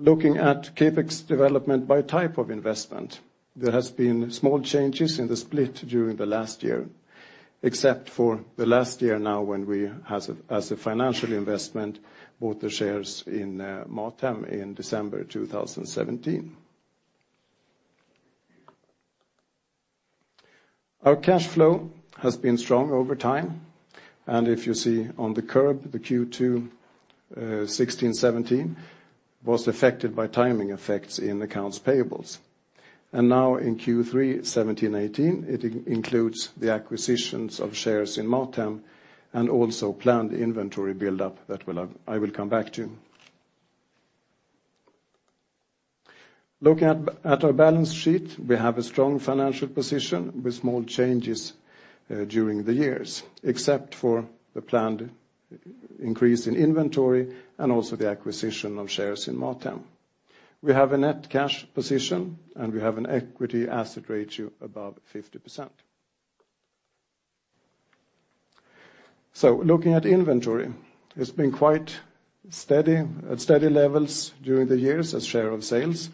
Looking at CapEx development by type of investment, there has been small changes in the split during the last year, except for the last year now when we, as a financial investment, bought the shares in MatHem in December 2017. Our cash flow has been strong over time, and if you see on the curve, the Q2 2016, 2017 was affected by timing effects in accounts payables. Now in Q3 2017, 2018, it includes the acquisitions of shares in MatHem and also planned inventory buildup that I will come back to. Looking at our balance sheet, we have a strong financial position with small changes during the years, except for the planned increase in inventory and also the acquisition of shares in MatHem. We have a net cash position, and we have an equity asset ratio above 50%. Looking at inventory, it's been quite steady, at steady levels during the years as share of sales,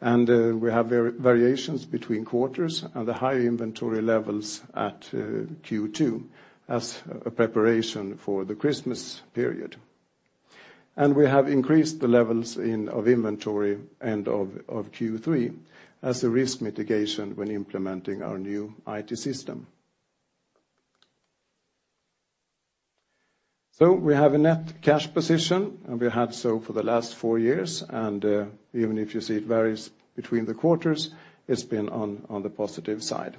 and we have variations between quarters and the high inventory levels at Q2 as a preparation for the Christmas period. We have increased the levels of inventory end of Q3 as a risk mitigation when implementing our new IT system. We have a net cash position, and we have so for the last four years, and even if you see it varies between the quarters, it's been on the positive side.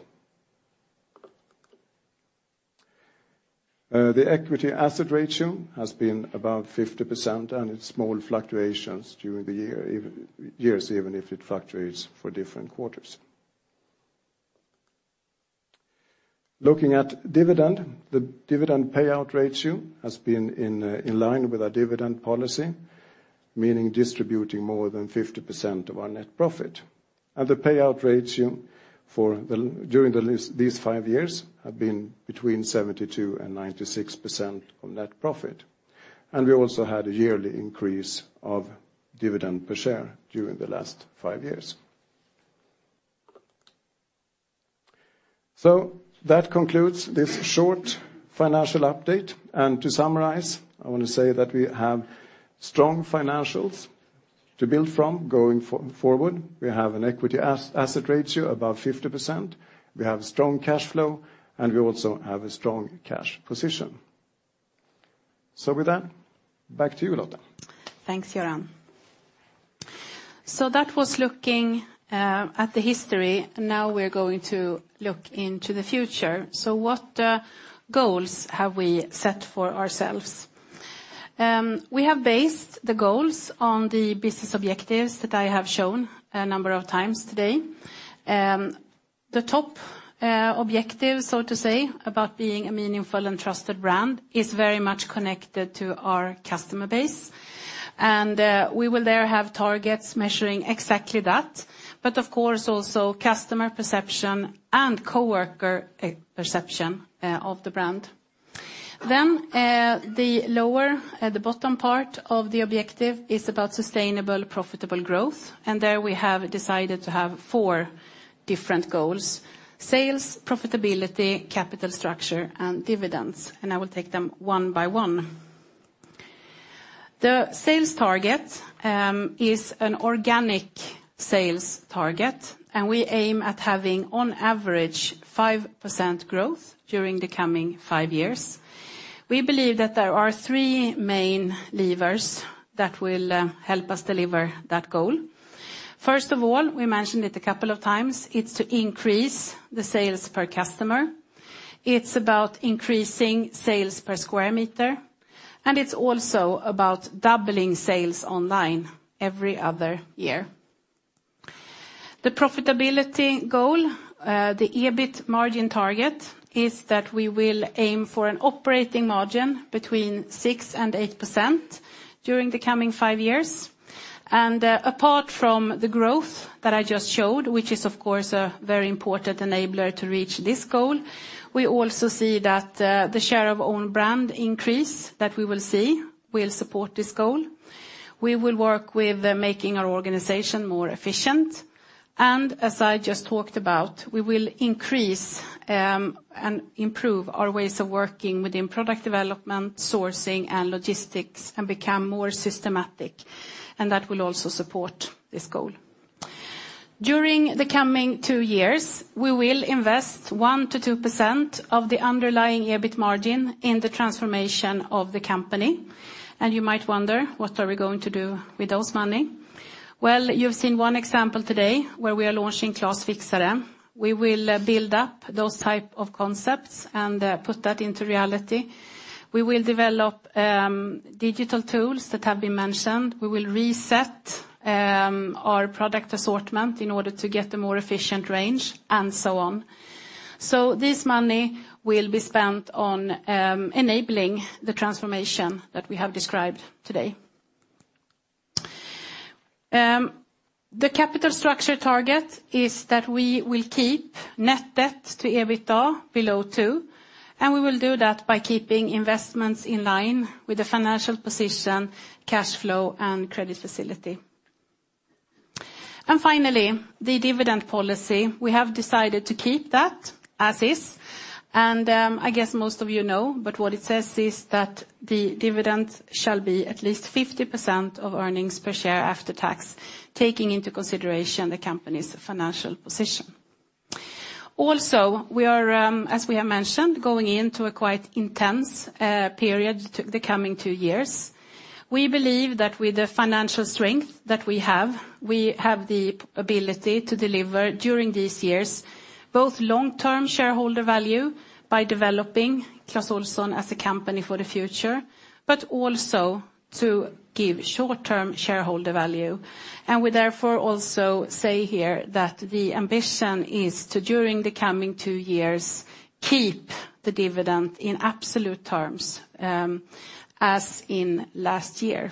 The equity asset ratio has been about 50%, and it's small fluctuations during the years even if it fluctuates for different quarters. Looking at dividend, the dividend payout ratio has been in line with our dividend policy, meaning distributing more than 50% of our net profit. The payout ratio during these 5 years have been between 72% and 96% of net profit. We also had a yearly increase of dividend per share during the last 5 years. That concludes this short financial update. To summarize, I want to say that we have strong financials to build from going forward, we have an equity asset ratio above 50%, we have strong cash flow, and we also have a strong cash position. With that, back to you, Lotta Lyrå. Thanks, Göran Melin. That was looking at the history. Now we're going to look into the future. What goals have we set for ourselves? We have based the goals on the business objectives that I have shown a number of times today. The top objective, so to say, about being a meaningful and trusted brand is very much connected to our customer base. We will there have targets measuring exactly that, but of course, also customer perception and coworker e-perception of the brand. The lower, the bottom part of the objective is about sustainable, profitable growth, and there we have decided to have 4 different goals: sales, profitability, capital structure, and dividends. I will take them 1 by 1. The sales target is an organic sales target. We aim at having on average 5% growth during the coming 5 years. We believe that there are 3 main levers that will help us deliver that goal. First of all, we mentioned it a couple of times, it's to increase the sales per customer. It's about increasing sales per square meter. It's also about doubling sales online every other year. The profitability goal, the EBIT margin target, is that we will aim for an operating margin between 6%-8% during the coming 5 years. Apart from the growth that I just showed, which is, of course, a very important enabler to reach this goal, we also see that the share of own brand increase that we will see will support this goal. We will work with making our organization more efficient. As I just talked about, we will increase and improve our ways of working within product development, sourcing, and logistics, and become more systematic, and that will also support this goal. During the coming two years, we will invest 1%-2% of the underlying EBIT margin in the transformation of the company. You might wonder, what are we going to do with those money? Well, you've seen one example today where we are launching Clas Fixare. We will build up those type of concepts and put that into reality. We will develop digital tools that have been mentioned. We will reset our product assortment in order to get a more efficient range, and so on. This money will be spent on enabling the transformation that we have described today. The capital structure target is that we will keep net debt to EBITDA below 2, and we will do that by keeping investments in line with the financial position, cash flow, and credit facility. Finally, the dividend policy. I guess most of you know, but what it says is that the dividend shall be at least 50% of earnings per share after tax, taking into consideration the company's financial position. We are, as we have mentioned, going into a quite intense period the coming 2 years. We believe that with the financial strength that we have, we have the ability to deliver during these years, both long-term shareholder value by developing Clas Ohlson as a company for the future, but also to give short-term shareholder value. We therefore also say here that the ambition is to, during the coming two years, keep the dividend in absolute terms, as in last year,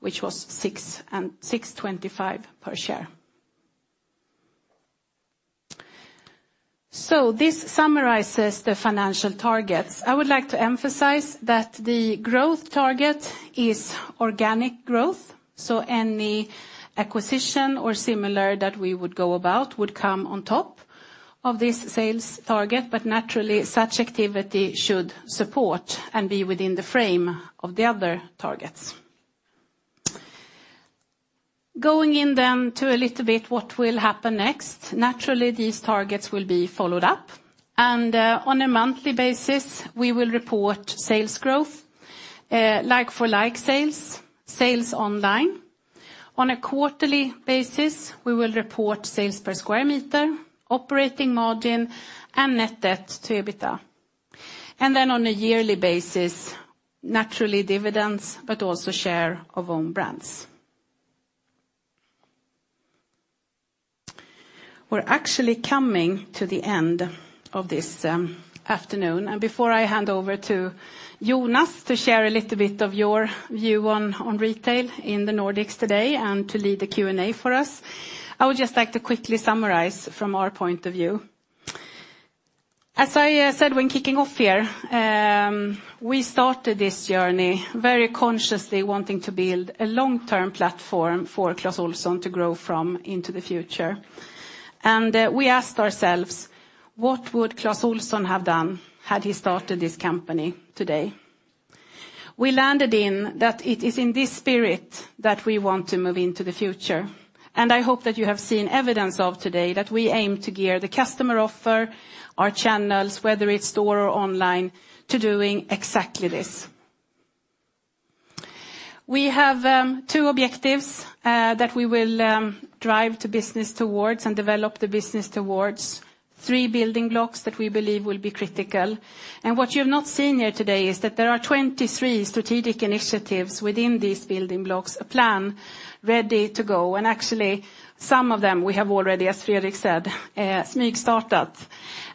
which was 6.25 per share. This summarizes the financial targets. I would like to emphasize that the growth target is organic growth, so any acquisition or similar that we would go about would come on top of this sales target, but naturally, such activity should support and be within the frame of the other targets. Going in then to a little bit what will happen next. Naturally, these targets will be followed up, and on a monthly basis, we will report sales growth, like-for-like sales online. On a quarterly basis, we will report sales per square meter, operating margin, and net debt to EBITDA. Then on a yearly basis, naturally dividends, but also share of own brands. We're actually coming to the end of this afternoon. Before I hand over to Jonas to share a little bit of your view on retail in the Nordics today and to lead the Q&A for us, I would just like to quickly summarize from our point of view. As I said when kicking off here, we started this journey very consciously wanting to build a long-term platform for Clas Ohlson to grow from into the future. We asked ourselves, what would Clas Ohlson have done had he started this company today? We landed in that it is in this spirit that we want to move into the future. I hope that you have seen evidence of today that we aim to gear the customer offer, our channels, whether it's store or online, to doing exactly this. We have 2 objectives that we will drive the business towards and develop the business towards, 3 building blocks that we believe will be critical. What you've not seen here today is that there are 23 strategic initiatives within these building blocks, a plan ready to go. Actually, some of them we have already, as Fredrik Urbom said, started.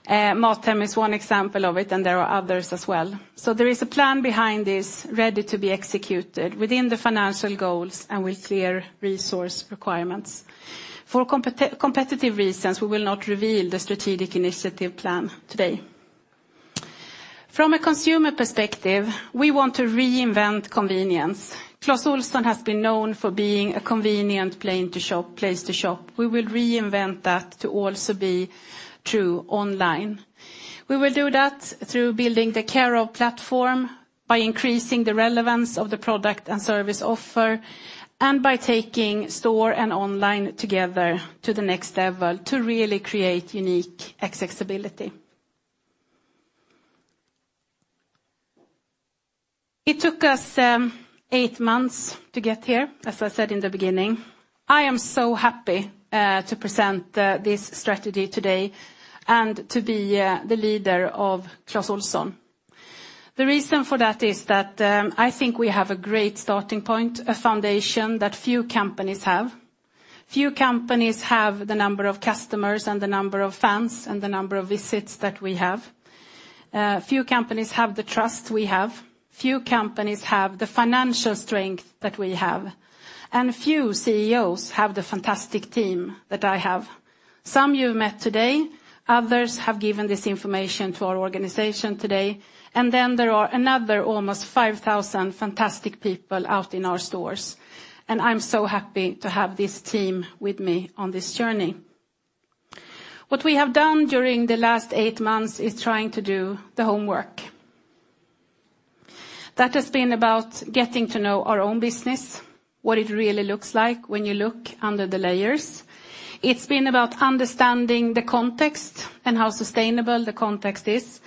MatHem is one example of it, and there are others as well. There is a plan behind this ready to be executed within the financial goals and with clear resource requirements. For competitive reasons, we will not reveal the strategic initiative plan today. From a consumer perspective, we want to reinvent convenience. Clas Ohlson has been known for being a convenient place to shop. We will reinvent that to also be true online. We will do that through building the Care of platform by increasing the relevance of the product and service offer, by taking store and online together to the next level to really create unique accessibility. It took us 8 months to get here, as I said in the beginning. I am so happy to present this strategy today and to be the leader of Clas Ohlson. The reason for that is that I think we have a great starting point, a foundation that few companies have. Few companies have the number of customers and the number of fans and the number of visits that we have. Few companies have the trust we have. Few companies have the financial strength that we have. Few CEOs have the fantastic team that I have. Some you've met today, others have given this information to our organization today. There are another almost 5,000 fantastic people out in our stores. I'm so happy to have this team with me on this journey. What we have done during the last 8 months is trying to do the homework. That has been about getting to know our own business, what it really looks like when you look under the layers. It's been about understanding the context and how sustainable the context is.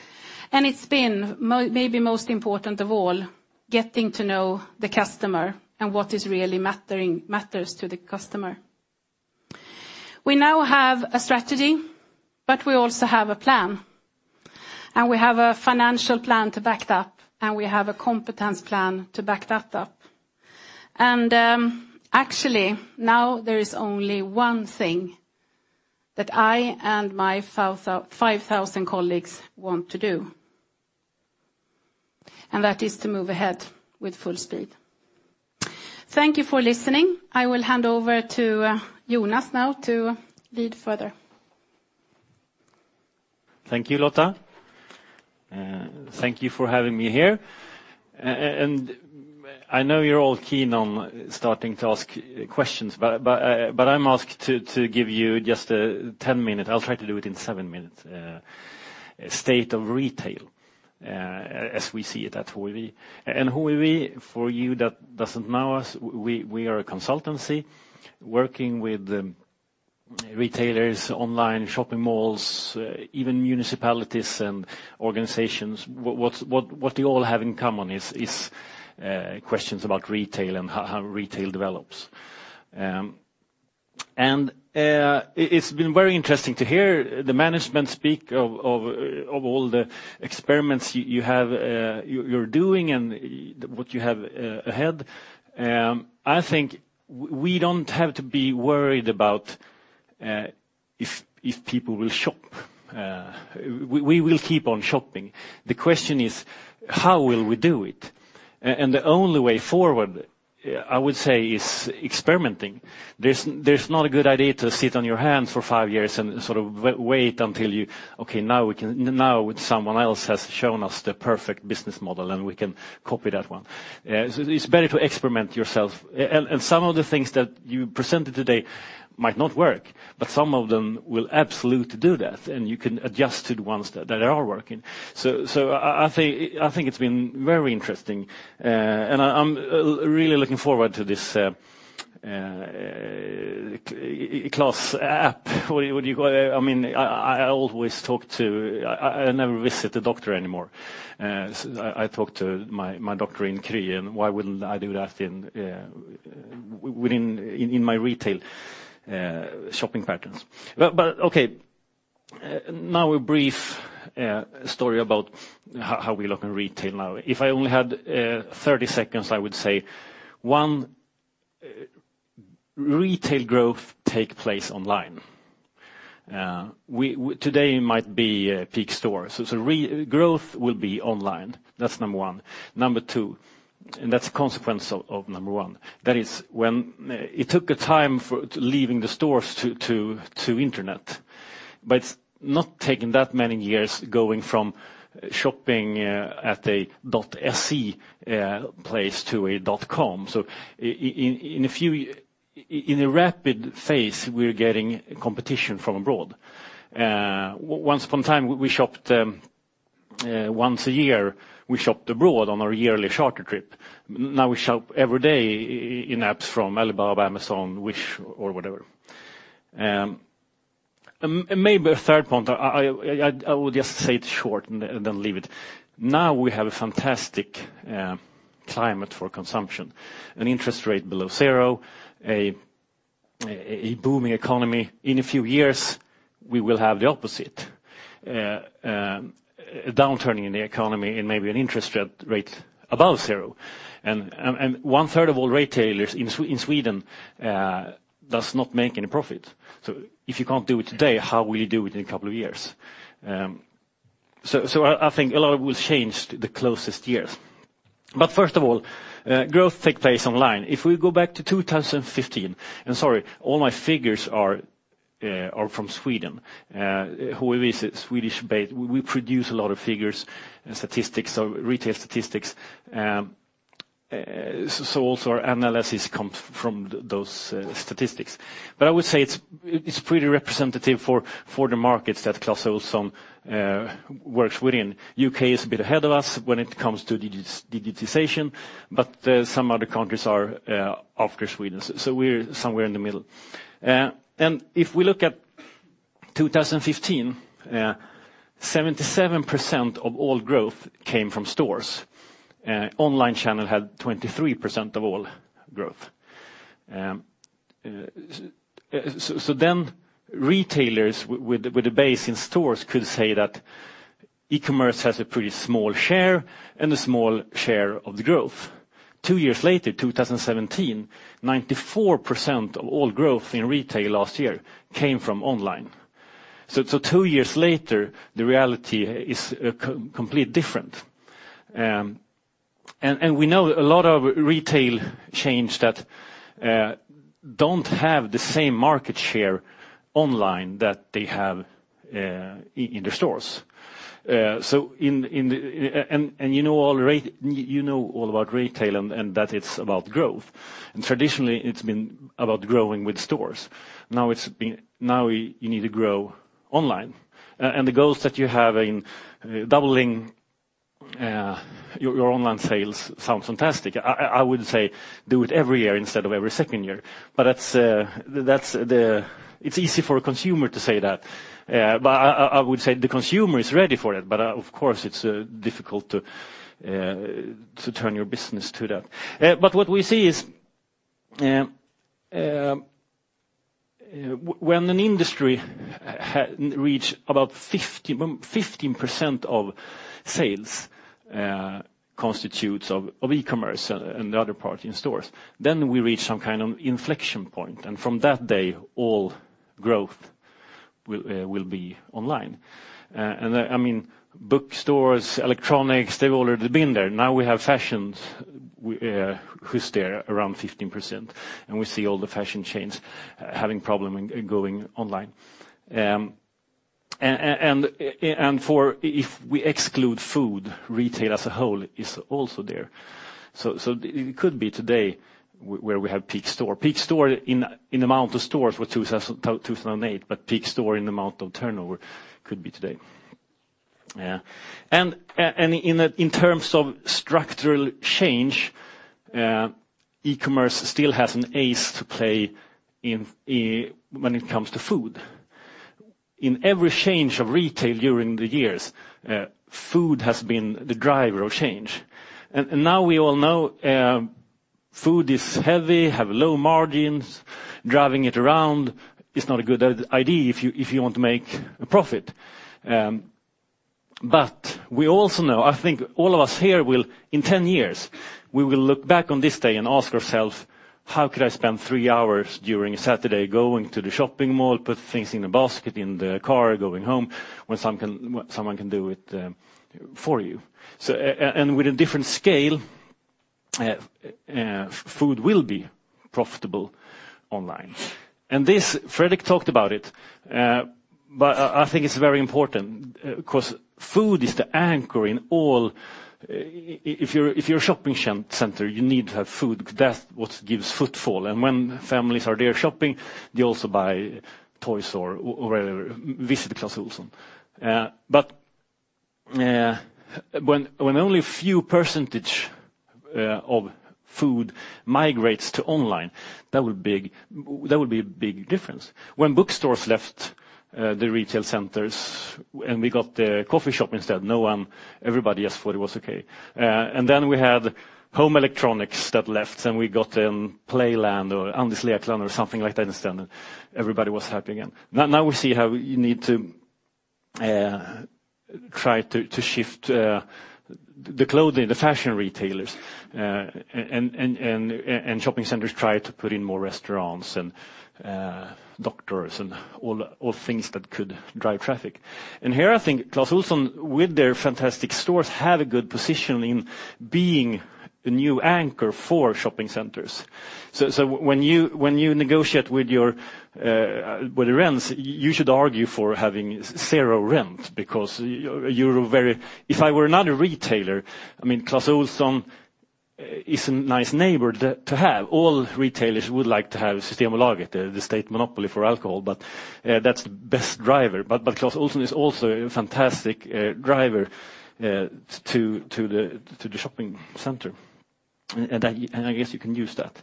It's been maybe most important of all, getting to know the customer and what is really matters to the customer. We now have a strategy, but we also have a plan. We have a financial plan to back that, and we have a competence plan to back that up. Actually, now there is only one thing that I and my 5,000 colleagues want to do. That is to move ahead with full speed. Thank you for listening. I will hand over to Jonas Arnberg now to lead further. Thank you, Lotta Lyrå. Thank you for having me here. I know you're all keen on starting to ask questions, but I'm asked to give you just 10 minute. I'll try to do it in seven minutes. State of retail as we see it at HUI Research. Who are we? For you that doesn't know us, we are a consultancy working with retailers, online shopping malls, even municipalities and organizations. What you all have in common is questions about retail and how retail develops. It's been very interesting to hear the management speak of all the experiments you're doing and what you have ahead. I think we don't have to be worried about if people will shop. We will keep on shopping. The question is, how will we do it? The only way forward, I would say is experimenting. There's not a good idea to sit on your hands for five years and sort of wait until you, okay, now someone else has shown us the perfect business model, and we can copy that one. It's better to experiment yourself. And some of the things that you presented today might not work, but some of them will absolutely do that, and you can adjust to the ones that are working. I think it's been very interesting, and I'm really looking forward to this Clas app. What do you call it? I always talk to... I never visit the doctor anymore. I talk to my doctor in Kry, and why wouldn't I do that in my retail shopping patterns? Okay, now a brief story about how we look in retail now. If I only had 30 seconds, I would say, 1, retail growth take place online. Today might be a peak store. Growth will be online. That's number 1. Number 2, that's a consequence of number 1. That is it took a time for leaving the stores to internet. It's not taken that many years going from shopping at a .se place to a .com. In a rapid phase, we're getting competition from abroad. Once upon a time, we shopped once a year, we shopped abroad on our yearly charter trip. Now we shop every day in apps from Alibaba, Amazon, Wish or whatever. Maybe a third point, I would just say it short and then leave it. Now we have a fantastic climate for consumption, an interest rate below zero, a booming economy. In a few years, we will have the opposite, a downturn in the economy and maybe an interest rate above zero. One-third of all retailers in Sweden does not make any profit. So if you can't do it today, how will you do it in a couple of years? I think a lot will change the closest years. First of all, growth takes place online. If we go back to 2015. Sorry, all my figures are from HUI Research. who is Swedish-based, we produce a lot of figures and statistics, retail statistics. Also our analysis comes from those statistics. I would say it's pretty representative for the markets that Clas Ohlson works within. UK is a bit ahead of us when it comes to digitization, but some other countries are after Sweden. We're somewhere in the middle. If we look at 2015, 77% of all growth came from stores. Online channel had 23% of all growth. Then retailers with a base in stores could say that e-commerce has a pretty small share and a small share of the growth. Two years later, 2017, 94% of all growth in retail last year came from online. Two years later, the reality is complete different. And we know a lot of retail chains that don't have the same market share online that they have in the stores. And you know all about retail and that it's about growth. Traditionally, it's been about growing with stores. Now you need to grow online. And the goals that you have in doubling, your online sales sounds fantastic. I would say do it every year instead of every second year. That's. It's easy for a consumer to say that. I would say the consumer is ready for it, but of course, it's difficult to turn your business to that. What we see is when an industry reach about 15% of sales constitutes of e-commerce and the other part in stores, then we reach some inflection point. From that day, all growth will be online. Bookstores, electronics, they've already been there. Now we have fashions, who's there around 15%, we see all the fashion chains having problem in going online. If we exclude food, retail as a whole is also there. It could be today where we have peak store. Peak store in amount of stores for 2008, but peak store in amount of turnover could be today. Yeah. In terms of structural change, e-commerce still has an ace to play in when it comes to food. In every change of retail during the years, food has been the driver of change. Now we all know, food is heavy, have low margins, driving it around is not a good idea if you want to make a profit. We also know, I think all of us here will, in 10 years, we will look back on this day and ask ourselves, "How could I spend 3 hours during a Saturday going to the shopping mall, put things in the basket, in the car, going home when someone can do it for you?" And with a different scale, food will be profitable online. This, Fredrik talked about it, I think it's very important because food is the anchor in all... If you're a shopping center, you need to have food. That's what gives footfall. When families are there shopping, they also buy toys or whatever, visit Clas Ohlson. When only a few % of food migrates to online, that would be a big difference. When bookstores left, the retail centers and we got the coffee shop instead, everybody just thought it was okay. Then we had home electronics that left, and we got Playland or Andy's Lekland or something like that instead. Everybody was happy again. Now we see how you need to try to shift the clothing, the fashion retailers, and shopping centers try to put in more restaurants and doctors and all things that could drive traffic. Here I think Clas Ohlson, with their fantastic stores, have a good position in being the new anchor for shopping centers. So when you, when you negotiate with your with the rents, you should argue for having zero rent because you're a very... If I were another retailer, Clas Ohlson is a nice neighbor to have. All retailers would like to have Systembolaget, the state monopoly for alcohol, that's the best driver. Clas Ohlson is also a fantastic driver to the shopping center. I guess you can use that.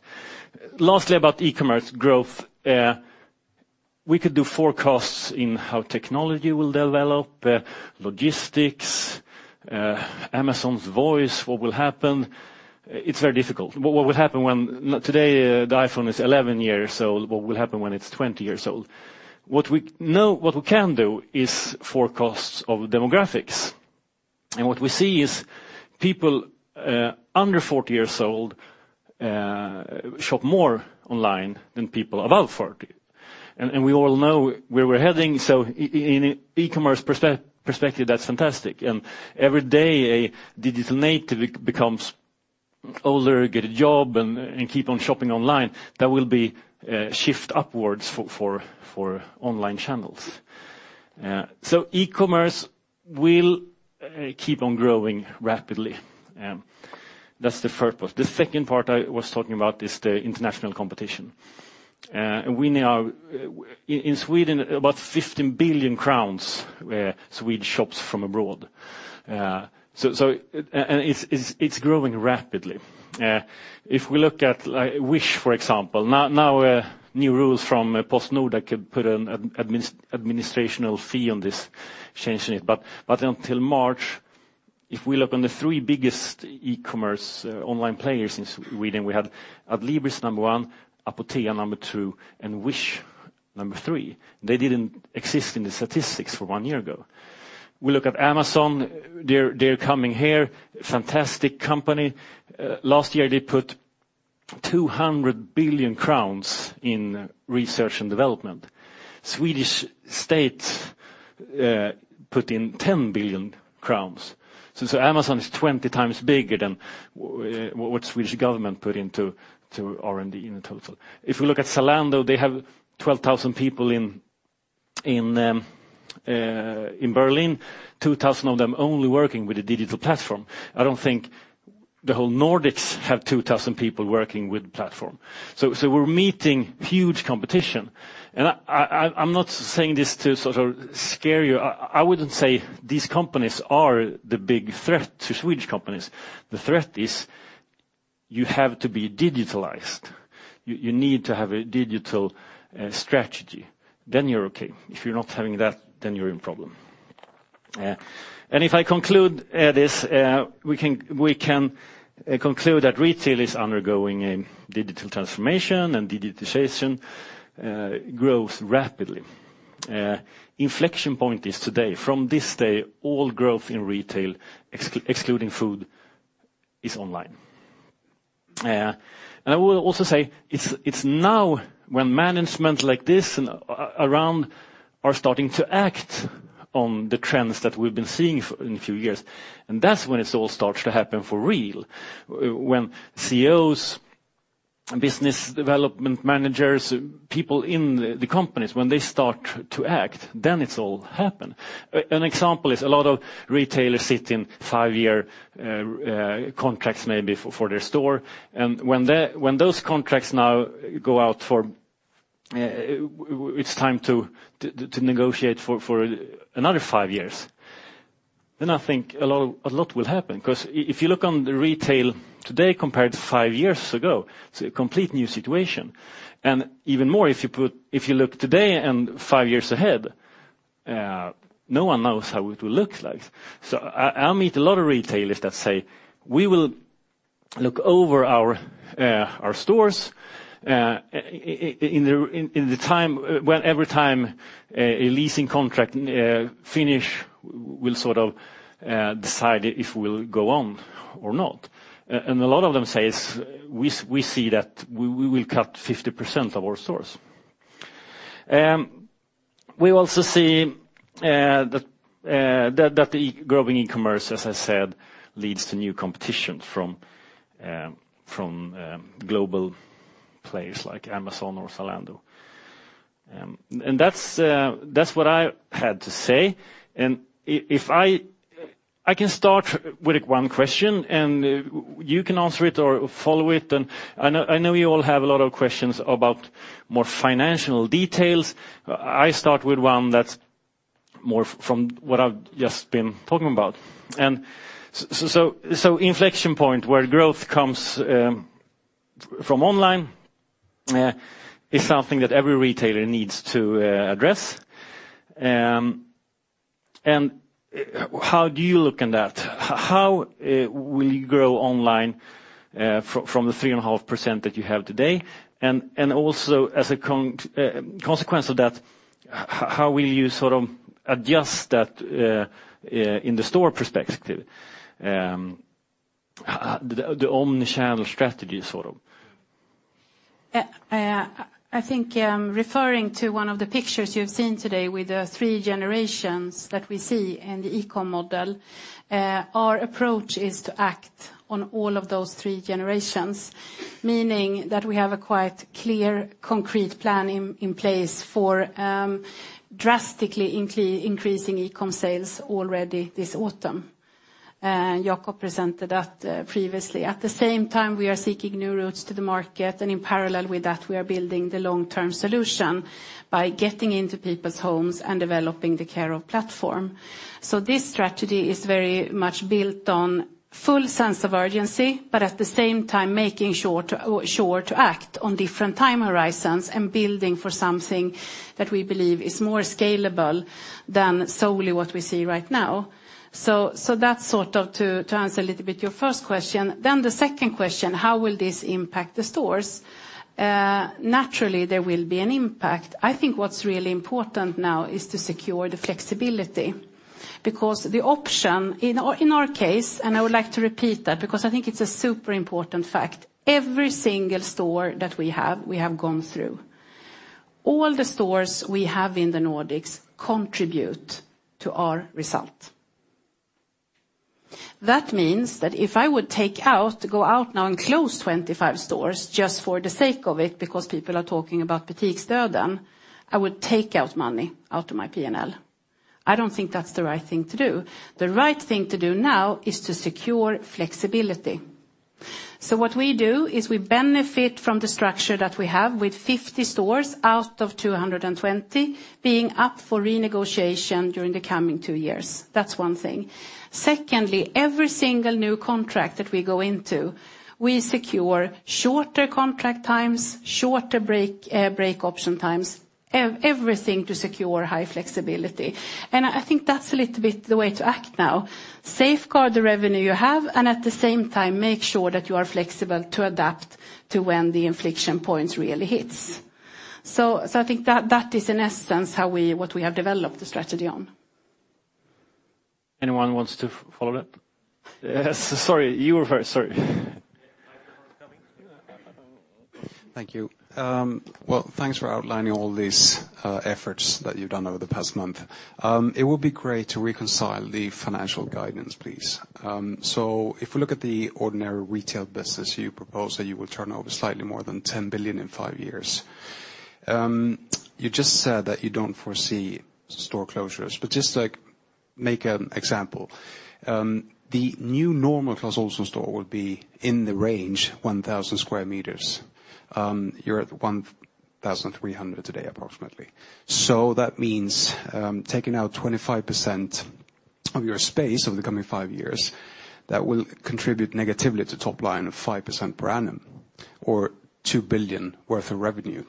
Lastly, about e-commerce growth, we could do forecasts in how technology will develop, logistics, Amazon's voice, what will happen. It's very difficult. What will happen when... Today, the iPhone is 11 years old. What will happen when it's 20 years old? What we know, what we can do is forecast of demographics. What we see is people under 40 years old shop more online than people above 40. We all know where we're heading. In e-commerce perspective, that's fantastic. Every day, a digital native becomes older, get a job, and keep on shopping online, that will be a shift upwards for online channels. E-commerce will keep on growing rapidly. That's the first part. The second part I was talking about is the international competition. We now in Sweden, about 15 billion crowns, Swedes shops from abroad. It's growing rapidly. If we look at like Wish, for example, new rules from PostNord could put an administrational fee on this, changing it. But until March, if we look on the 3 biggest e-commerce online players in Sweden, we had Adlibris number 1, Apotea number 2, and Wish number 3. They didn't exist in the statistics for 1 year ago. We look at Amazon, they're coming here, fantastic company. Last year they put 200 billion crowns in research and development. Swedish states put in 10 billion crowns. Amazon is 20 times bigger than what Swedish government put into R&D in total. If we look at Zalando, they have 12,000 people in Berlin, 2,000 of them only working with a digital platform. I don't think the whole Nordics have 2,000 people working with platform. We're meeting huge competition. I'm not saying this to sort of scare you. I wouldn't say these companies are the big threat to Swedish companies. The threat is you have to be digitalized. You need to have a digital strategy, then you're okay. If you're not having that, then you're in problem. If I conclude this, we can conclude that retail is undergoing a digital transformation and digitization grows rapidly. Inflection point is today. From this day, all growth in retail excluding food is online. I will also say it's now when management like this and around are starting to act on the trends that we've been seeing for, in a few years, and that's when it all starts to happen for real. When CEOs, business development managers, people in the companies, when they start to act, then it's all happen. Example is a lot of retailers sit in five-year contracts maybe for their store. When those contracts now go out for, it's time to negotiate for another five years, then I think a lot will happen. If you look on the retail today compared to 5 years ago, it's a complete new situation. Even more, if you look today and 5 years ahead, no one knows how it will look like. I meet a lot of retailers that say, "We will look over our stores in the time, when every time a leasing contract finish, we'll sort of decide if we'll go on or not." A lot of them say is, "We, we see that we will cut 50% of our stores." We also see that the growing e-commerce, as I said, leads to new competition from global players like Amazon or Zalando. That's, that's what I had to say. If I can start with one question, you can answer it or follow it. I know you all have a lot of questions about more financial details. I start with one that's more from what I've just been talking about. So inflection point where growth comes from online is something that every retailer needs to address. How do you look in that? How will you grow online from the 3.5% that you have today? Also, as a consequence of that, how will you sort of adjust that in the store perspective? The omni-channel strategy sort of. I think, referring to one of the pictures you've seen today with the 3 generations that we see in the e-com model, our approach is to act on all of those 3 generations, meaning that we have a quite clear, concrete plan in place for drastically increasing e-com sales already this autumn. Jacob Sten presented that previously. At the same time, we are seeking new routes to the market. In parallel with that, we are building the long-term solution by getting into people's homes and developing the Care of platform. This strategy is very much built on full sense of urgency, but at the same time, making sure to act on different time horizons and building for something that we believe is more scalable than solely what we see right now. That's to answer a little bit your first question. The second question, how will this impact the stores? Naturally, there will be an impact. I think what's really important now is to secure the flexibility. The option in our case, and I would like to repeat that because I think it's a super important fact, every single store that we have, we have gone through. All the stores we have in the Nordics contribute to our result. That means that if I would go out now and close 25 stores just for the sake of it, because people are talking about I would take out money out of my P&L. I don't think that's the right thing to do. The right thing to do now is to secure flexibility. What we do is we benefit from the structure that we have with 50 stores out of 220 being up for renegotiation during the coming 2 years. That's one thing. Secondly, every single new contract that we go into, we secure shorter contract times, shorter break option times, everything to secure high flexibility. I think that's a little bit the way to act now. Safeguard the revenue you have, and at the same time, make sure that you are flexible to adapt to when the inflection points really hits. I think that is in essence, what we have developed the strategy on. Anyone wants to follow that? Yes. Sorry. You were first. Sorry. Thank you. Well, thanks for outlining all these efforts that you've done over the past month. It would be great to reconcile the financial guidance, please. If we look at the ordinary retail business, you propose that you will turn over slightly more than 10 billion in five years. You just said that you don't foresee store closures, but just to like make an example, the new normal Clas Ohlson store will be in the range 1,000 square meters. You're at 1,300 today, approximately. That means, taking out 25% of your space over the coming five years, that will contribute negatively to top line of 5% per annum or 2 billion worth of revenue,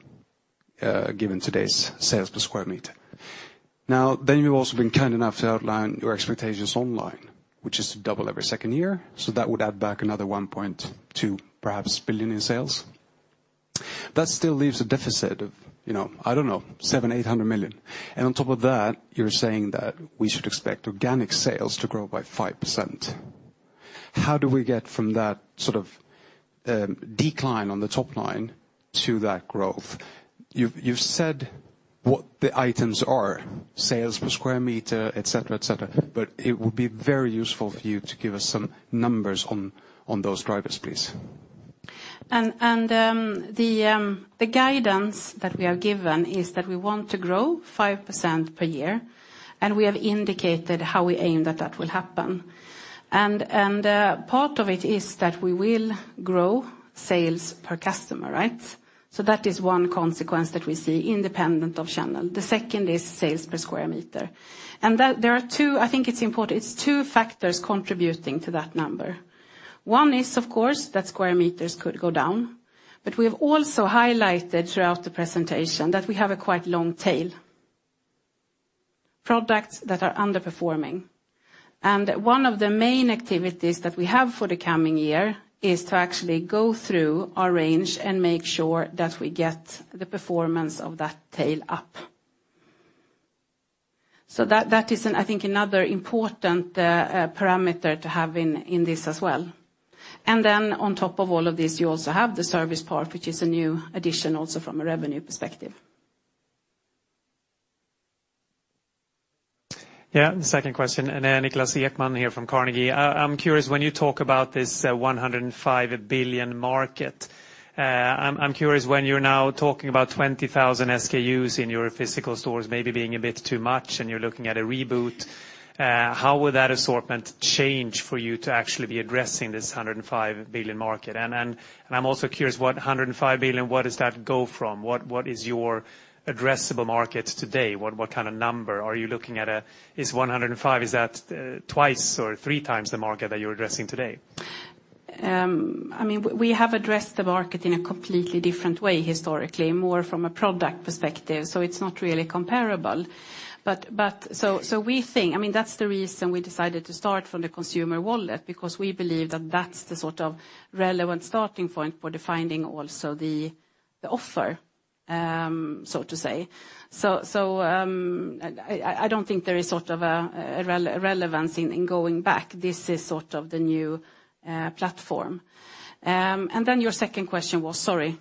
given today's sales per square meter. You've also been kind enough to outline your expectations online, which is to double every second year. That would add back another 1.2 billion, perhaps, in sales. That still leaves a deficit of, I don't know, 700-800 million. On top of that, you're saying that we should expect organic sales to grow by 5%. How do we get from that sort of decline on the top line to that growth? You've said what the items are, sales per square meter, et cetera, et cetera. It would be very useful for you to give us some numbers on those drivers, please. The guidance that we have given is that we want to grow 5% per year, and we have indicated how we aim that that will happen. Part of it is that we will grow sales per customer, right? That is one consequence that we see independent of channel. The second is sales per square meter. I think it's important. It's two factors contributing to that number. One is, of course, that square meters could go down, but we have also highlighted throughout the presentation that we have a quite long tail. Products that are underperforming. One of the main activities that we have for the coming year is to actually go through our range and make sure that we get the performance of that tail up. That is another important parameter to have in this as well. On top of all of this, you also have the service part, which is a new addition also from a revenue perspective. Yeah. The second question. Niklas Ekman here from Carnegie. I'm curious, when you talk about this 105 billion market, I'm curious, when you're now talking about 20,000 SKUs in your physical stores maybe being a bit too much and you're looking at a reboot, how will that assortment change for you to actually be addressing this 105 billion market? I'm also curious, what 105 billion, what does that go from? What is your addressable market today? What number? Are you looking at Is 105, is that twice or three times the market that you're addressing today? We have addressed the market in a completely different way historically, more from a product perspective, so it's not really comparable. So we think, that's the reason we decided to start from the consumer wallet, because we believe that that's the sort of relevant starting point for defining also the offer, so to say. So, I don't think there is sort of a relevance in going back. This is sort of the new platform. Then your second question was, sorry?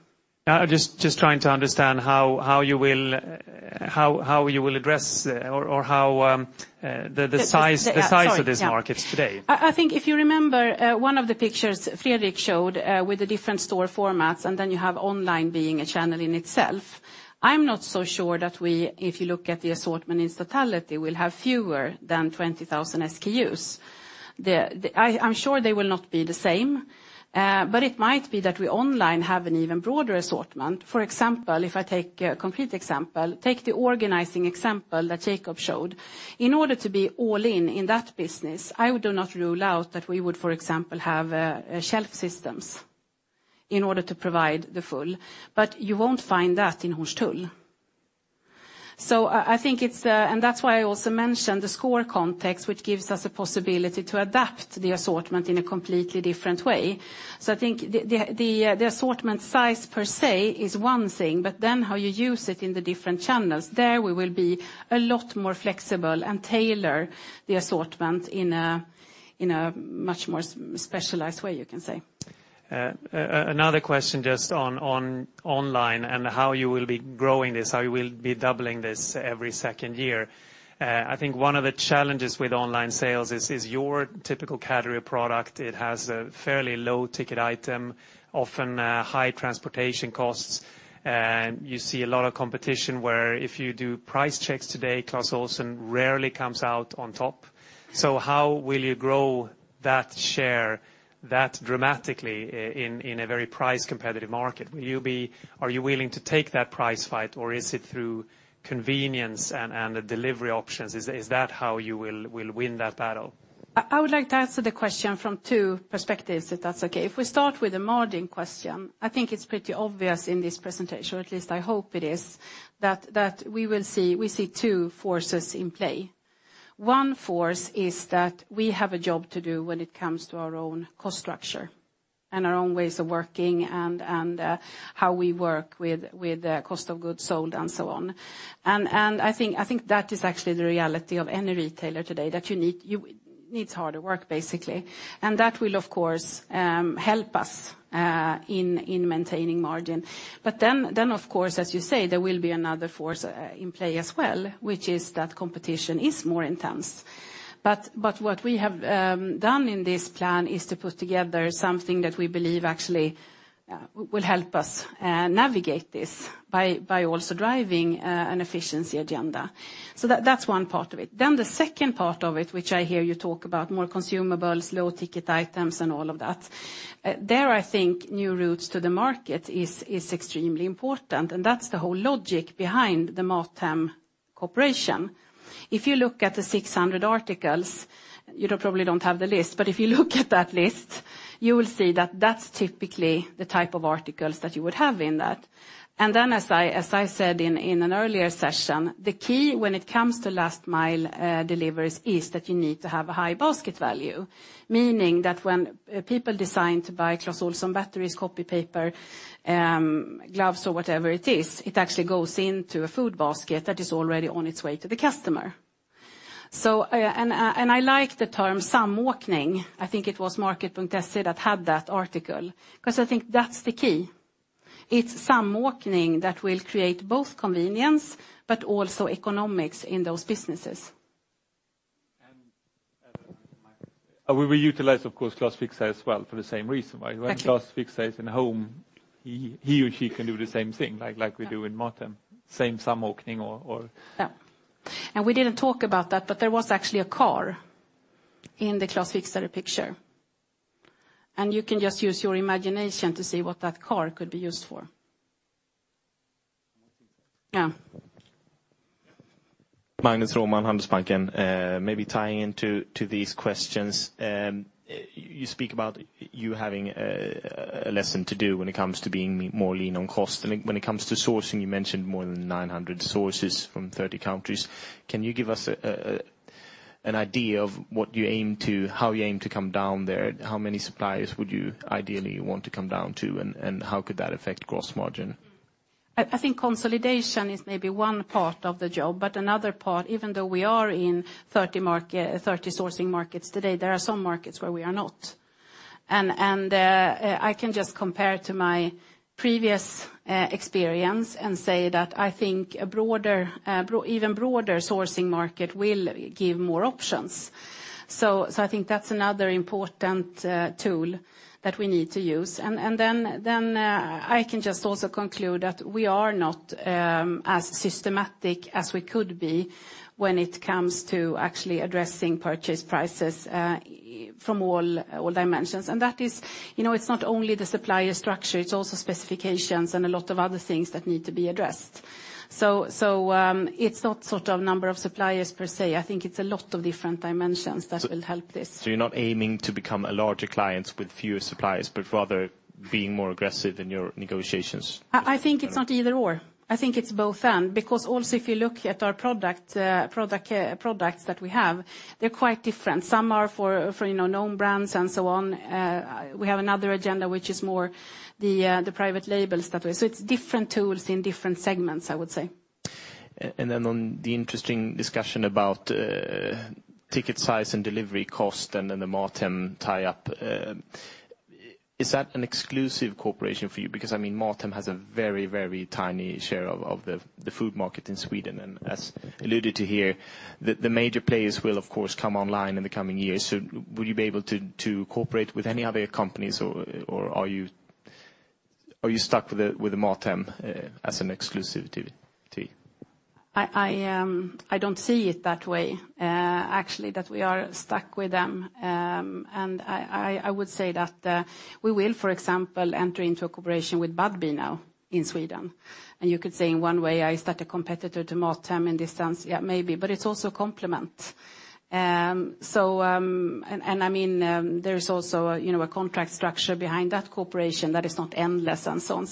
Just trying to understand how you will address, or how the size. The size of this market today. Sorry, yeah. I think if you remember one of the pictures Fredrik Urbom showed with the different store formats, and then you have online being a channel in itself, I'm not so sure that we, if you look at the assortment in totality, will have fewer than 20,000 SKUs. The I'm sure they will not be the same, but it might be that we online have an even broader assortment. For example, if I take a complete example, take the organizing example that Jacob Sten showed. In order to be all in in that business, I would do not rule out that we would, for example, have shelf systems in order to provide the full, but you won't find that in Hornstull. I think it's. That's why I also mentioned the SCORE context, which gives us a possibility to adapt the assortment in a completely different way. I think the assortment size per se is one thing, but then how you use it in the different channels, there we will be a lot more flexible and tailor the assortment in a, in a much more specialized way, you can say. Another question just on online and how you will be growing this, how you will be doubling this every second year. I think one of the challenges with online sales is your typical category of product, it has a fairly low-ticket item, often, high transportation costs, and you see a lot of competition where if you do price checks today, Clas Ohlson rarely comes out on top. How will you grow that share that dramatically in a very price-competitive market? Are you willing to take that price fight, or is it through convenience and the delivery options? Is that how you will win that battle? I would like to answer the question from two perspectives, if that's okay. If we start with the margin question, I think it's pretty obvious in this presentation, or at least I hope it is, that we see two forces in play. One force is that we have a job to do when it comes to our own cost structure and our own ways of working and how we work with the cost of goods sold and so on. I think that is actually the reality of any retailer today, that you needs harder work, basically. That will of course help us in maintaining margin. Then of course, as you say, there will be another force in play as well, which is that competition is more intense. What we have done in this plan is to put together something that we believe actually will help us navigate this by also driving an efficiency agenda. That's one part of it. The second part of it, which I hear you talk about, more consumables, low-ticket items, and all of that, there I think new routes to the market is extremely important, and that's the whole logic behind the MatHem cooperation. If you look at the 600 articles, you don't, probably don't have the list, but if you look at that list, you will see that that's typically the type of articles that you would have in that. As I said in an earlier session, the key when it comes to last mile deliveries is that you need to have a high basket value, meaning that when people decide to buy Clas Ohlson batteries, copy paper, gloves or whatever it is, it actually goes into a food basket that is already on its way to the customer. I like the term samåkning. I think it was Market.se that had that article, 'cause I think that's the key. It's samåkning that will create both convenience but also economics in those businesses. We will utilize, of course, Clas Fixare as well for the same reason, right? Exactly. When Clas Fixare is in home, he or she can do the same thing, like we do in MatHem. Same samåkning or. Yeah. We didn't talk about that, but there was actually a car in the Clas Fixare picture. You can just use your imagination to see what that car could be used for. Marketing. Yeah. Magnus Råman, Handelsbanken. maybe tying into these questions. You speak about you having a lesson to do when it comes to being more lean on cost. When it comes to sourcing, you mentioned more than 900 sources from 30 countries. Can you give us an idea of what you aim to, how you aim to come down there? How many suppliers would you ideally want to come down to, and how could that affect gross margin? I think consolidation is maybe one part of the job, but another part, even though we are in 30 sourcing markets today, there are some markets where we are not. I can just compare to my previous experience and say that I think a broader, even broader sourcing market will give more options. I think that's another important tool that we need to use. Then I can just also conclude that we are not as systematic as we could be when it comes to actually addressing purchase prices from all dimensions. That is, it's not only the supplier structure, it's also specifications and a lot of other things that need to be addressed. It's not sort of number of suppliers per se. I think it's a lot of different dimensions that will help this. You're not aiming to become a larger client with fewer suppliers, but rather being more aggressive in your negotiations? I think it's not either/or. I think it's both/and, because also if you look at our products that we have, they're quite different. Some are for known brands and so on. We have another agenda which is more the private labels that way. It's different tools in different segments, I would say. On the interesting discussion about ticket size and delivery cost, and then the MatHem tie-up, is that an exclusive cooperation for you? Because, MatHem has a very, very tiny share of the food market in Sweden. As alluded to here, the major players will, of course, come online in the coming years. Will you be able to cooperate with any other companies or are you stuck with MatHem as an exclusive to you? I don't see it that way, actually, that we are stuck with them. I would say that we will, for example, enter into a cooperation with Budbee now in Sweden. You could say in one way, is that a competitor to MatHem in distance? Yeah, maybe, but it's also complement. There is also, a contract structure behind that cooperation that is not endless and so on.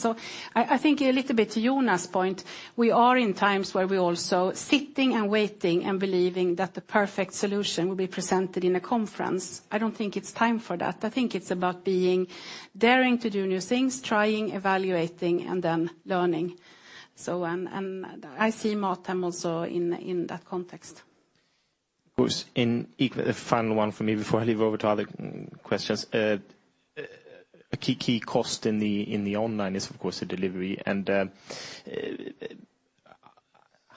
I think a little bit to Jonas' point, we are in times where we're also sitting and waiting and believing that the perfect solution will be presented in a conference. I don't think it's time for that. I think it's about being daring to do new things, trying, evaluating, and then learning. I see MatHem also in that context. Of course. The final one from me before I leave over to other questions. A key cost in the online is of course the delivery and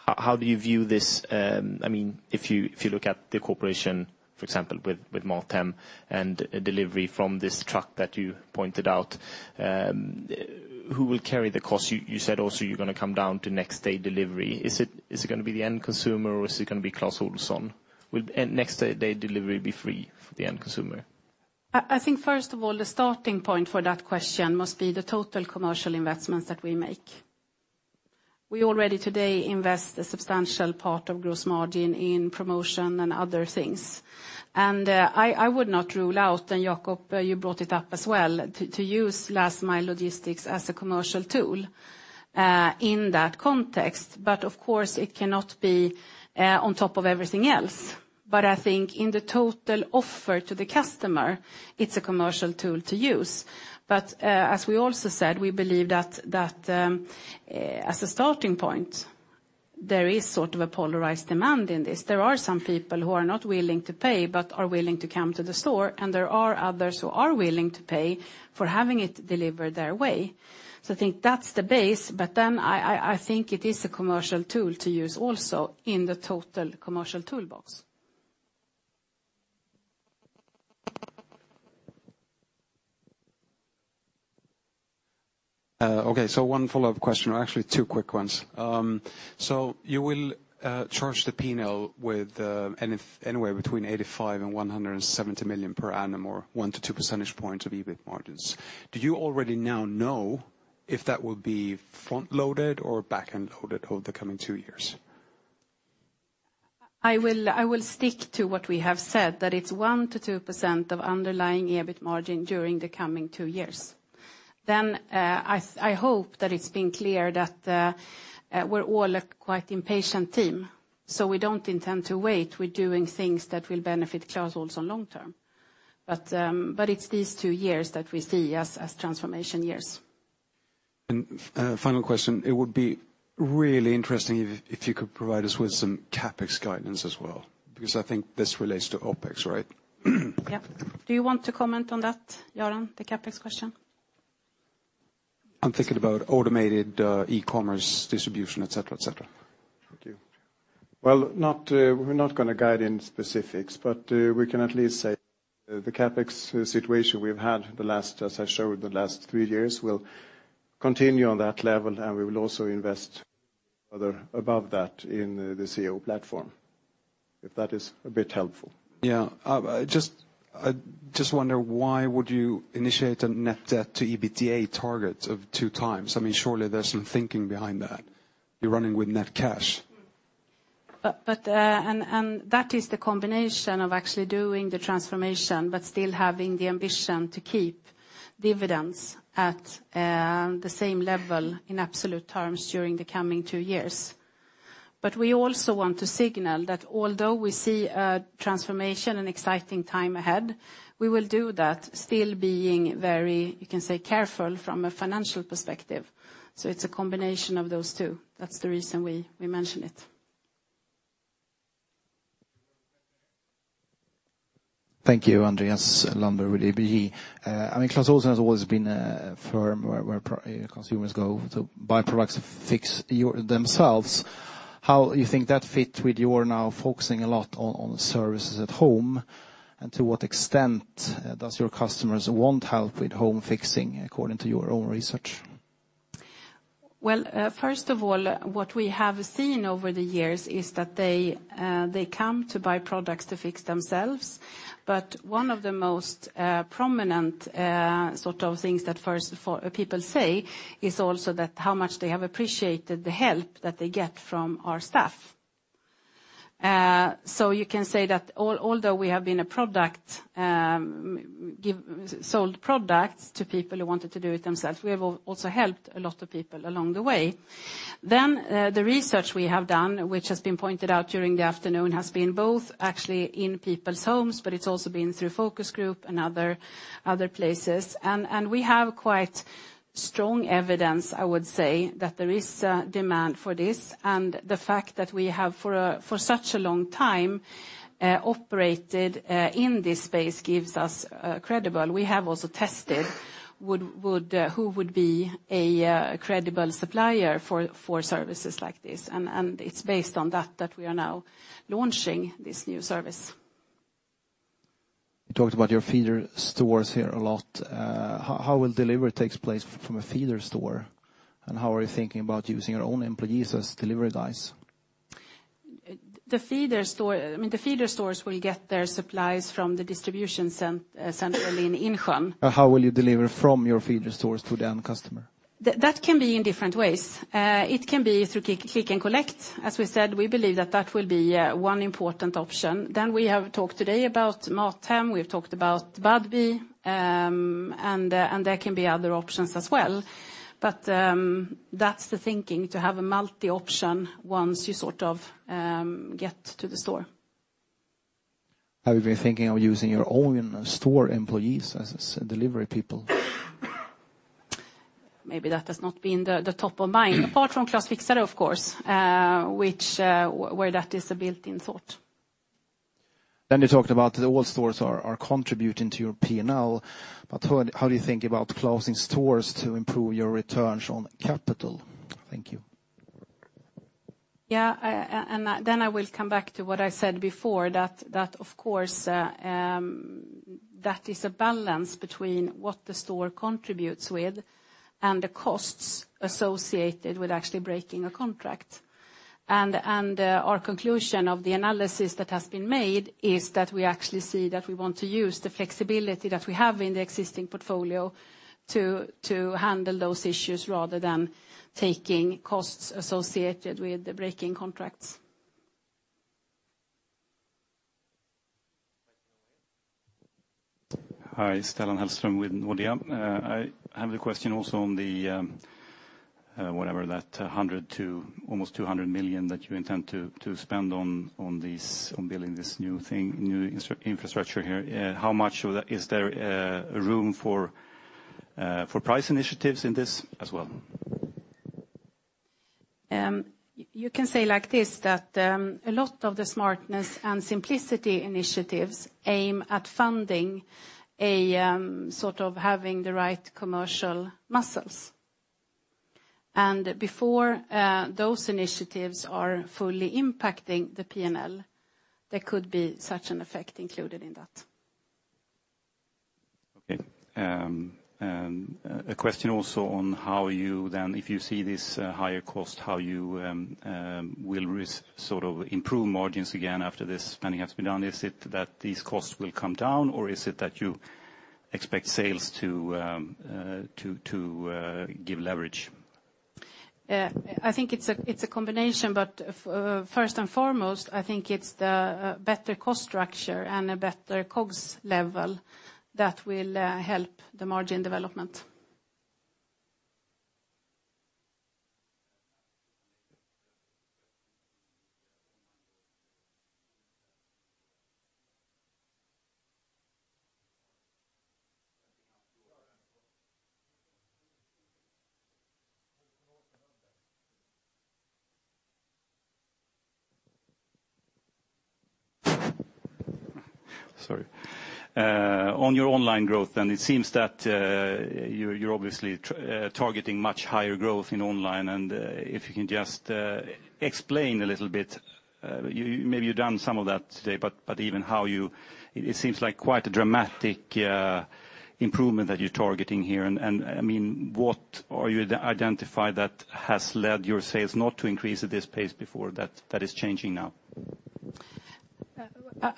how do you view this? If you look at the cooperation, for example, with MatHem and delivery from this truck that you pointed out, who will carry the cost? You said also you're gonna come down to next day delivery. Is it gonna be the end consumer or is it gonna be Clas Ohlson? Will next day delivery be free for the end consumer? I think first of all, the starting point for that question must be the total commercial investments that we make. We already today invest a substantial part of gross margin in promotion and other things. I would not rule out, and Jacob Sten, you brought it up as well, to use last mile logistics as a commercial tool in that context. Of course it cannot be on top of everything else. I think in the total offer to the customer, it's a commercial tool to use. As we also said, we believe that as a starting point, there is sort of a polarized demand in this. There are some people who are not willing to pay but are willing to come to the store, and there are others who are willing to pay for having it delivered their way. I think that's the base. I think it is a commercial tool to use also in the total commercial toolbox. Okay. One follow-up question, or actually two quick ones. You will charge the P&L with anywhere between 85 million and 170 million per annum or 1 to 2 percentage points of EBIT margins. Do you already now know if that will be front-loaded or back-end loaded over the coming 2 years? I will stick to what we have said, that it's 1%-2% of underlying EBIT margin during the coming two years. I hope that it's been clear that we're all a quite impatient team, so we don't intend to wait. We're doing things that will benefit Clas Ohlson long term. It's these two years that we see as transformation years. Final question, it would be really interesting if you could provide us with some CapEx guidance as well, because I think this relates to OpEx, right? Yeah. Do you want to comment on that, Göran Melin The CapEx question? I'm thinking about automated, e-commerce distribution, et cetera, et cetera. Thank you. Well, not, we're not gonna guide in specifics. We can at least say the CapEx situation we've had the last, as I showed, the last three years will continue on that level. We will also invest other above that in the Care of platform, if that is a bit helpful. Yeah. I just wonder why would you initiate a net debt to EBITDA target of two times? Surely there's some thinking behind that. You're running with net cash. That is the combination of actually doing the transformation, but still having the ambition to keep dividends at the same level in absolute terms during the coming 2 years. We also want to signal that although we see a transformation and exciting time ahead, we will do that still being very, you can say, careful from a financial perspective. It's a combination of those two. That's the reason we mention it. Thank you, Andreas Lambert with ABG. Clas Ohlson has always been a firm where consumers go to buy products to fix themselves. How you think that fit with your now focusing a lot on services at home? To what extent does your customers want help with home fixing according to your own research? Well, first of all, what we have seen over the years is that they come to buy products to fix themselves, one of the most prominent sort of things that first people say is also that how much they have appreciated the help that they get from our staff. You can say that although we have been a product sold products to people who wanted to do it themselves. We have also helped a lot of people along the way. The research we have done, which has been pointed out during the afternoon, has been both actually in people's homes, it's also been through focus group and other places. We have quite strong evidence, I would say, that there is demand for this. The fact that we have for such a long time, operated, in this space gives us credible. We have also tested who would be a credible supplier for services like this. It's based on that we are now launching this new service. You talked about your feeder stores here a lot. How will delivery takes place from a feeder store? How are you thinking about using your own employees as delivery guys? The feeder store, will get their supplies from the distribution center in Insjön. How will you deliver from your feeder stores to the end customer? That can be in different ways. It can be through click and collect. As we said, we believe that that will be one important option. We have talked today about MatHem, we've talked about Budbee, and there can be other options as well. That's the thinking, to have a multi option once you sort of, get to the store. Have you been thinking of using your own store employees as delivery people? Maybe that has not been the top of mind. Apart from Clas Fixare, of course, where that is a built-in thought. You talked about all stores are contributing to your P&L. How do you think about closing stores to improve your returns on capital? Thank you. Yeah. Then I will come back to what I said before, that of course, that is a balance between what the store contributes with and the costs associated with actually breaking a contract. Our conclusion of the analysis that has been made is that we actually see that we want to use the flexibility that we have in the existing portfolio to handle those issues rather than taking costs associated with breaking contracts. Hi. Stellan Hallström with Nordea. I have a question also on the, whatever that 100 million to almost 200 million that you intend to spend on this, on building this new thing, new infrastructure here. How much of that is there, room for price initiatives in this as well? You can say like this, that a lot of the smartness and simplicity initiatives aim at funding a sort of having the right commercial muscles. Before those initiatives are fully impacting the P&L, there could be such an effect included in that. Okay. A question also on how you then, if you see this higher cost, how you will sort of improve margins again after this planning has been done? Is it that these costs will come down, or is it that you expect sales to give leverage? I think it's a, it's a combination, but, first and foremost, I think it's the, better cost structure and a better costs level that will, help the margin development. Sorry. On your online growth then, it seems that you're obviously targeting much higher growth in online. If you can just explain a little bit, you, maybe you've don some of that today, but even how you. It, seems like quite a dramatic improvement that you're targeting here. What are you identify that has led your sales not to increase at this pace before that is changing now?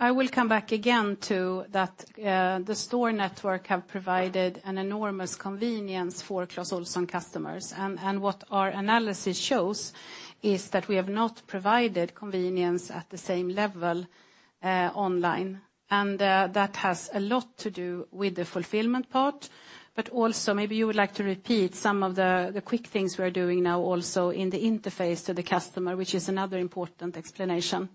I will come back again to that, the store network have provided an enormous convenience for Clas Ohlson customers. What our analysis shows is that we have not provided convenience at the same level online. That has a lot to do with the fulfillment part. Also, maybe you would like to repeat some of the quick things we are doing now also in the interface to the customer, which is another important explanation.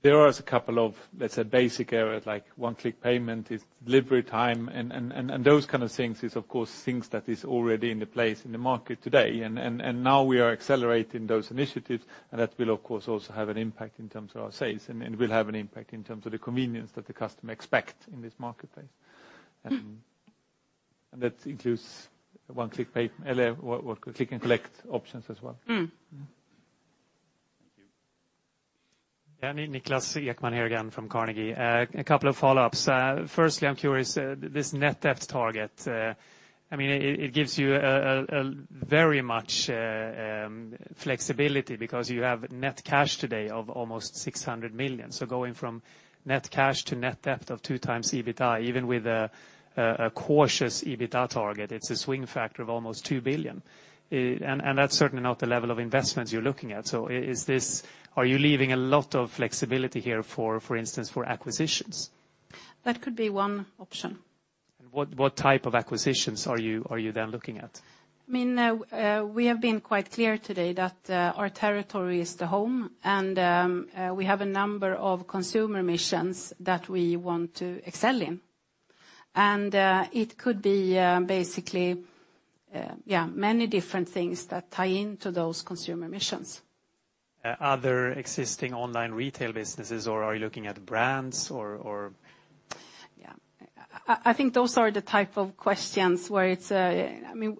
There is a couple of, let's say, basic areas like one-click payment, it's delivery time, and those things is of course things that is already in place in the market today. Now we are accelerating those initiatives, and that will of course also have an impact in terms of our sales, and will have an impact in terms of the convenience that the customer expect in this marketplace. That includes well, click and collect options as well. Thank you. Niklas Ekman here again from Carnegie. A couple of follow-ups. Firstly, I'm curious, this net debt target, it gives you a very much flexibility because you have net cash today of almost 600 million. Going from net cash to net debt of 2x EBITA, even with a cautious EBITA target, it's a swing factor of almost 2 billion. That's certainly not the level of investments you're looking at. Are you leaving a lot of flexibility here for instance, for acquisitions? That could be one option. What type of acquisitions are you then looking at? We have been quite clear today that our territory is the home, and we have a number of consumer missions that we want to excel in. It could be, basically, yeah, many different things that tie into those consumer missions. Other existing online retail businesses, or are you looking at brands or? Yeah. I think those are the type of questions where it's,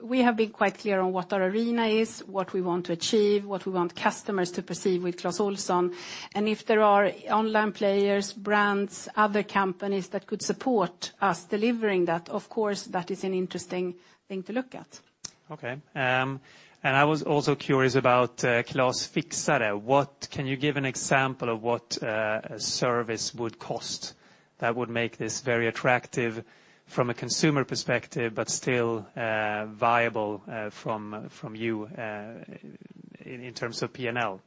we have been quite clear on what our arena is, what we want to achieve, what we want customers to perceive with Clas Ohlson. If there are online players, brands, other companies that could support us delivering that, of course, that is an interesting thing to look at. Okay. I was also curious about Clas Fixare. Can you give an example of what a service would cost that would make this very attractive from a consumer perspective but still viable from you in terms of P&L?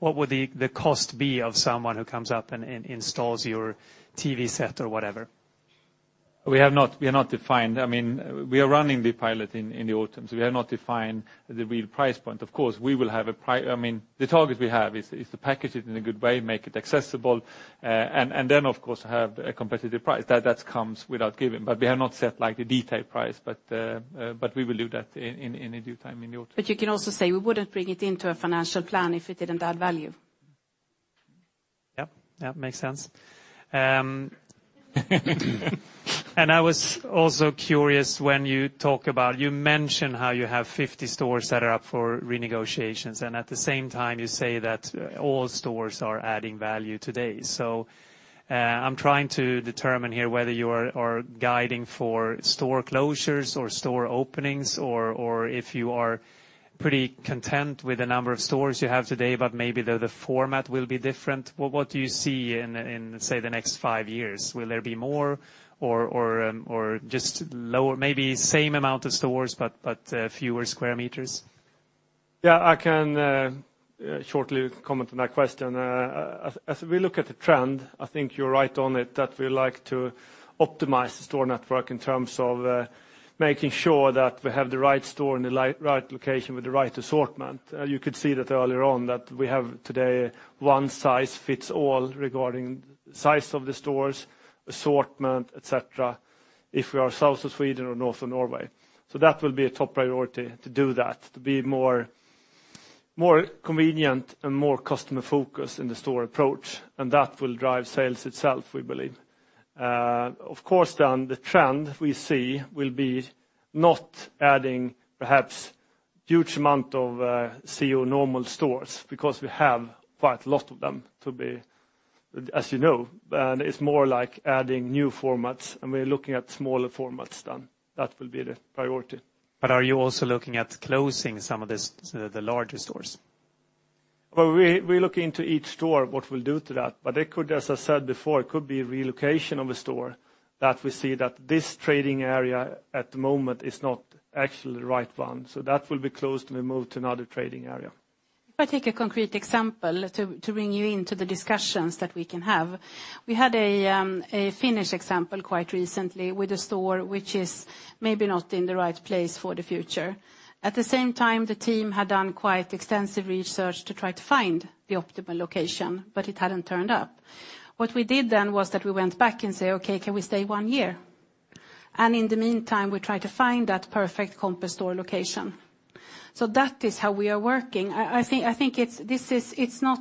What would the cost be of someone who comes up and installs your TV set or whatever? We have not defined. We are running the pilot in the autumn, so we have not defined the real price point. Of course, we will have the target we have is to package it in a good way, make it accessible, and then of course have a competitive price. That comes without giving. We have not set, like, the detailed price, but we will do that in due time in the autumn. You can also say we wouldn't bring it into a financial plan if it didn't add value. Yep. That makes sense. I was also curious. You mention how you have 50 stores that are up for renegotiations, and at the same time, you say that all stores are adding value today. I'm trying to determine here whether you are guiding for store closures or store openings or if you are pretty content with the number of stores you have today but maybe though the format will be different. What do you see in, say, the next five years? Will there be more or just lower, maybe same amount of stores but fewer square meters? I can shortly comment on that question. As we look at the trend, I think you're right on it that we like to optimize the store network in terms of making sure that we have the right store in the right location with the right assortment. You could see that earlier on that we have today one size fits all regarding size of the stores, assortment, et cetera, if we are south of Sweden or north of Norway. That will be a top priority to do that, to be more, more convenient and more customer-focused in the store approach, and that will drive sales itself, we believe. Of course, then the trend we see will be not adding perhaps huge amount of Clas Ohlson normal stores because we have quite a lot of them, as you know. It's more like adding new formats, and we're looking at smaller formats than that will be the priority. Are you also looking at closing some of the larger stores? Well, we look into each store what we'll do to that. It could, as I said before, it could be relocation of a store that we see that this trading area at the moment is not actually the right one. That will be closed, and we move to another trading area. If I take a concrete example to bring you into the discussions that we can have, we had a Finnish example quite recently with a store which is maybe not in the right place for the future. The team had done quite extensive research to try to find the optimal location, but it hadn't turned up. What we did then was that we went back and say, "Okay, can we stay 1 year?" In the meantime, we tried to find that perfect compass store location. That is how we are working. I think, I think it's. This is. It's not,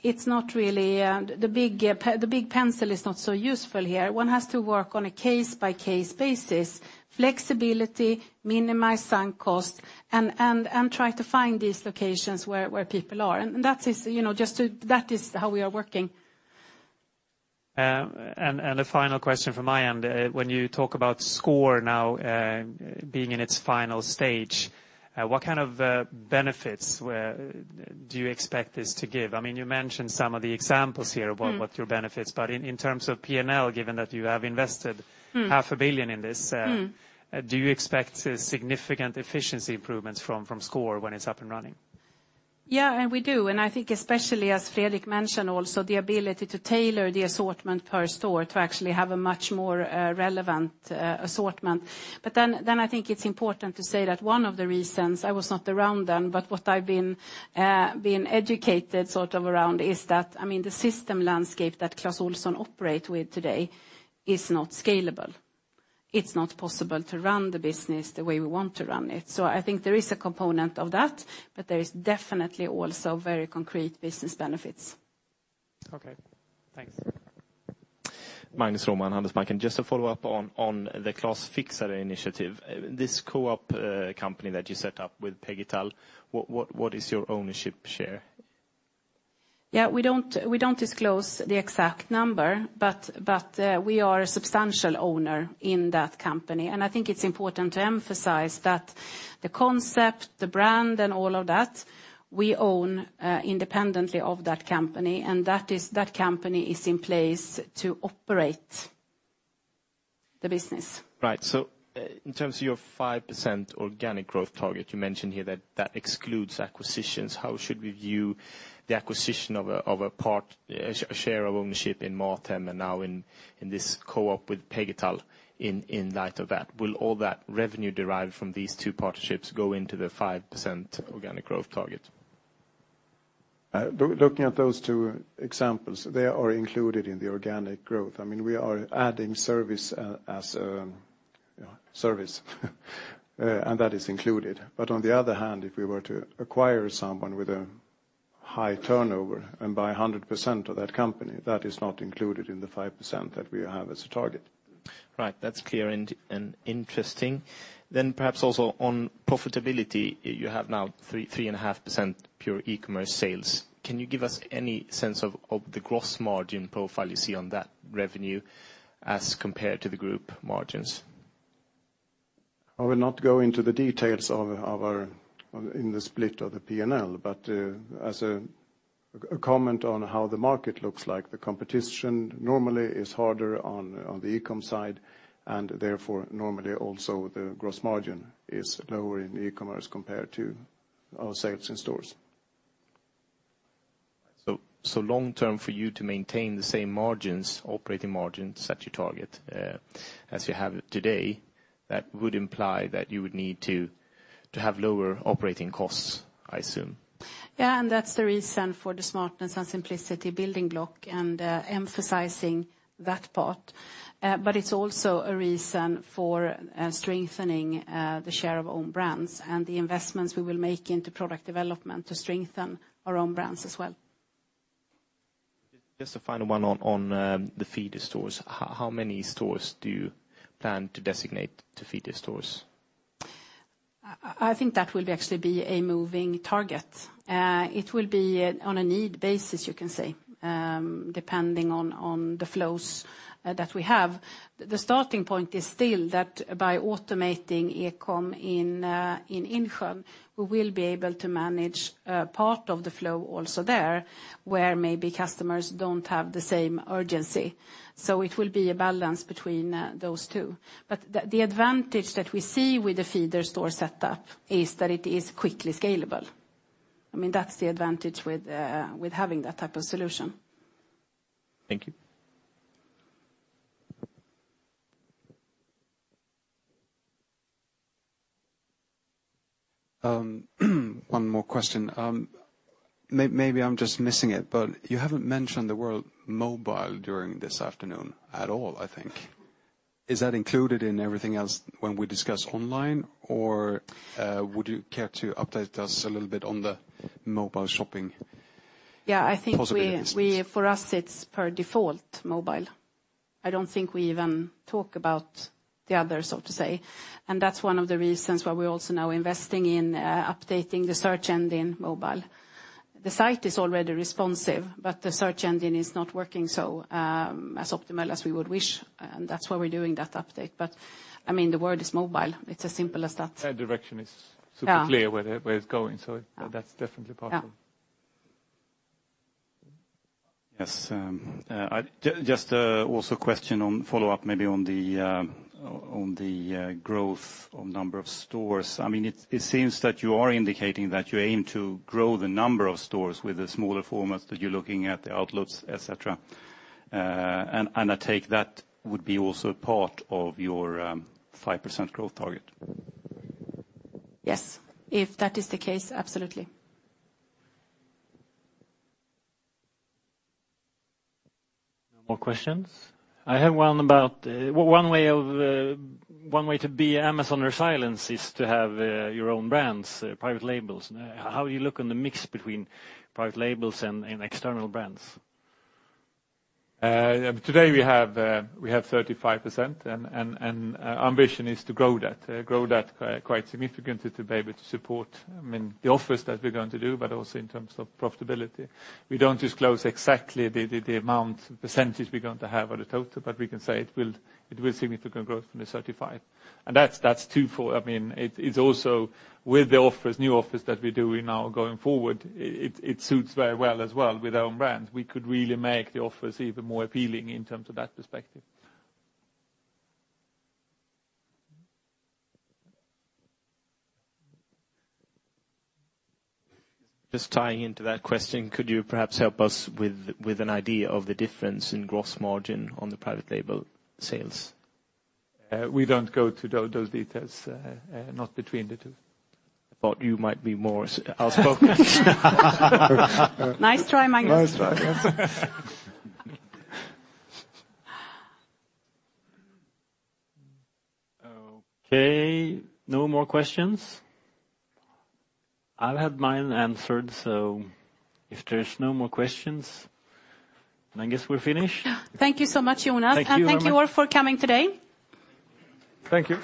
it's not really. The big pencil is not so useful here. One has to work on a case-by-case basis, flexibility, minimize some cost, and try to find these locations where people are. That is how we are working. A final question from my end. When you talk about SCORE now, being in its final stage, what benefits do you expect this to give? You mentioned some of the examples here about, What your benefits. In terms of P&L, given that you have invested half a billion in do you expect significant efficiency improvements from SCORE when it's up and running? We do. I think especially as Fredrik Urbom mentioned also, the ability to tailor the assortment per store to actually have a much more, relevant, assortment. Then I think it's important to say that one of the reasons, I was not around then, but what I've been educated sort of around is that, the system landscape that Clas Ohlson operate with today is not scalable. It's not possible to run the business the way we want to run it. I think there is a component of that, but there is definitely also very concrete business benefits. Okay. Thanks. Magnus Råman, Handelsbanken. Just to follow up on the Clas Fixare initiative, this co-op, company that you set up with Pegital, what is your ownership share? We don't disclose the exact number, but we are a substantial owner in that company. I think it's important to emphasize that the concept, the brand, and all of that, we own independently of that company. That company is in place to operate the business. In terms of your 5% organic growth target, you mentioned here that that excludes acquisitions. How should we view the acquisition of a share of ownership in MatHem and now in this co-op with Pegital in light of that? Will all that revenue derived from these two partnerships go into the 5% organic growth target? Looking at those two examples, they are included in the organic growth. We are adding service as service, and that is included. On the other hand, if we were to acquire someone with a high turnover and buy 100% of that company, that is not included in the 5% that we have as a target. Right. That's clear and interesting. Perhaps also on profitability, you have now 3.5% pure e-commerce sales. Can you give us any sense of the gross margin profile you see on that revenue as compared to the group margins? I will not go into the details in the split of the P&L. As a comment on how the market looks like, the competition normally is harder on the e-com side, and therefore normally also the gross margin is lower in e-commerce compared to our sales in stores. Long term for you to maintain the same margins, operating margins that you target, as you have today, that would imply that you would need to have lower operating costs, I assume. That's the reason for the smartness and simplicity building block and emphasizing that part. It's also a reason for strengthening the share of own brands and the investments we will make into product development to strengthen our own brands as well. Just a final one on the feeder stores. How many stores do you plan to designate to feeder stores? I think that will actually be a moving target. It will be on a need basis, you can say, depending on the flows that we have. The starting point is still that by automating e-com in Insjön, we will be able to manage part of the flow also there, where maybe customers don't have the same urgency. It will be a balance between those two. The advantage that we see with the feeder store setup is that it is quickly scalable. That's the advantage with having that type of solution. Thank you. One more question. maybe I'm just missing it, but you haven't mentioned the word mobile during this afternoon at all, I think. Is that included in everything else when we discuss online, or, would you care to update us a little bit on the mobile shopping possibility? For us, it's per default mobile. I don't think we even talk about the other, so to say. That's one of the reasons why we're also now investing in updating the search engine mobile. The site is already responsive, but the search engine is not working so as optimal as we would wish, and that's why we're doing that update. The word is mobile. It's as simple as that. That direction. Yeah... super clear where it's going, so that's definitely possible. Yeah. Yes, also a question on follow-up maybe on the growth on number of stores. It seems that you are indicating that you aim to grow the number of stores with the smaller formats that you're looking at, the outlets, et cetera. And I take that would be also part of your 5% growth target. Yes. If that is the case, absolutely. More questions? I have one about, one way to be Amazon resilient is to have your own brands, private labels. How you look on the mix between private labels and external brands? Today we have 35% and our ambition is to grow that quite significantly to be able to support the offers that we're going to do, but also in terms of profitability. We don't disclose exactly the amount, the percentage we're going to have on the total, but we can say it will significant growth from the 35. That's twofold. It's also with the offers, new offers that we're doing now going forward, it suits very well as well with our own brands. We could really make the offers even more appealing in terms of that perspective. Just tying into that question, could you perhaps help us with an idea of the difference in gross margin on the private label sales? We don't go to those details, not between the two. I thought you might be more outspoken. Nice try, Magnus. Nice try. No more questions. I've had mine answered, so if there's no more questions, then I guess we're finished. Thank you so much, Jonas. Thank you very much. Thank you all for coming today. Thank you.